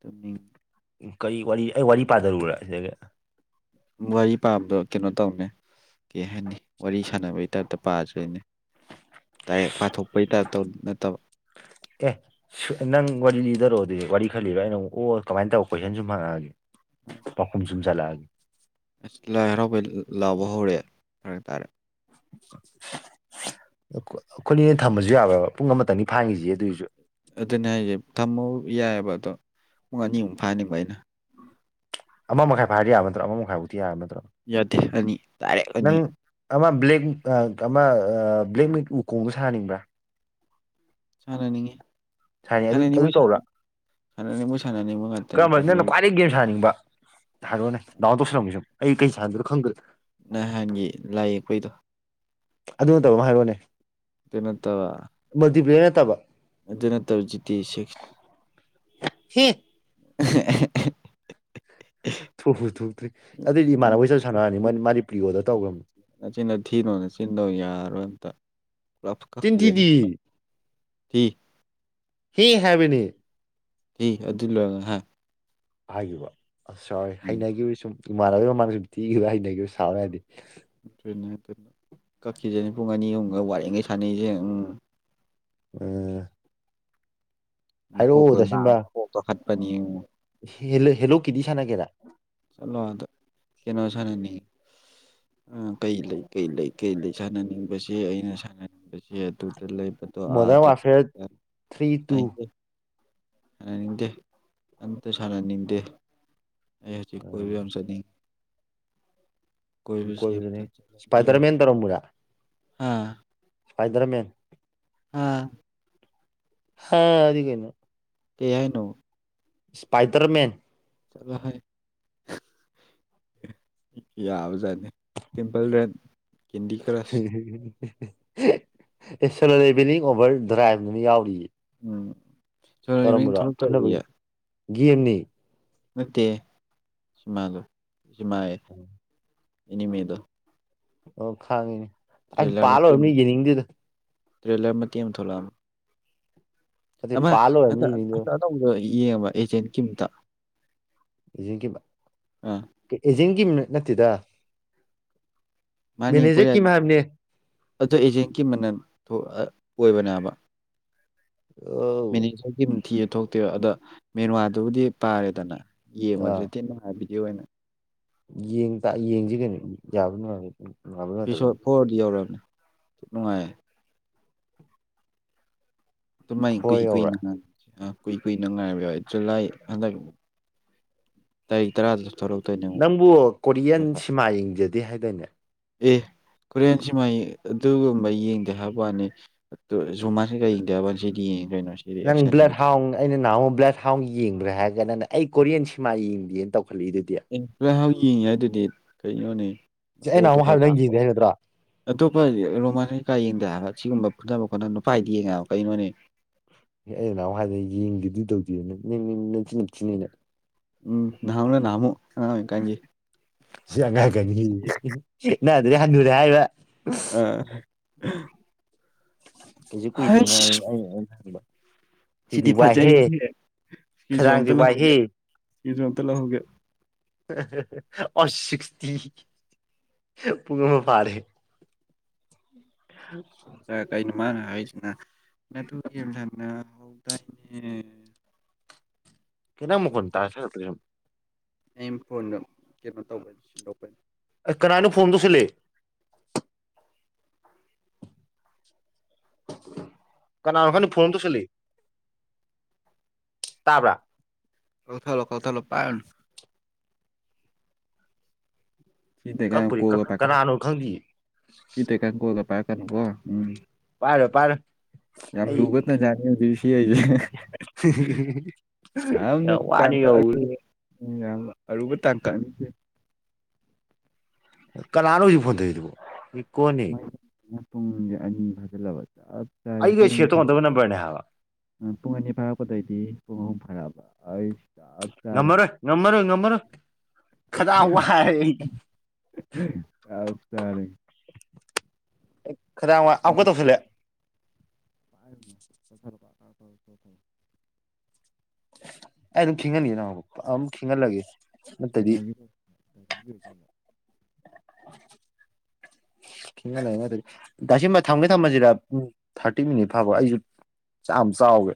ꯇꯅꯤ ꯎ ꯀꯔꯤ ꯋꯥꯔꯤ ꯑꯩ ꯋꯥꯔꯤ ꯄꯥꯖꯔꯨꯔ ꯁꯤꯗꯒ ꯋꯥꯔꯤ ꯄꯥꯕꯗꯣ ꯀꯩꯅꯣ ꯇꯧꯅꯦ ꯀꯩ ꯍꯥꯏꯅꯤ ꯋꯥꯔꯤ ꯁꯥꯟꯅꯕꯒꯤ ꯇꯥꯏꯞꯇ ꯄꯥꯗꯣꯏꯅꯦ ꯇ ꯄꯥꯊꯣꯛꯄꯩꯇ ꯅꯠꯇꯕ ꯑꯦ ꯅꯪ ꯋꯥꯔꯤ ꯂꯤꯗꯔꯣꯑꯣꯗꯤ ꯋꯥꯔꯤ ꯈꯔ ꯂꯤꯔꯣ ꯑꯩꯅ ꯅ ꯑꯣ ꯀꯃꯥꯏꯅ ꯇꯧꯕ ꯀꯣꯏꯁꯟ ꯁꯨꯝ ꯍꯪꯉꯛꯑꯒꯦ ꯄꯈꯨꯝ ꯆꯨꯝ ꯆꯂꯒ ꯍꯥꯏꯔꯇꯥꯥꯔꯦ ꯑꯩꯈꯣꯏꯅꯤꯅ ꯊꯝꯕꯁꯨ ꯌꯥꯔꯣꯏꯕ ꯄꯨꯡ ꯑꯃꯇꯪꯅꯤ ꯐꯥꯡꯉꯁꯤꯦ ꯑꯗꯨꯏꯁꯨ ꯑꯗꯨꯅꯦ ꯍꯥꯏꯁꯦ ꯊꯝꯃꯣ ꯌꯥꯏꯑꯕ ꯑꯗꯣ ꯄꯨꯡ ꯑꯅꯤꯃꯨꯛ ꯐꯥꯅꯤꯕ ꯑꯩꯅ ꯑꯃ ꯃꯈꯥꯏ ꯐꯥꯏꯔꯗꯤ ꯌꯥꯕ ꯅꯠꯇ꯭ꯔꯥ ꯑꯃ ꯃꯈꯥꯏ ꯎꯇꯤ ꯌꯥꯕ ꯅ꯭ꯔꯥ ꯌꯥꯗꯦ ꯑꯅꯤ ꯗꯥꯏꯔꯦꯛ ꯑꯅꯤ ꯅꯪ ꯑ ꯕ꯭ꯂꯦꯛꯦꯛ ꯑꯃ ꯕ꯭ꯂꯦꯛ ꯃꯤꯛ ꯎꯀꯣꯡꯕ ꯁꯥꯅꯤꯡꯕ꯭ꯔꯥ ꯁꯅꯤ ꯁꯥꯟꯅꯩ ꯑꯗꯨ ꯁꯅꯤ ꯑꯗꯨ ꯃꯁ ꯇꯧꯔꯥ ꯁ ꯃꯁꯅꯤ ꯀꯔꯝꯕ ꯅꯪꯅ ꯈ꯭ꯋꯥꯏꯗꯒꯤ ꯒꯦꯝ ꯁꯥꯅꯤꯡꯕ ꯍꯥꯏꯔꯣꯑꯣꯅꯦ ꯗꯥꯎꯟ ꯇꯧꯁꯜꯂꯝꯒꯦ ꯁꯨꯝ ꯑꯩ ꯀꯩ ꯁꯥꯟꯅ꯭ꯔꯣ ꯈꯪꯗ꯭ꯔꯦ ꯅꯍꯥꯟꯒꯤ ꯂꯥꯏ ꯌꯦꯛꯄꯩꯗꯣ ꯑꯗꯨ ꯅꯠꯇꯕ ꯑꯃ ꯍꯥꯏꯕꯣꯅꯦ ꯄꯅꯠꯇꯕ ꯅꯠꯇꯕ ꯑꯗꯨ ꯅꯠꯇꯕ ꯖꯤꯇꯤ ꯁꯤꯛꯁ ꯍ [inaudible] ꯊꯣꯛꯎ ꯊꯣꯛꯇ꯭ꯔꯤ ꯑꯗꯨꯑꯣꯏꯗꯤ ꯏꯃꯥꯟꯅꯕꯣꯏ ꯆꯠ ꯁꯥꯟꯅꯔꯅꯤ ꯃ ꯃꯥꯗꯤ ꯄ꯭ꯔꯤꯌꯣꯗ ꯇꯧꯈ꯭ꯔꯕꯅꯤ ꯅꯆꯤꯟꯗ ꯊꯤꯅꯣ ꯅꯆꯤꯟꯗꯣ ꯌꯥꯔꯣꯏ ꯑꯝꯇ ꯀ ꯇ꯭ꯋꯦꯟꯇꯤꯗꯤ ꯌꯥꯅꯤ ꯊ ꯍꯤ ꯍꯥꯏꯦꯕꯅꯤ ꯍ ꯑꯗꯨ ꯍꯥꯏꯈꯤꯕ ꯑꯁ ꯁꯥꯎꯋꯦ ꯎꯝ ꯍꯩꯅꯈꯤꯕ ꯁꯨꯝ ꯏꯃꯥꯟꯅꯕꯩ ꯃꯃꯥꯡꯗ ꯁꯨꯝ ꯊꯤꯈꯤꯕ ꯍꯩꯅꯈꯤꯕ ꯁꯥꯎꯔꯦ ꯍꯥꯏꯗꯤ ꯭ꯔꯦ ꯀꯛꯈꯤꯁꯦ ꯄꯨꯡ ꯑꯅꯤ ꯑꯍꯨꯝꯒ ꯋꯥꯔꯤꯉꯩ ꯁꯥꯟꯅꯩꯁꯦ ꯎꯝ ꯎꯝ ꯀꯣ ꯀ ꯐꯠꯄꯅꯤ ꯍꯦꯜꯂꯣ ꯍꯦꯜꯂꯣ ꯀꯗꯤ ꯁꯅꯒꯦꯔꯥ ꯆꯂꯣ ꯑꯗ ꯀꯩꯅꯣꯁꯅꯅꯤ ꯀꯩ ꯂꯩ ꯀꯩ ꯂꯩ ꯀꯩ ꯂꯩ ꯁꯥꯟꯅꯅꯤꯡꯕꯁꯦ ꯑꯩꯅ ꯁꯥꯟꯅꯅꯤꯡꯕꯁꯦ ꯑꯗꯨ ꯂ ꯃꯣꯗꯔꯟ ꯄꯠꯇ ꯋꯥꯔꯐꯤꯌꯔ ꯊ꯭ꯔꯤ ꯇꯨ ꯅꯤꯡꯗꯦ ꯑꯇ ꯁꯅꯅꯤꯡꯗꯦ ꯑꯩ ꯍꯧꯖꯤꯛ ꯀꯣꯏꯕ ꯌꯥꯝ ꯆꯠꯅꯤꯡꯉꯤ ꯀꯣꯏꯕꯁꯦ ꯑꯝꯇ ꯀꯣꯏꯕꯗꯨꯅꯦ ꯏꯁꯄꯥꯏꯗꯔꯃꯦꯟ ꯇꯧꯔꯝꯃꯔꯥ ꯑꯥ ꯏꯁꯄꯥꯏꯗꯔꯃꯦꯟ ꯑꯥ ꯍꯥ ꯑꯗꯨ ꯀꯩꯅ ꯀꯌꯥꯏꯅꯣ ꯏꯁꯄꯥꯏꯇꯔ ꯃꯦꯟ ꯆꯠꯂꯣ ꯍꯥꯏ ꯌꯥꯕꯖꯥꯠꯅꯤ ꯇꯤꯝꯄꯜ ꯔꯦꯠ ꯀꯦꯟꯗꯤ ꯀ꯭ꯔꯁ ꯑꯦ ꯁꯣꯂꯣꯦꯚꯅꯤꯡ ꯑꯣꯚꯔ ꯗ꯭ꯔꯥꯏꯕꯗꯨ ꯌꯥꯎꯔꯤꯌꯦ ꯎꯝ ꯆꯂ ꯃꯤ ꯊꯂ ꯇꯔꯤ ꯒꯤꯒꯦꯝꯅꯤ ꯅꯠꯇꯦ ꯁꯤꯃꯂꯣ ꯁꯤꯃꯑꯦ ꯏꯅꯤꯃꯦꯗꯣ ꯑꯣ ꯈꯥꯡꯉꯤꯅꯦ ꯑꯁ ꯃꯇꯦꯛ ꯑꯃ ꯄꯥꯜꯂꯣꯏꯕꯅꯤ ꯌꯦꯡꯅꯤꯡꯗꯦꯗ ꯇ꯭ꯔꯦꯂꯔ ꯃꯇꯤ ꯑꯃ ꯊ ꯊꯣꯛꯣꯂꯂꯝ ꯑꯗꯩ ꯑꯃ ꯄꯥ ꯂꯣꯏꯔꯕꯅꯤ ꯍꯟꯗ ꯌꯦꯡꯅꯤꯡꯗꯦꯗ ꯍꯟꯗ ꯑꯅꯧꯕꯗꯣ ꯌꯦꯡꯉꯕ ꯑꯦꯖꯦꯟꯀꯤꯝꯇ ꯑꯦꯖꯒꯤ ꯑꯦꯖꯦꯟꯒꯤ ꯅꯠꯇꯦꯗ ꯃꯦꯅꯦꯖꯔ ꯀ ꯃꯌꯥꯝꯅꯦ ꯑ ꯑꯦꯖꯦꯟꯀꯤ ꯃꯅꯜ ꯑꯣꯏꯕꯅꯦꯕ ꯑꯧ ꯃꯤꯅꯤ ꯊꯤ ꯊꯣꯛꯇꯦꯕ ꯑꯗ ꯃꯦꯔꯋꯥꯗꯨꯕꯨꯗꯤ ꯄꯥꯔꯦꯗꯅ ꯌꯦꯡꯕꯁꯨ ꯑꯥ ꯇꯤꯟꯅꯅꯨꯡꯉꯥꯏꯕꯗꯤ ꯑꯣꯏꯅ ꯌꯦꯡꯁꯤ ꯀꯩꯅꯣ ꯌꯥꯕ ꯅꯨꯡꯉꯥꯏ ꯁꯣ ꯐꯣꯔꯗꯤ ꯌꯧꯔꯑꯔꯕꯅꯤ ꯅꯨꯡꯉꯥꯏꯌꯦ ꯑꯗꯨꯃꯥꯏ ꯐꯣꯔ ꯀꯨꯏ ꯌꯧꯔꯦ ꯀꯨꯏꯅꯥꯏ ꯀꯨꯏ ꯀꯨꯏꯅ ꯉꯥꯏꯔꯕ ꯌꯥꯎꯂꯥꯏ ꯍꯟꯗꯛ ꯇꯥꯏ ꯇꯔꯥ ꯑꯗꯨ ꯅꯪꯕꯨ ꯀꯣꯔꯤꯌꯟ ꯁꯤꯃꯥ ꯌꯦꯡꯖꯗꯦ ꯍꯥꯏꯗꯣꯏꯅꯦ ꯑꯦ ꯈꯨꯔꯤꯌꯥꯟꯁꯤꯃ ꯑꯗꯨꯒꯨꯝꯕ ꯌꯦꯡꯗꯦ ꯍꯥꯏꯕ ꯋꯥꯅꯤ ꯖꯨꯃꯥꯟꯁꯤꯒ ꯌꯦꯡꯗꯦ ꯍꯥꯏꯕ ꯋꯥꯅꯤ ꯁꯤꯗꯤ ꯌꯦꯡꯉꯦ ꯅꯪ ꯕ꯭ꯂꯠ ꯍꯥꯎ ꯑꯩꯅ ꯅꯍꯥꯟꯋꯥ ꯕ꯭ꯂꯠ ꯍꯥꯎ ꯌꯦꯡꯕ꯭ꯔꯦ ꯍꯥꯏꯔꯒ ꯅꯪꯅ ꯑꯩ ꯀꯣꯔꯤꯌꯥꯟ ꯁꯤꯃꯥ ꯌꯦꯡꯕꯤꯦꯅ ꯇꯧ ꯑꯦ ꯄꯨꯔ ꯍꯥꯎ ꯌꯦꯡꯉꯤ ꯍꯥꯏ ꯑꯗꯨꯗꯤ ꯀꯩꯅꯣꯅꯦ ꯁꯤ ꯑꯩ ꯇꯣ ꯅꯍꯥꯟꯃꯨꯛ ꯈꯔ ꯍꯥꯏꯕ ꯅꯪ ꯆꯄ ꯌꯦꯡꯗꯦ ꯍꯥꯏ ꯅꯠꯇ꯭ꯔꯣ ꯑꯇꯣꯞꯄ ꯔꯣꯃꯅꯤ ꯀꯥ ꯌꯦꯡꯗ ꯍꯥꯏ ꯑꯁꯤꯒꯨꯝꯕ ꯈꯣꯠꯅꯅꯕ ꯈꯣꯠꯅ ꯅꯨꯄꯥꯥꯏꯗꯤ ꯌꯦꯡꯉ ꯀꯩꯅꯣꯅꯦ ꯑꯦ ꯑꯩ ꯅꯅꯥꯎꯋꯥ ꯍꯥꯏꯗ ꯌꯦꯡꯈꯤꯗꯨ ꯇꯧꯗꯦꯅ ꯅꯁꯤꯤ ꯅꯞꯁꯤꯤꯅꯤꯅꯦ ꯎꯝ ꯅꯍꯥꯟꯃꯨꯛꯂ ꯅꯍꯥꯟꯃꯨꯛ ꯑꯉꯥꯡ ꯑꯣꯏꯔꯤꯀꯥꯟꯒꯤ ꯁꯪꯉꯀꯅꯤ ꯅꯗ꯭ꯔꯗꯤ ꯍꯟꯅꯨꯔꯦ ꯍꯥꯏꯕ ꯑ ꯀꯩꯁꯨ ꯀꯨꯏꯗ꯭ꯔꯤꯅꯣ ꯑ ꯑꯩꯅꯩꯅ ꯍꯪꯕ ꯁꯤꯗꯤ ꯐꯖꯔꯤꯦ ꯁꯤꯁꯨ ꯈꯗꯥꯡꯁꯦ ꯑꯝꯇ ꯋꯥꯏꯍꯦ ꯂꯧꯍꯧꯒꯦ ꯁꯤꯁꯨ ꯑꯝꯇ ꯂꯧꯍꯧꯒꯦ ꯑꯣꯁ ꯄ ꯄꯔꯦ [unintelligible] ꯞ ꯆꯩꯅ ꯃꯥꯅ ꯍꯥꯏꯁꯤꯅ ꯅ ꯍ ꯇꯥꯏꯅꯦ ꯀꯩꯅꯅꯥ ꯃ ꯀꯣꯟ ꯇ ꯁ ꯑꯩ ꯐꯣꯟꯗ ꯀꯩꯅꯣ ꯇꯧꯕꯅꯤ ꯁꯤꯟꯗꯣꯛꯄꯅꯤ ꯀꯅꯥꯅꯣ ꯐꯣꯟ ꯇꯧꯁꯤꯜꯂꯦ ꯀꯩꯅ ꯑꯃꯈ ꯐꯣꯔꯣꯟ ꯇꯁ ꯇꯥꯕꯥ ꯀꯧꯊꯂꯣ ꯀꯣꯊꯂꯣ ꯄꯥꯏꯅ ꯆꯤꯇꯀꯥꯏ ꯀꯛꯄꯨꯗꯤ ꯀꯒ ꯀꯛꯈ꯭ꯔꯦ ꯄꯥꯀ ꯀꯅꯥꯅꯣ ꯈꯪꯗꯤꯌꯦ ꯆꯤꯇ ꯀꯥꯏ ꯀꯒ ꯄꯥꯀꯔꯀꯣ ꯎꯝ ꯄꯥꯔ ꯄꯥꯔ ꯌꯥꯝ ꯌꯥꯝ ꯂꯨꯕꯠ ꯅ ꯆꯅꯤ ꯁꯤ ꯍꯥꯏꯁ ꯌꯥ ꯋꯥꯅꯤ ꯌꯥꯎ ꯎ ꯌꯥꯝ ꯑꯔꯨꯕ ꯇꯥꯡꯀꯛ ꯀꯅꯥꯅ ꯍꯧꯖꯤꯛ ꯐꯣꯟ ꯇꯗꯨꯕꯣ ꯀꯣꯅꯤ ꯃꯩꯅ ꯄꯨꯡꯁꯦ ꯑꯅꯤ ꯐꯥꯖꯤꯜꯂꯕ ꯆꯞ ꯆꯥꯔꯦ ꯑꯩꯒꯦ ꯄꯨꯡ ꯑꯅꯤ ꯊ ꯐꯥ ꯍꯟꯗꯕ ꯅꯝꯕꯝꯕꯔꯅ ꯍꯥꯏ ꯄꯨꯡ ꯑꯅꯤ ꯐꯥꯔꯛꯄꯗꯩꯗꯤ ꯄꯨꯡ ꯑꯍꯨꯝ ꯐꯥꯔꯛꯑꯕ ꯑꯩ ꯆꯞ ꯆꯥꯔꯦ ꯉꯝꯃꯔꯦ ꯉꯝꯃꯔ ꯉꯝꯃꯔ ꯈꯗꯥ ꯍꯋꯥ ꯍꯥꯏ ꯆꯔ ꯈꯗꯥꯡ ꯋꯥ ꯎ ꯑꯃꯨꯛꯀ ꯇꯧꯁꯜꯂꯛꯑꯦ ꯄꯥꯏꯅ ꯐ ꯊꯦꯡꯦ ꯊꯦꯡꯌꯨ ꯑꯩ ꯑꯗꯨꯝ ꯈꯤꯍꯟꯈꯤ ꯅ ꯑꯗꯨꯝ ꯈꯤꯪꯍꯜꯂꯒꯦ ꯀꯩꯅꯣ [unintelligible] ꯊꯦꯡꯅ ꯂꯩꯥꯏꯉꯦ ꯇꯁꯕ ꯊꯝꯃꯦ ꯊꯝꯕꯁꯤꯗ ꯄꯨꯡ ꯊꯥꯔꯇꯤ ꯃꯤꯅꯤꯠ ꯐꯥꯎꯕ ꯑꯩꯁꯨ ꯑꯝꯆꯥ ꯑꯥꯎꯒꯦ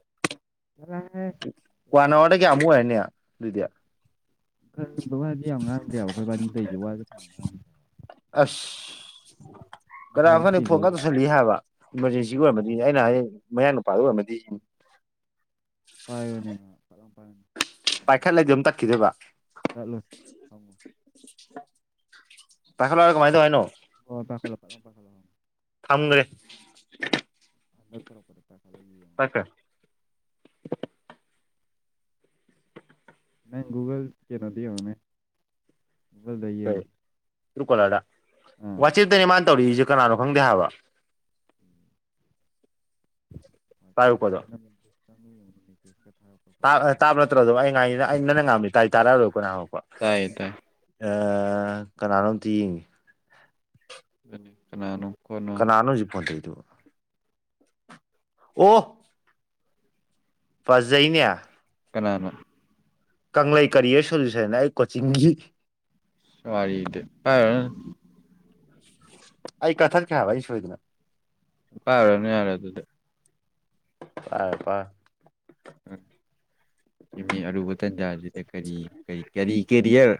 ꯆꯠꯂꯣꯍꯦ ꯆꯩ ꯂꯥꯛꯀꯅꯤ ꯀꯟꯋꯥꯔꯗ ꯀ ꯑꯃꯨ ꯍꯥꯏꯅꯦ ꯑꯗꯨꯗꯌꯥ ꯀꯔꯒꯕ ꯋꯥꯗꯤ ꯌꯥꯝ ꯉꯥꯡꯈ꯭ꯔꯦꯕ ꯑꯩꯈꯣꯏ ꯋꯥꯔꯤ ꯂꯩꯁꯦ ꯋꯥꯒꯥꯡ ꯉꯥꯡꯗ꯭ꯔꯦ ꯑꯁ ꯀꯅꯥ ꯉꯁꯥꯏꯗꯒꯤ ꯐꯅꯤ ꯐꯣꯟꯒ ꯇꯧꯔꯤꯁꯦ ꯇꯧꯁꯜꯂꯤ ꯍꯥꯏꯕ ꯏꯃꯥꯔꯖꯦꯟꯁꯤꯒꯤ ꯑꯣꯏꯔꯃꯗꯤ ꯑꯩꯅ ꯍꯥꯏꯌꯦ ꯃꯌꯥꯡ ꯅꯨꯄꯥꯒꯤ ꯑꯣꯏꯔꯝꯃꯗꯤ ꯄꯥꯏꯕꯅꯦ ꯃꯥ ꯐꯔꯝ ꯄꯥꯏꯅꯦ ꯄꯥꯏꯈꯠ ꯂꯩꯗꯤ ꯑꯃ ꯇꯛꯈꯤꯗꯦꯕ ꯇꯠꯂꯣꯏ ꯍꯪꯉꯣ ꯇꯈꯂ ꯀꯃꯥꯏꯗ ꯍꯥꯏꯅꯣ ꯑꯣ ꯄꯈꯂꯜ ꯄꯜ ꯐꯪꯈ꯭ꯔꯦ ꯅꯠꯇ꯭ꯔꯄꯔꯦ ꯇ ꯑꯆꯥ ꯅ ꯨꯒꯜ ꯀꯩꯅꯗꯤꯅꯦ ꯨꯒꯜ ꯗꯨ ꯇꯨꯀꯣꯂꯔꯗ ꯋꯥꯆꯦꯞꯇꯅꯦ ꯃꯥꯅ ꯇꯧꯔꯤꯁꯦ ꯀꯅꯥꯅꯣ ꯈꯪꯗꯦ ꯍꯥꯏꯕ ꯇꯥꯏ ꯄꯗ ꯀ ꯑꯃꯅꯤꯦ ꯇꯥꯕ ꯅꯠꯇ꯭ꯔꯣꯗ ꯑꯩ ꯑ ꯅꯪ ꯅꯪ ꯉꯥꯝꯃꯤ ꯇꯥꯔꯤ ꯇꯥꯔꯥꯗ ꯀꯅꯥꯍꯄ ꯇꯥꯏꯌꯦ ꯇꯥꯏ ꯀꯅꯥꯅꯣ ꯑꯝꯇ ꯌꯦꯡꯉꯤ ꯑꯗꯨꯅꯤ ꯀꯅꯥꯨ ꯀꯅꯥꯅꯣ ꯍꯧꯖꯤꯛ ꯐꯣꯟꯊꯩꯏꯗꯨ ꯑꯣ ꯐꯖꯩꯅꯦ ꯀꯅꯥꯅ ꯀꯪꯂꯩ ꯀꯔꯤꯌ ꯁꯣꯜꯂꯤꯨꯁꯦꯅ ꯑꯩ ꯀꯣꯆꯤꯡꯒꯤ ꯁꯔꯤꯗꯤꯦ ꯄꯔ ꯑꯩ ꯀꯊꯥ ꯀꯌꯥꯕ ꯑꯩ ꯁꯣꯏꯗꯅ ꯄꯥꯔꯅꯤ ꯌꯥꯔꯦ ꯑꯗꯨꯗꯤ ꯄ ꯄ ꯑꯔꯨꯕꯇꯟꯖꯥ ꯀꯔꯤ ꯀ ꯀꯔꯤ ꯀꯦꯔꯤꯌꯔ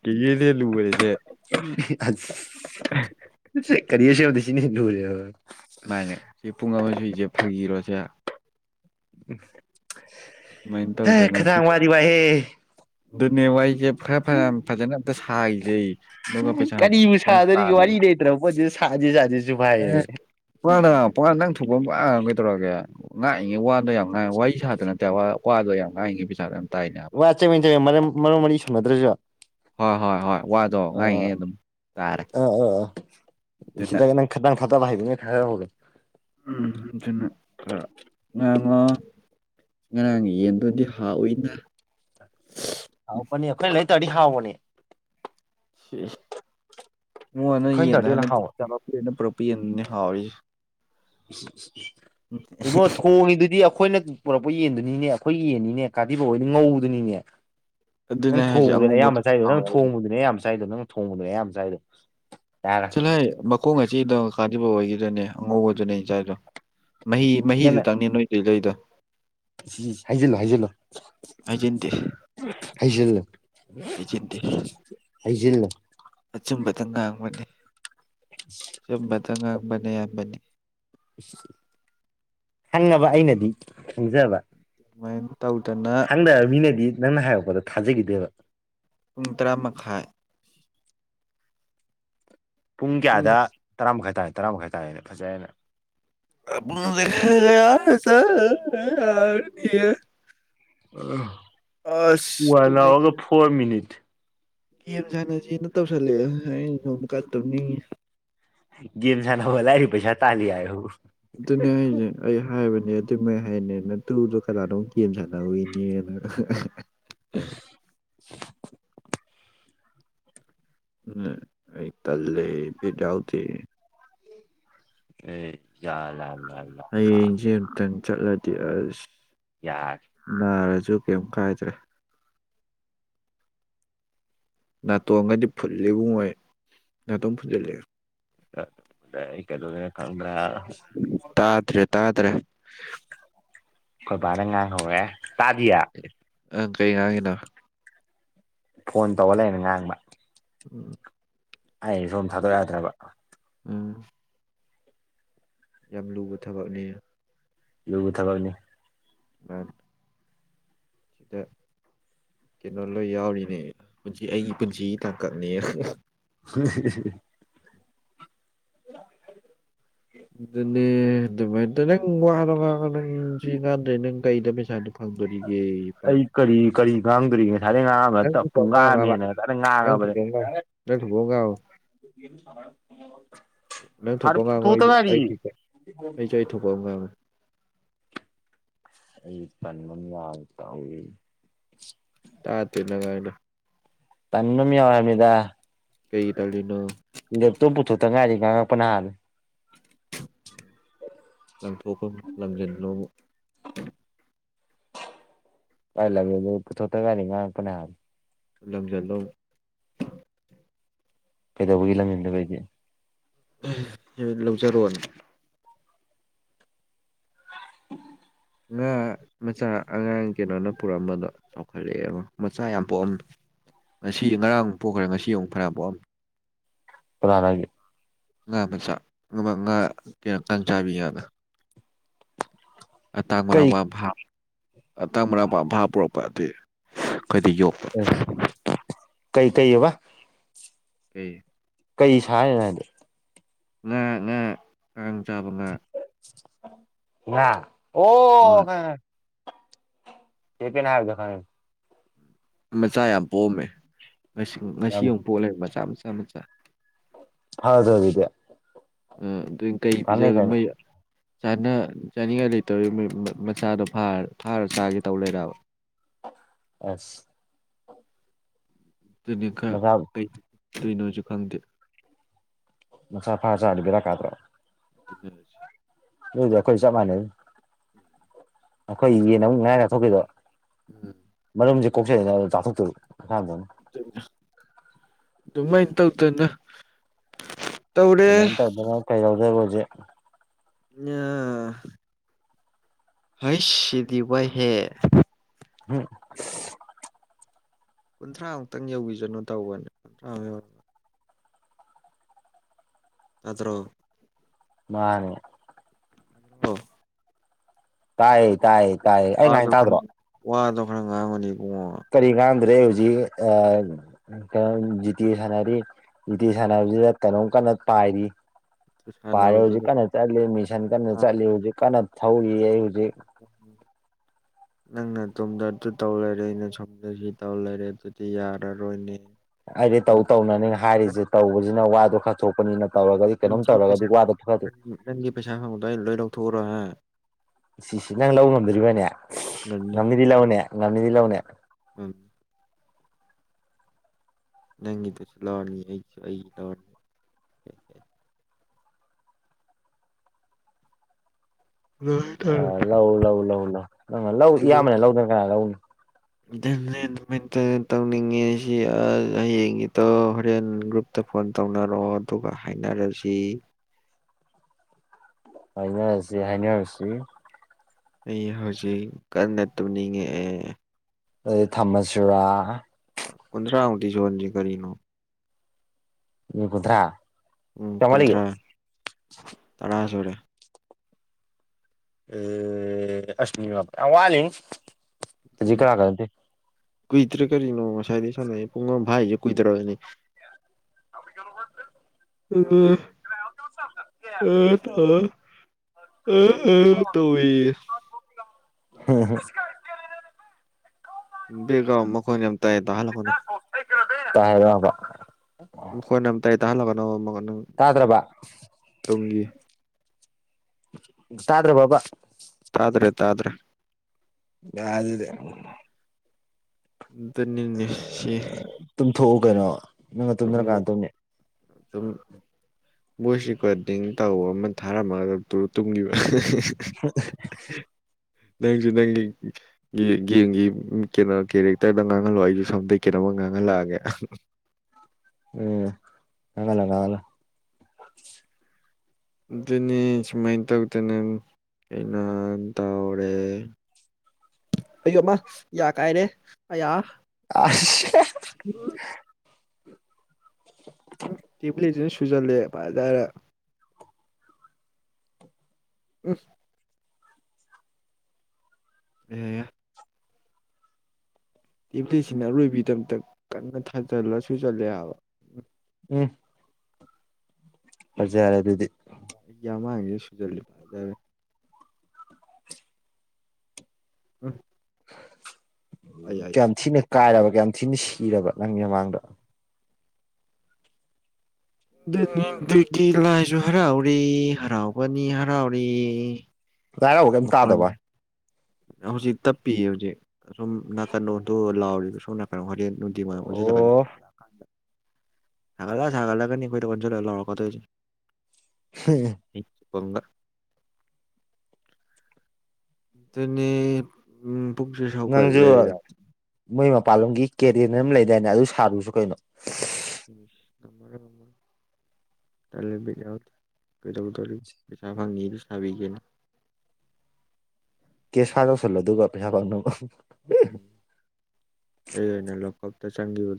ꯀꯤ ꯂꯩ ꯂꯨ ꯑꯣꯏꯔꯁꯦ ꯀꯔꯤꯁꯤꯕꯗꯁꯤꯅꯤ ꯂꯔꯦ ꯃꯥꯨꯃꯅꯦ ꯁꯤ ꯄꯨꯡ ꯑꯃꯨꯏꯁꯦ ꯐꯥꯒꯤꯔꯣꯁꯦ ꯁꯨꯃꯥꯏꯅ ꯍ ꯇꯧꯗꯅ ꯁꯤ ꯈꯗꯥꯪꯋꯥꯗꯤꯕꯥꯍꯦ ꯑꯗꯨꯅꯦ ꯋꯥꯏꯁꯦ ꯈꯔ ꯐꯖꯅ ꯑꯝꯇ ꯁꯥꯏꯖꯩ ꯀꯔꯤꯕꯕꯨ ꯁꯥꯗꯔꯤꯒ ꯋꯥꯔꯤ ꯂꯩꯇ꯭ꯔꯕ ꯄꯣꯠ ꯑꯦ ꯄꯅ ꯄ ꯅꯪ ꯊꯣꯛꯄ ꯇꯧꯔꯒꯦ ꯉꯥꯡꯏꯉꯦ ꯋꯥꯗꯣ ꯌꯥꯝ ꯉꯥꯏꯉ ꯋꯥꯔꯤ ꯁꯥꯇ ꯅꯠꯇꯦ ꯋꯥꯗꯣ ꯌꯥꯝ ꯉꯥꯡꯏꯉꯦ ꯄꯩꯁꯥꯗ ꯋꯥ ꯆꯅꯤ ꯆ ꯃꯔꯨꯝ ꯃꯔꯤ ꯁꯨꯝꯅꯗ꯭ꯔꯁꯨ ꯍꯣꯏ ꯍꯣꯏ ꯍꯣꯏ ꯋꯥꯗꯣ ꯉꯥꯏꯉꯩ ꯑꯗꯨꯝ ꯇꯥꯔꯦ ꯑꯥ ꯑꯥ ꯑꯗꯨꯅ ꯁꯤꯗ ꯅꯪ ꯈꯤꯇꯪ ꯐꯥꯠꯇꯕ ꯍꯥꯏꯕꯅꯦ ꯈꯔ ꯍꯧꯔꯦ ꯎꯝ ꯑꯗꯨꯟꯅ ꯌꯥꯣ ꯉꯔꯥꯡ ꯌꯦꯟꯗꯨꯗꯤ ꯍꯥꯎꯑꯣꯏꯅ ꯇꯔꯤꯍꯕꯅꯦ ꯁꯤ ꯃꯛ ꯍꯅ ꯑꯩꯈꯣꯏꯅ ꯌꯦꯟꯗ ꯇꯧꯔꯗꯤ ꯍꯦꯟꯅ ꯍꯥꯟꯅ ꯍꯥꯎꯕꯅꯦ ꯆꯄꯅ ꯄꯨꯔꯛꯄ ꯌꯦꯟꯅꯦ ꯍꯥꯎꯔꯤ ꯏꯕꯣ ꯊꯣꯡꯉꯤꯗꯨꯗꯤ ꯑꯩꯈꯣꯏꯅ ꯄꯨꯔꯛꯄ ꯌꯦꯟꯗꯨꯅꯤꯅꯦ ꯑꯩꯈꯣꯏꯒꯤ ꯌꯦꯟꯅꯤꯅꯦ ꯀꯥꯊꯤꯕ ꯑꯣꯏꯗꯤ ꯉꯧꯗꯨꯅꯤꯅꯦ ꯅꯪ ꯑꯗꯨꯅꯦ ꯑꯩ ꯍꯥꯏꯁꯦ ꯊꯣꯡꯕꯗꯨꯅꯦ ꯑꯌꯥꯝꯕ ꯑꯉꯧꯕꯗꯨꯅꯦ ꯆꯥꯏꯗꯣ ꯅꯪ ꯍꯥꯎꯋꯦ ꯍꯥꯏꯁꯦ ꯊꯣꯡꯕꯗꯨꯅꯦ ꯑꯌꯥꯝꯕ ꯆꯥꯏꯗꯣ ꯅꯪ ꯊꯣꯡꯕꯗꯨꯅꯦ ꯑꯌꯥꯝꯕ ꯆꯥꯏꯗꯣ ꯌꯥꯔꯦ ꯁꯤꯂꯥꯏ ꯃꯈꯣꯡ ꯑꯁꯤꯗ ꯀꯥꯕ ꯑꯣꯏꯈꯤꯗꯅꯦ ꯑꯉꯧꯕꯗꯨꯅꯦ ꯏꯆꯥꯥꯏꯗꯣ ꯃꯍꯤ ꯃꯍꯤꯗꯨ ꯇꯪꯅꯤ ꯅꯣꯏꯗꯗꯩꯗꯣ ꯍꯥꯏꯖꯂ ꯍꯥꯏꯖꯂꯣ ꯍꯥꯏꯖꯤꯟꯗꯦ ꯍꯥꯏꯁꯤꯅ ꯍꯥꯏꯁꯤꯅ ꯑꯆꯨꯝꯕꯗ ꯉꯥꯡꯕꯅꯤ ꯑꯆꯨꯝꯕꯗ ꯉꯥꯡꯕꯅ ꯑꯕꯅꯤ ꯈꯪꯉꯕ ꯑꯩꯅꯗꯤ ꯈꯪꯖꯕ ꯑꯗꯨꯃꯥꯏꯅ ꯇꯧꯗꯅ ꯍꯪꯗ ꯃꯤꯅꯗꯤ ꯅꯪꯅ ꯍꯥꯏꯔꯛꯄꯗ ꯊꯥꯖꯈꯤꯗꯦꯕ ꯄꯨꯡ ꯇꯔꯥ ꯃꯈꯥꯏ ꯄꯨꯡ ꯀꯌꯥꯗ ꯇꯔꯥ ꯃꯈꯥꯏ ꯇꯥꯔꯦ ꯇꯔꯥ ꯃꯈꯥꯏ ꯇꯥꯔꯦꯅꯦ ꯐꯖꯦꯅ ꯑꯒꯁ ꯌꯥꯔ ꯑ ꯋꯥꯒ ꯐꯣꯔ ꯃꯤꯅꯤꯠ ꯦꯝ ꯁꯅꯁꯤꯅ ꯇꯧꯁꯜꯂꯛꯦ ꯑꯩꯅ ꯅꯣꯡ ꯀꯠꯇꯕꯅꯤ ꯦꯝꯁꯅ ꯋꯥꯂꯔꯤ ꯄꯩꯁꯥ ꯇꯥꯂꯤ ꯍꯥꯏ ꯑꯗꯨꯅꯦ ꯍꯥꯏꯁꯦ ꯑꯩ ꯍꯥꯏꯕꯅꯦ ꯑꯗꯨꯃ ꯍꯥꯏꯅꯤꯅ ꯇꯨꯗꯣ ꯀꯅꯥꯅꯣ ꯀꯦꯝ ꯁꯥꯟꯅꯧꯅꯦꯅ ꯎ ꯑꯁ ꯎꯝ ꯑꯩ ꯊꯜ ꯂꯩ ꯄꯤꯗꯥꯎꯗꯤ ꯑꯦ ꯌꯥꯖꯥ ꯂ ꯍꯌꯦꯡꯁꯦ ꯑꯨꯇꯪ ꯆꯠꯂꯗꯤ ꯑꯁ ꯌꯥꯔꯦ ꯅꯥꯔꯁꯤ ꯨ ꯀꯩꯝ ꯀꯥꯏꯗ꯭ꯔꯦ ꯅꯥꯇꯣꯡꯒꯗꯤ ꯐꯨꯠꯂꯤꯕꯨꯡꯉꯣꯏ ꯅꯥꯇꯣꯡ ꯐꯨꯖꯤꯜꯂꯦ ꯀꯦ ꯑꯗꯨꯉ ꯀꯗ꯭ꯔ ꯇꯥꯗ꯭ꯔꯦ ꯇꯥꯗ꯭ꯔꯦ ꯈꯣꯏ ꯕꯥꯅ ꯉꯥꯡ ꯍꯧꯔꯦ ꯇꯥꯗꯤꯌꯦ ꯑꯪ ꯀꯩꯉꯥꯡꯒꯤꯅꯣ ꯐꯣꯟ ꯇꯧꯔ ꯂꯩꯅ ꯉꯥꯡꯕ ꯎꯝ ꯑꯩ ꯁꯣꯝ ꯊꯥꯗꯣꯔꯛꯦ ꯌꯥꯗ꯭ꯔꯕ ꯎꯝ ꯌꯥꯝ ꯂꯨꯕ ꯊꯕꯛꯅꯤ ꯂꯕꯨꯨ ꯊꯒꯅꯤ ꯑ ꯆꯗꯥꯛ ꯀꯩꯅꯣ ꯂꯣꯏ ꯌꯥꯎꯔꯤꯅꯦ ꯄꯨꯟꯁꯤ ꯑꯩꯒꯤ ꯄꯨꯟꯁꯤ ꯇꯥꯡꯀꯛꯅꯦ ꯎ ꯑꯗꯨꯅꯦ ꯑꯗꯨꯃꯥꯏꯅ ꯅꯪ ꯋꯥꯔ ꯋꯥꯔ ꯅꯪ ꯁꯤ ꯉꯥꯟꯗ꯭ꯔꯦ ꯅꯪ ꯀꯒꯥꯗ ꯄꯩꯁꯥꯗꯨꯣ ꯐꯪꯗꯣꯔꯤ ꯌꯦ ꯐ ꯑꯩ ꯀꯔꯤ ꯀꯔꯤ ꯉꯥꯡꯗ꯭ꯔꯤꯦ ꯁꯥꯗꯩ ꯉꯥꯡꯉ ꯄꯨꯡ ꯊꯣꯛꯄ ꯑꯃ ꯉꯥꯑꯝꯃꯦꯅꯗ ꯉꯥꯡꯉꯕꯅꯦ ꯉꯥꯡꯉꯣꯕ ꯅꯪ ꯊꯣꯛꯄ ꯑꯃ ꯉꯥꯡꯉꯣ ꯁꯅ ꯅꯪ ꯐꯔ ꯊꯣꯛꯄ ꯑꯃ ꯉꯥꯡꯉꯣ ꯅꯪ ꯊꯣꯛꯄ ꯑꯃ ꯉꯥꯡꯉꯣ ꯇꯨ ꯇ ꯑꯩꯁꯨ ꯃꯔꯤ ꯑꯩ ꯊꯣꯛꯄ ꯑꯩꯁꯨ ꯑꯩ ꯊꯣꯛꯄ ꯑꯃ ꯉꯥꯡꯉꯦ ꯑꯩ ꯄꯟꯕ ꯌꯥ ꯇꯥꯎꯏ ꯇꯥꯇꯦꯅꯉꯥꯏꯅ ꯇꯟꯅꯃꯤ ꯌꯥꯃꯤꯗ ꯀꯩ ꯇꯅꯣ ꯂꯦꯞꯇꯣ ꯄꯨꯊꯣꯛꯇ ꯉꯥꯏꯔꯤ ꯉꯥꯡꯉꯛꯄ ꯅꯍꯥꯟꯅ ꯂꯪꯊꯣꯛꯐꯝ ꯂꯪꯖꯟꯂꯣꯃꯨ ꯀꯥꯏ ꯂꯊꯣꯇꯒꯅꯤ ꯀ ꯀꯅ ꯍꯥ ꯂꯝꯪꯖꯜꯂꯣ ꯀꯩꯗꯧꯕꯒꯤ ꯂꯝꯕꯤꯟꯗ ꯀꯩꯗꯦ ꯂꯧꯖꯔꯣꯅꯤ ꯉꯥ ꯃꯆꯥ ꯑꯉꯥꯡ ꯀꯩꯅꯣꯅ ꯄꯨꯔꯛꯝꯕꯗꯣ ꯆꯥꯎꯈꯠꯂꯛꯑꯦꯕ ꯃꯆꯥ ꯌꯥꯝ ꯄꯣꯛꯑꯝꯃꯦ ꯉꯁꯤ ꯉꯔꯥꯡꯨꯛ ꯄꯣꯛꯈ꯭ꯔꯦ ꯉꯁꯤ ꯑꯃꯨꯛ ꯐꯔ ꯄꯣꯛꯑꯝ ꯐꯔꯒꯦ ꯉꯥ ꯃꯆꯥ ꯉꯥ ꯀꯌꯥꯀ ꯆꯥꯕꯤ ꯌꯥꯅ ꯀꯩ ꯑꯇꯥꯡꯕꯔꯕꯚꯥ ꯑ ꯇꯚꯥꯞ ꯄꯨꯔꯛꯄ ꯑꯩꯈꯣꯏꯗꯤ ꯌꯣꯛꯄ ꯀꯩ ꯀꯩꯕ ꯀꯩ ꯀꯩ ꯁꯔꯤꯅ ꯍꯥꯏꯗ ꯉꯥ ꯉꯥ ꯀꯥꯡꯔꯥꯡ ꯆꯥꯕ ꯉꯥ ꯉ ꯑꯣ ꯆꯦ ꯄꯅ ꯍꯥꯏꯔꯗ ꯐ ꯃꯆꯥ ꯌꯥꯝ ꯄꯣꯝꯃꯦ ꯉ ꯉꯁꯤ ꯌꯥꯝ ꯑꯃꯨꯛ ꯄꯣꯂꯕ ꯃꯆꯥ ꯃꯆꯥ ꯃꯆꯥ ꯍꯗ ꯏꯗꯌꯥ ꯑ ꯑꯗꯨ ꯀꯩ ꯄꯤꯖꯒ ꯃꯩ ꯆꯅꯤꯒ ꯂꯩꯇꯧꯒꯤ ꯃꯆꯥꯗꯣ ꯐꯥꯔ ꯆꯥꯒꯦ ꯇꯧ ꯂꯩꯔꯕ ꯑꯁ ꯑꯗꯨꯅꯤ ꯈ ꯃꯆꯥ ꯀꯩ ꯇꯨꯏꯅꯣꯁꯨ ꯈꯪꯗꯦ ꯃꯁꯥ ꯐꯥ ꯆꯥꯕꯤꯔꯛꯀꯥꯗ꯭ꯔꯣ ꯇꯖ ꯂꯩꯗꯈꯣꯏ ꯁꯃꯅꯦ ꯑꯩꯈꯣꯏ ꯌꯦꯟ ꯑꯃꯨꯛ ꯉꯥꯏ ꯉ ꯊꯣꯛꯣꯛꯄꯤꯗꯣ ꯎꯝ ꯃꯔꯨꯝꯁꯦ ꯀꯣꯛꯆꯩꯦꯅ ꯑꯗꯨꯥꯊꯣꯛꯣꯏꯏ ꯑꯗꯅ ꯑꯗꯨꯃꯥꯏꯅ ꯇꯧꯗꯅ ꯇꯧꯔꯦ ꯏꯃꯥꯏꯟ ꯇꯧꯗꯅ ꯀꯩ ꯌꯎꯗꯦ ꯔꯣꯖꯦ ꯑ ꯍꯩꯁ ꯁꯤꯗꯤꯋꯥ ꯍꯦ ꯎꯝ ꯀꯨꯟꯊ꯭ꯔꯥꯃꯨꯛꯇꯪ ꯌꯧꯕꯤꯁꯅꯨ ꯇꯧꯕꯅꯦ ꯀꯨꯟꯊ꯭ꯔꯥꯃꯨꯛ ꯌꯧꯒ ꯑꯠꯇ꯭ꯔꯣ ꯃꯥꯅꯦ ꯑꯗꯨ ꯇꯥꯏ ꯇꯥꯏ ꯇꯥꯏ ꯑ ꯉ ꯉꯥꯏ ꯇꯗꯣ ꯈꯈ ꯉꯥ ꯑꯃꯅꯤꯅꯤ ꯨꯡꯑꯣꯣ ꯦꯖꯤ ꯑ ꯀ ꯖꯤꯇ ꯍꯥꯏꯔꯤ ꯏꯇꯤ ꯁꯥꯟꯅꯕꯁꯤꯗ ꯀꯩꯅꯣꯝ ꯀꯟꯅ ꯄꯥꯏꯔꯤ ꯄꯔ ꯍꯧꯖꯤꯛ ꯁꯥꯟꯅꯕꯗꯨꯗ ꯀꯅꯦ ꯆꯠꯂꯤ ꯃꯤꯁꯟ ꯀꯅꯦ ꯆꯠꯂꯤ ꯍꯧꯖꯤꯛ ꯀꯅ ꯊꯧ ꯑꯝ ꯎ ꯅꯪꯅ ꯇꯨꯡꯗꯁꯨ ꯇꯧ ꯂꯩꯔꯦ ꯑꯩꯅ ꯁꯣꯝꯗꯁꯨ ꯇꯧ ꯂꯩꯔꯦ ꯑꯗꯨꯗꯤ ꯌꯥꯔꯔꯣꯏꯅꯦ ꯑꯩꯗꯤ ꯇꯧ ꯇꯧꯅꯅꯦ ꯍꯥꯏꯔꯤꯁꯦ ꯇꯧꯕꯁꯤꯅ ꯋꯥꯗꯣ ꯈꯥꯊꯣꯛꯄꯅꯤꯅ ꯅꯪꯒꯤ ꯄꯩꯁ ꯅ ꯅꯪꯒꯤ ꯄꯩꯁꯥ ꯈꯪꯕꯗꯏ ꯂꯣꯏ ꯂꯧꯊꯣꯛꯎꯔꯣꯍ ꯁꯤꯁꯤ ꯅꯪ ꯂꯧꯕ ꯉꯝꯗꯣꯔꯤꯕꯅꯦ ꯉꯝꯅꯤ ꯉꯝꯅꯤꯗꯤ ꯂꯧꯅꯦ ꯉꯝꯅꯤꯗꯤ ꯂꯧꯅꯦ ꯎꯝ ꯅꯪꯒꯤꯗꯨꯁꯨ ꯂꯥꯅꯤ ꯑꯩꯁꯨ ꯑꯩꯒꯤ ꯂꯥꯅꯤ ꯂꯣꯏ ꯑ ꯇꯧꯔꯅꯤ ꯂꯧꯎ ꯂꯧꯎ ꯂꯎ ꯂꯪ ꯂꯧ ꯏꯌꯥꯝꯕꯅꯦ ꯂꯧꯗꯅ ꯀꯅꯥ ꯂꯧꯅꯤ ꯇꯧꯅꯤꯡꯉꯤ ꯁꯤ ꯑꯁ ꯍꯌꯦꯡꯒꯤꯇꯣ ꯍꯣꯔꯦꯟ ꯒ꯭ꯔꯨꯞꯇ ꯐꯣꯟ ꯇꯧꯅꯔꯣ ꯑꯗꯨꯒ ꯍꯥꯏꯅꯔꯁꯤ ꯍꯥꯏꯅ ꯍꯥꯏꯁꯤ ꯍꯥꯏꯅ ꯍꯥꯏꯁꯤ ꯑꯩ ꯍꯧꯖꯤꯛ ꯀꯟꯅ ꯇꯨꯝꯅꯤꯡꯉꯛꯑꯦ ꯑꯗꯩ ꯊꯃꯆꯨꯔꯥ ꯀꯨꯟꯗ꯭ꯔꯥ ꯑꯣꯇꯤꯖꯋꯥꯟꯖꯤ ꯀꯔꯤꯅꯣ ꯌꯦ ꯀꯗ꯭ꯔꯥ ꯎꯝ ꯀꯨꯗ꯭ꯔꯥ ꯇꯔꯥꯥꯁꯣꯔꯦ ꯑ ꯑꯁꯅꯤꯄꯔ ꯋꯥꯂꯤꯅꯤ ꯍꯧꯖꯤ ꯎꯝ ꯀꯥ ꯀꯗꯤ ꯀꯨꯏꯗ꯭ꯔꯦ ꯀꯔꯤꯅꯣ ꯉꯁꯥꯏꯗꯤ ꯁ ꯄꯨꯡꯥꯏꯁꯦ ꯀꯨꯏꯗ꯭ꯔꯅꯤ ꯑꯛ ꯍꯠꯇ꯭ꯔꯦ ꯎꯝ ꯑꯦꯇꯣ ꯑ ꯇꯧ ꯏ ꯍꯝ ꯍꯝ ꯕꯤꯜꯒꯥꯎ ꯃꯈꯣꯏꯅꯤ ꯌꯥꯝ ꯇꯅꯣꯏꯅ ꯑꯃ ꯇꯥꯏꯔꯕ ꯇ ꯇꯥꯍꯜꯂꯒ ꯅ ꯑꯃꯒ ꯅꯪ ꯇꯥꯗ꯭ꯔꯕ ꯇꯨꯡꯒꯤ ꯇꯥꯗ꯭ꯔ ꯄꯕ ꯭ꯔꯦ ꯇꯥꯗ꯭ꯔꯦ ꯌꯥ ꯑꯗꯨꯗ ꯑꯗꯨꯅꯤꯅꯦ ꯁꯤ ꯊꯣꯛꯎ ꯀꯩꯅꯣ ꯅꯪꯅ ꯇꯨꯝ ꯇꯨꯝꯗꯅ ꯀꯥꯟꯅ ꯇꯧꯅꯤ ꯇꯨꯝ ꯚꯣꯏꯁ ꯦꯀꯣꯔꯗꯤꯡ ꯇꯧꯕ ꯑꯃ ꯊꯥꯔꯝꯃꯒ ꯇꯨꯝꯒꯤꯕ [unintelligible] ꯅꯪꯁꯨ ꯅꯪꯒꯤ ꯒꯦꯝꯒꯤ ꯀꯩꯅꯣ ꯀꯦꯔꯦꯛꯇꯔꯗ ꯉꯥꯡꯍꯜꯂꯣ ꯑꯩꯁꯨ ꯁꯣꯝꯗꯩ ꯀꯩꯅꯣꯃ ꯉꯥꯡꯍꯜꯂꯣ ꯍꯂꯒꯦ ꯎꯝ ꯀꯒꯂ ꯀꯒꯂ ꯑꯗꯨꯅꯤ ꯁꯨꯃꯥꯏꯅ ꯇꯧꯗꯅ ꯑꯩꯅ ꯇꯧꯔꯦ ꯑꯌꯌꯨꯃ ꯌꯥ ꯀꯥꯏꯅꯦ ꯑꯌꯥ ꯑꯁ ꯐ꯭ꯖꯟꯂ ꯐꯔ ꯇ ꯍꯥꯏꯔ ꯏꯁꯁ ꯑꯦ ꯏꯐꯂꯤꯁꯤꯅ ꯑꯔꯣꯏꯕꯒꯤꯗꯃꯛꯇ ꯀꯟꯅ ꯊꯥꯖꯜꯂ ꯁꯣꯏ ꯆꯜꯂꯦ ꯍꯥꯏꯕ ꯎ ꯎ ꯄꯖ ꯌꯥꯔꯦ ꯑꯗꯨꯗꯤ ꯃꯥꯡꯒꯦ ꯁꯨꯖꯜꯂꯤ ꯐꯖꯔꯦ ꯎꯝ ꯑꯩ ꯎ ꯑꯩ ꯀꯌꯥꯝ ꯊꯤꯅ ꯀꯥꯏꯔꯕ ꯀꯌꯥꯝ ꯊꯤꯅ ꯁꯤꯔꯕ ꯅꯪꯒꯤ ꯃꯃꯥꯡꯗ ꯑꯗꯨꯒꯤ ꯂꯥꯏꯁꯨ ꯍꯔꯥꯎꯔꯤ ꯍꯔꯥꯎꯕꯅꯤ ꯍꯔꯥꯎꯔꯤ ꯂꯥꯏꯔꯥꯎꯕ ꯀꯩꯝ ꯃꯈꯣꯟ ꯇꯥꯗꯕ ꯍꯧꯖꯤꯛ ꯇꯞꯄꯤꯌꯦ ꯍꯧꯖꯤꯛ ꯁꯁꯨꯝ ꯅꯥꯀꯟꯣꯗ ꯂꯥꯎꯔꯤꯕ ꯁꯣꯝ ꯅꯥꯀꯟ ꯍꯂꯦꯟ ꯅꯗꯤꯃ ꯑꯣ ꯊꯗ ꯊꯒꯔꯂ ꯁꯒꯔ ꯂꯒꯅꯤ ꯀꯣꯏ ꯀꯣꯟ ꯆꯂ ꯂꯔ ꯀꯦ ꯍꯝ ꯄꯨ ꯑꯗꯨꯅꯤ ꯎꯝ ꯄꯨꯛꯁꯦ ꯅꯪꯁꯨ ꯁꯥꯎꯒꯠꯂꯦ ꯌꯥ ꯃꯣꯏ ꯃꯄꯥꯟꯂꯣꯝꯒꯤ ꯀꯦꯔꯦꯟ ꯑꯃ ꯂꯩꯗꯥꯏꯅꯦ ꯑꯗꯨ ꯁꯥꯔꯨꯁꯨ ꯀꯩꯅꯣ ꯉꯝꯔ ꯉꯔ ꯇꯂꯦ ꯖꯥꯎꯗ ꯀꯩꯗꯧꯗꯧꯔꯤ ꯄꯩꯁꯥ ꯐꯪꯉꯤꯗꯨ ꯁꯥꯕꯤꯒꯦꯅ ꯀꯦꯁꯥꯒꯧ ꯁꯜꯂꯣꯗꯨꯒ ꯄ ꯌꯥꯥ ꯐꯥꯎꯅ ꯑꯦꯅꯦ ꯂꯧꯞꯇ ꯆꯥꯡꯤꯕ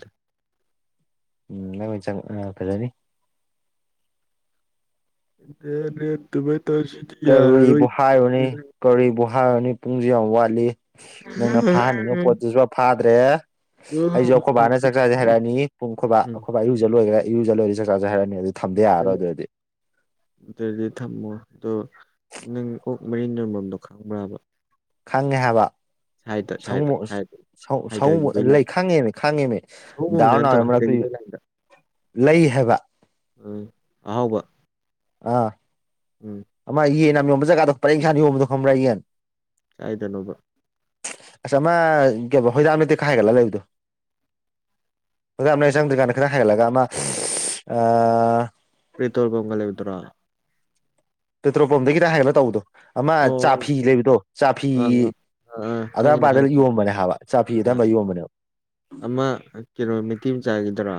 ꯎꯝ ꯆꯪ ꯑ ꯐꯗꯅꯤ ꯦ ꯗꯨꯕꯩ ꯀꯕꯨ ꯍꯥꯏꯔꯨꯅꯤ ꯀꯔꯤꯕꯨ ꯍꯥꯏꯔꯨꯅꯤ ꯄꯨꯡꯁꯨ ꯌꯥꯝ ꯋꯥꯠꯂꯤ ꯅꯪꯅ ꯐꯥꯍꯟꯅꯤꯡꯉꯕ ꯄꯣꯠꯇꯨꯁꯨ ꯐꯥꯗ꯭ꯔꯦ ꯑꯩꯁꯨ ꯑꯩꯈꯣꯏꯕꯥꯅ ꯆꯥꯛ ꯆꯥꯖꯩ ꯍꯥꯏꯔꯛꯑꯅꯤ ꯄꯨꯡ ꯈꯨꯣꯏꯕꯥ ꯑꯩꯣꯏꯕꯥ ꯏꯔꯨ ꯂꯣꯏꯈꯔꯦ ꯑꯔꯨꯖ ꯂꯣꯏꯔꯦ ꯆꯥꯛ ꯆꯆꯥꯁꯩ ꯍꯥꯏꯔꯛꯑꯅꯤ ꯑꯗꯨ ꯊꯝꯗ ꯌꯥꯔꯔꯣꯏ ꯑꯗꯨꯗꯤ ꯑꯗꯨꯗꯤ ꯊꯝꯃꯣ ꯑꯗꯣ ꯅꯪ ꯑꯣꯛ ꯃꯔꯤ ꯌꯝꯕꯣꯝꯗꯣ ꯈꯪꯕ꯭ꯔꯕ ꯈꯪꯉꯦ ꯍꯥꯏꯕ ꯁꯥꯏꯠꯇ ꯁꯥꯏꯠꯇ ꯁꯥꯏ ꯁꯨꯕ ꯂꯩ ꯈꯪꯉꯦꯅꯦ ꯈꯪꯉꯦꯅꯦ ꯁꯑꯣꯡ ꯍꯣꯡꯅ ꯗꯥꯎꯔ ꯅꯥꯎ ꯅꯠꯇꯕ ꯃꯔꯛꯇ ꯍꯥꯏꯊꯈꯤꯕꯩ ꯂꯥꯏꯟꯗ ꯂꯩ ꯍꯥꯏꯕ ꯑꯍꯥꯎꯕ ꯑꯥ ꯎꯝ ꯑꯃ ꯌꯦꯟ ꯌꯥꯝ ꯌꯣꯟꯕ ꯖꯒꯥꯗꯣ ꯐꯔꯦꯛ ꯏꯟꯁꯥꯡꯗ ꯌꯣꯟꯕꯗꯣ ꯈꯪꯕ꯭ꯔꯥ ꯌꯦꯟ ꯀꯥꯏꯗꯅꯣꯕ ꯑꯆꯥ ꯃꯥ ꯀ ꯍꯣꯏꯗꯥꯛ ꯅꯠꯇꯦꯛ ꯈꯥꯏꯒꯠꯂ ꯂꯩꯕꯗꯣ ꯇꯝꯅ ꯆꯪꯗꯨꯀꯥꯟ ꯈꯅ ꯍꯥꯏꯦꯂꯒ ꯑꯃ ꯑ ꯏ ꯇꯣꯜ ꯄꯉꯂ ꯑꯣꯏꯗꯨꯔ ꯄꯦꯇ꯭ꯔꯣꯜ ꯄꯝꯗꯒꯤꯇ ꯍꯥꯏꯕ ꯇꯧꯕꯗꯣ ꯑꯃ ꯆꯥꯐꯤ ꯂꯩꯕꯗꯣ ꯆꯥꯐꯤ ꯑꯥ ꯑꯥ ꯑꯥ ꯑꯥ ꯈꯪꯉꯤꯅꯦ ꯑꯗꯥꯏꯄꯥꯗ ꯈꯪꯉꯤꯅꯦ ꯌꯣꯝꯕꯅꯦ ꯍꯥꯏꯕ ꯆꯥꯐꯤꯗ ꯑꯥ ꯌꯣꯟꯕꯅꯦꯕ ꯑꯃ ꯀꯤꯂꯣ ꯃꯇꯤ ꯑꯃ ꯆꯥꯒꯗ꯭ꯔꯥ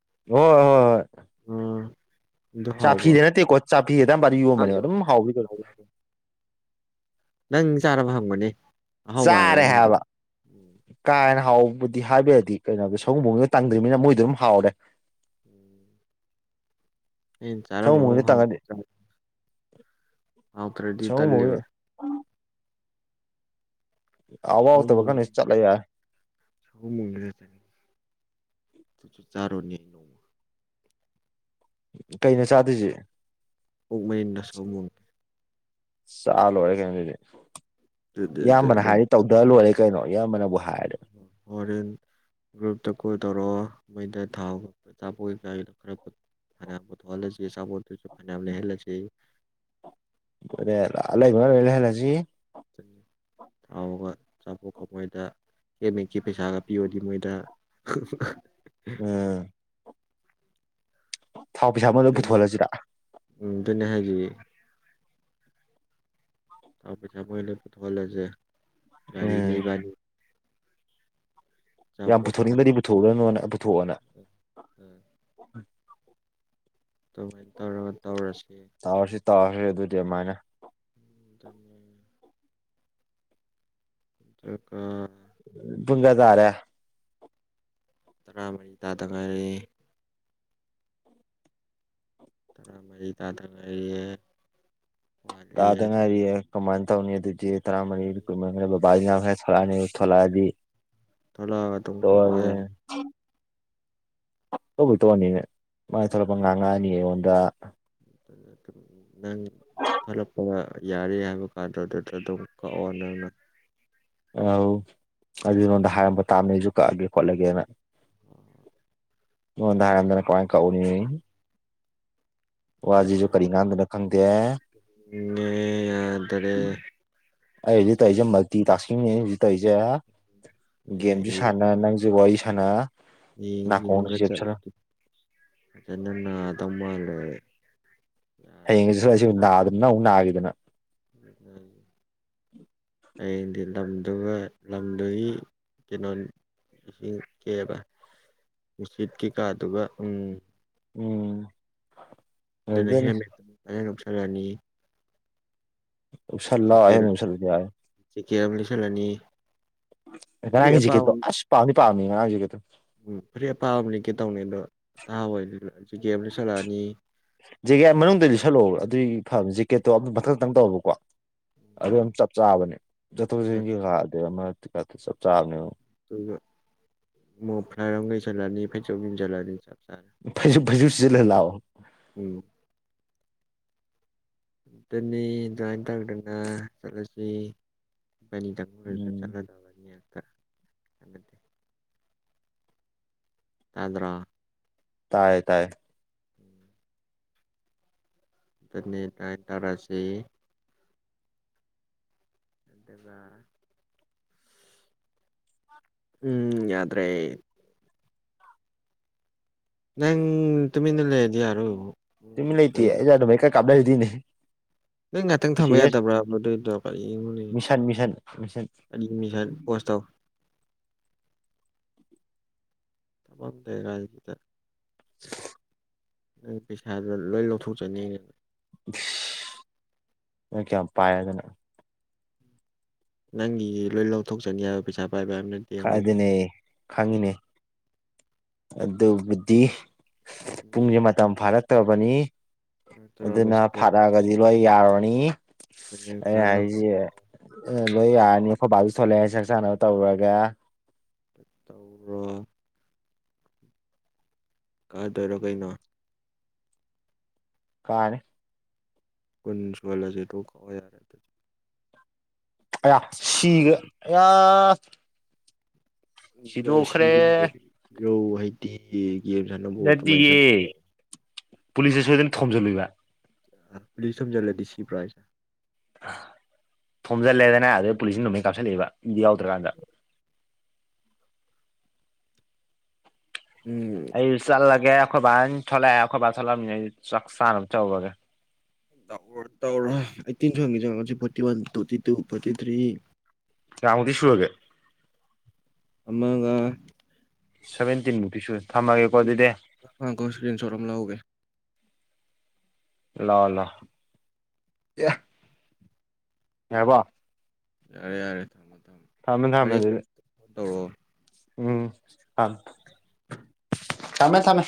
ꯑꯣ ꯍꯣꯏ ꯍꯣꯏ ꯑꯝ ꯆꯥꯐꯤꯗ ꯅꯠꯇꯦꯀꯣ ꯆꯥꯐꯤꯗ ꯑꯗꯨꯏꯄꯥ ꯌꯣꯟꯕꯅꯦ ꯈꯪꯉꯦꯕ ꯑꯗꯨꯝ ꯍꯥꯎꯕꯤꯗ ꯍꯥꯎꯕ꯭ꯔꯣ ꯅꯪ ꯆꯥꯅꯕ ꯍꯪꯕꯅꯤ ꯆꯥꯔꯦ ꯍꯥꯏꯦꯕ ꯀꯥꯏꯅ ꯍꯥꯎꯕꯕꯨꯗꯤ ꯍꯥꯏꯕꯔꯗꯤ ꯀꯩꯅꯣꯗ ꯁꯒꯨꯝꯕ ꯇꯪꯗ꯭ꯔꯤꯕꯅꯤꯅ ꯃꯣꯏꯗꯤ ꯑꯗꯨꯝ ꯍꯥꯎꯔꯦ ꯎꯝ ꯑꯩꯅ ꯁꯒꯨꯝ ꯕꯨꯡꯗꯣ ꯆꯥꯔꯝꯃꯒꯥꯎ ꯇꯪꯉꯗꯤ [unintelligible] ꯑ ꯄ꯭ꯔꯗꯤ ꯁꯒꯨꯝ ꯕꯨꯡꯒꯤ ꯇꯜꯂꯤꯕ ꯑꯋꯥ ꯇꯕꯀꯅꯤ ꯆꯂ ꯌꯥꯦ ꯁ ꯃꯔ ꯆꯅꯤ ꯇꯨꯁꯨ ꯆꯥꯔꯣꯅꯤ ꯑꯩꯅꯃ ꯀꯩꯅ ꯆꯥꯗꯣꯏꯁꯦ ꯄꯛ ꯃꯔꯤꯟꯟꯅꯁꯨ ꯃꯣꯡꯈꯤꯦ ꯆꯥ ꯂꯣꯏꯔꯦ ꯀꯩꯅꯣ ꯑꯗꯨꯗꯤ ꯗꯨ ꯗꯨ ꯗꯨ ꯏꯌꯥꯝꯕꯅ ꯗꯪ ꯍꯥꯏꯗꯤ ꯇꯧꯗ ꯂꯣꯏꯔꯦ ꯀꯩꯅꯣ ꯏꯌꯥꯝꯕꯅꯕꯨ ꯍꯥꯏꯔꯗꯤ ꯍꯣꯔꯦꯟ ꯒ꯭ꯔꯨꯞꯇ ꯀꯣꯜ ꯇꯧꯔꯛꯑꯣ ꯃꯩꯗ ꯊꯥꯎ ꯑꯆꯥꯄꯣꯠ ꯀꯌꯥꯒꯤꯗꯣ ꯈꯔꯠꯌꯥꯝ ꯄꯨ ꯊꯣꯛꯍꯜꯂꯁꯤ ꯑꯆꯥꯄꯣꯠꯇꯨꯁꯨ ꯐꯅꯌꯥꯝ ꯂꯩꯍꯜꯂꯁꯦꯌꯦ ꯑꯟꯏꯟꯇꯦꯜꯂꯤꯖꯦꯕꯜ ꯕꯒ ꯍꯣꯏ ꯅꯞ ꯀꯣ ꯃꯣꯏꯗ ꯀꯦꯃꯦꯀꯤ ꯄꯩꯁꯥꯒ ꯄꯤꯌꯗꯤ ꯃꯣꯏꯗ ꯎꯝ ꯊꯥꯎ ꯄꯩꯁꯥ ꯑꯃꯗ ꯄꯨꯊꯣꯛꯍꯂꯁꯤꯔ ꯎꯝ ꯑꯗꯨꯅꯦ ꯍꯦꯒꯤ ꯇꯥ ꯄꯩ ꯊ ꯃꯣꯏ ꯄꯊꯍꯦꯁ ꯒꯥꯔꯤ ꯎꯝ ꯅꯕꯅꯤ ꯌꯥꯝ ꯄꯨꯊꯣꯛꯅꯤꯡꯗ꯭ꯔꯗꯤ ꯄꯨꯊꯣꯛꯎꯗꯅꯣꯅ ꯄꯨꯊꯣꯛꯑꯣꯅ ꯑꯗꯨꯃꯥꯏꯅ ꯇꯧꯔꯒ ꯇꯧꯔꯁꯤ ꯇꯥꯔꯁꯤ ꯇꯥꯈ꯭ꯔꯦ ꯑꯗꯨꯗꯤ ꯑꯗꯨꯃꯥꯏꯅ ꯑꯗꯨꯅꯦ ꯏꯇꯀ ꯄꯨꯡ ꯀ꯭ꯌꯥ ꯇꯥꯔꯦ ꯇꯔꯥꯃꯔꯤ ꯇꯥꯗ ꯉꯥꯏꯔꯦ ꯇꯔꯥ ꯃꯔꯤ ꯇꯥꯗꯒꯔꯤꯌꯦ ꯇꯥꯗꯉꯥꯏꯔꯤ ꯀꯃꯥꯟ ꯇꯅꯤ ꯇꯔꯥ ꯃꯔꯤꯕꯥ ꯊꯣꯂꯗꯤ ꯊꯂ ꯑꯗꯨꯝ ꯀ ꯑꯣꯏ ꯇꯧꯕꯣꯏ ꯇꯧꯑꯅꯤꯅꯦ ꯃꯥꯥꯏ ꯊꯣꯛꯂꯛꯄ ꯉꯥꯡꯉꯛꯑꯅꯤ ꯑꯩꯉꯣꯟꯗ ꯅꯪ ꯊꯣꯛꯄ ꯒ ꯌꯥꯔꯦ ꯍꯥꯏꯕ ꯀꯥꯟꯗ ꯑꯗꯨꯗ ꯑꯗꯨꯝ ꯀꯛꯑꯣ ꯅꯪꯅ ꯑ ꯑꯗꯨ ꯅꯉꯣꯟꯗ ꯍꯥꯏꯔꯝꯕ ꯇꯥꯕꯅꯤ ꯑꯩꯁꯨ ꯀꯛꯑꯒꯦ ꯈꯣꯠꯂꯒꯦꯅ ꯃꯗꯥꯔꯗꯅ ꯀꯋꯥꯥꯡ ꯀꯧꯅꯤ ꯋꯥ ꯑꯖꯤꯁꯨ ꯀꯔꯤ ꯉꯅꯥꯗꯅ ꯈꯪꯗ ꯅꯦ ꯌꯥꯗꯔꯦ ꯍꯥꯏ ꯗꯤ ꯇ ꯑꯩꯖꯦ ꯃꯔ ꯇꯥꯁ ꯀꯡꯅꯦ ꯍꯧꯁꯨ ꯇꯧꯖꯦ ꯒꯦꯝꯁꯨ ꯁꯥꯟꯅ ꯅꯪꯁꯨ ꯋꯥꯔꯤ ꯁꯥꯟꯅ ꯅꯥꯀꯣꯡꯁꯨ ꯆꯦꯞꯁꯤꯜꯂ ꯑꯟꯏꯟꯇꯦꯜꯂꯤꯖꯦꯕꯜ ꯍꯌꯦꯡꯁꯤ ꯁ ꯑꯩꯁꯨ ꯅꯥꯗꯅ ꯅ ꯑꯃꯨꯛ ꯅꯥꯈꯤꯗꯅ [unintelligible] ꯑꯟꯏꯟꯇꯦꯜꯂꯤꯖꯦꯕꯜ ꯏꯁꯤꯡ ꯀꯦꯕ ꯅꯨꯡꯁꯤꯠ ꯀꯩꯀꯥꯗꯨꯒ ꯎꯝ ꯎꯝ ꯑꯗꯨꯅ ꯂꯣꯏꯗꯣꯏꯅꯤ ꯍꯦꯃꯦ ꯅꯣꯛꯁꯜꯂꯛꯑꯅꯤ ꯑꯟꯏꯟꯇꯦꯜꯂꯤꯖꯦꯕꯜ ꯡꯡꯘ ꯀꯦꯝ ꯂꯤꯁꯜ ꯑꯅꯤ ꯖꯤꯛꯦ ꯇꯣ ꯑꯁ ꯄꯥꯎꯅꯤ ꯄꯥꯎꯅꯤ ꯖꯤꯛꯦ ꯇꯣ ꯎꯝ ꯐꯨꯔꯤ ꯑꯄꯥꯕ ꯑꯃ ꯂꯤꯛꯀꯦ ꯇꯧꯅꯤ ꯑꯗꯣ ꯑꯥꯕ ꯖꯒꯌꯥ ꯃꯅꯨꯡꯗ ꯂꯩꯁꯜꯂꯛꯑꯣꯕ ꯑꯗꯨꯏ ꯐ ꯖꯦꯛꯀꯦꯠꯇꯣ ꯑꯗꯨ ꯃꯊꯛꯇꯪ ꯇꯧꯕꯀꯣ ꯑꯗꯨ ꯑꯗꯨꯝ ꯆꯞ ꯆꯥꯕꯅꯦ ꯆꯠꯊꯣꯛ ꯑꯗꯨꯒ ꯆꯠꯁꯤꯟ ꯀꯩꯀꯥꯗꯦ ꯑꯃꯥ ꯆꯞ ꯆꯥꯕꯅꯦꯕ ꯃꯣ ꯐ꯭ꯂꯔꯒꯩ ꯆꯂꯥꯅꯤ ꯐꯦꯆ ꯆꯂꯅꯤ ꯆ ꯐ ꯐ ꯆꯂ ꯂꯥꯎꯑꯣ ꯎꯝ ꯑꯗꯨꯇꯅꯤ ꯑꯗꯨꯃꯥꯏꯟ ꯇꯧꯗꯅ ꯆꯠꯂꯁꯤ ꯅꯤ ꯇꯪꯔꯤꯗꯁꯨ ꯎꯝ ꯆꯂꯗꯕꯅꯤ ꯍꯥꯏꯇꯥꯔ ꯍꯥꯏꯠꯇꯦ ꯑꯗꯨꯗ꯭ꯔꯣ ꯇꯤꯏꯌꯦ ꯇꯥꯌꯦ ꯑꯗꯨꯅꯤ ꯇꯥꯏ ꯇꯔꯥꯁꯤ ꯑꯗꯨꯒ ꯎꯝ ꯌꯥꯗ꯭ꯔꯦ ꯅꯥꯏ ꯇꯨꯃꯤ ꯅ ꯂꯩꯦꯗꯤ ꯇꯨꯃꯤ ꯂꯩꯇꯦ ꯌꯥ ꯑꯗꯨꯚꯩ ꯀꯞꯂꯁꯤꯗꯤꯅꯤ ꯅꯪ ꯉꯥꯛꯇꯪ ꯊꯝꯕ ꯌꯥꯗꯕ꯭ꯔꯥ ꯑꯗꯨꯗꯨꯏꯗꯣ ꯐ ꯃꯤꯁꯟ ꯃꯤꯁꯟ ꯃꯤꯁꯟ ꯃꯤꯁ ꯄꯣꯁꯇ ꯇꯃꯝ ꯗꯦꯒꯥꯒꯤꯗ [unintelligible] ꯅ ꯄꯩꯁꯥꯗꯨ ꯂꯣꯏ ꯂꯧꯊꯣꯛꯆꯅꯤꯡꯅ ꯅꯣꯏ ꯀꯌꯥꯝ ꯄꯥꯏꯗꯅ ꯅꯪꯒꯤ ꯂꯣꯏ ꯂꯧꯊꯣꯛꯆꯒꯦ ꯍꯥꯏꯕ ꯄꯩꯁꯥ ꯄꯥꯏꯕ ꯍꯥꯏꯕ ꯅꯠꯇꯦ ꯑꯉꯥꯎꯕ ꯀꯥꯏꯗꯅꯦ ꯈꯪꯉꯤꯅꯦ ꯑꯗꯨꯕꯨꯗꯤ ꯄꯨꯡꯁꯦ ꯃꯇꯝ ꯐꯥꯔꯛꯇ꯭ꯔꯕꯅꯤ ꯇꯧꯔꯒ ꯑꯗꯨꯅ ꯁꯤꯗ ꯐꯔꯛꯑꯒꯗꯤ ꯂꯣꯏ ꯌꯥꯔꯅꯤ ꯑꯦ ꯉꯥꯡꯉꯛꯄ ꯍꯥꯏꯁꯤ ꯂꯣꯏ ꯌꯥꯅꯤ ꯕꯤꯤꯁ ꯁꯣꯂꯦ ꯆꯛ ꯆꯥꯅꯕ ꯇꯧꯔꯒ ꯇꯧꯔꯣ ꯀꯥꯗꯣꯏꯔꯣ ꯀꯩꯅꯣ ꯀꯥꯔꯦ ꯀꯟꯁ ꯋꯥꯂꯁꯤꯦ ꯇꯧ ꯀꯋꯥ ꯌꯥꯔꯦ ꯑ ꯁꯤꯒ ꯁꯤꯗꯨ ꯎꯈꯔꯦ ꯔꯧ ꯍꯩꯇꯤ ꯌꯦꯦꯝ ꯁꯥꯟꯅꯕꯣ ꯑꯗꯨꯃꯥꯏꯅ ꯁꯥꯟꯅꯕ ꯄꯨꯂꯤꯁꯁꯦ ꯁꯣꯏꯗꯅ ꯊꯣꯝꯖꯤꯜꯂꯣꯏꯕ ꯄꯨ ꯊꯖꯂꯗꯤꯁꯤ ꯄ꯭ꯔꯥꯏꯁꯦ ꯊꯣꯝꯖꯤꯜꯂꯦꯗꯅ ꯑꯗꯨꯩ ꯄꯨꯂꯤꯁꯅ ꯅꯣꯡꯃꯩ ꯀꯥꯞꯁꯤꯜꯂꯛꯏꯦꯕ ꯃꯤꯗꯤ ꯌꯥꯎꯗ꯭ꯔꯀꯥꯟꯗ [unintelligible] ꯎꯝ ꯑꯩ ꯆꯠꯂꯒꯦ ꯑꯩꯈꯣꯏ ꯕꯥ ꯊꯣꯛꯂꯛꯑꯦ ꯑꯩꯈꯣꯏ ꯕꯥ ꯊꯣꯛꯂꯛꯑꯅꯤ ꯑꯩ ꯆꯥꯛ ꯆꯥꯅꯕ ꯇꯧꯔꯒꯦ ꯇꯔ ꯑꯩꯠꯇꯤꯟꯁꯨ ꯍꯪꯉ ꯆꯪꯉꯛꯁꯤ forty one forty two forty three ꯆꯥꯎꯃꯗꯤ ꯁꯨꯔꯒꯦ ꯃꯉꯥ ꯁꯚꯦꯟꯇꯤꯟ ꯃꯨꯇꯁꯨ ꯍ ꯀꯣ ꯏꯁꯀꯔꯤꯟ ꯁꯣꯔꯨꯝꯝ ꯂꯧꯎꯒꯦ ꯂ ꯂ ꯑꯦꯕ ꯌꯥꯔꯦ ꯌꯥꯔꯦ ꯊꯝꯃ ꯊꯝꯃꯦ ꯊꯃꯦ ꯑꯗꯨ ꯎꯝ ꯊ ꯆꯃꯦ ꯊꯃꯦ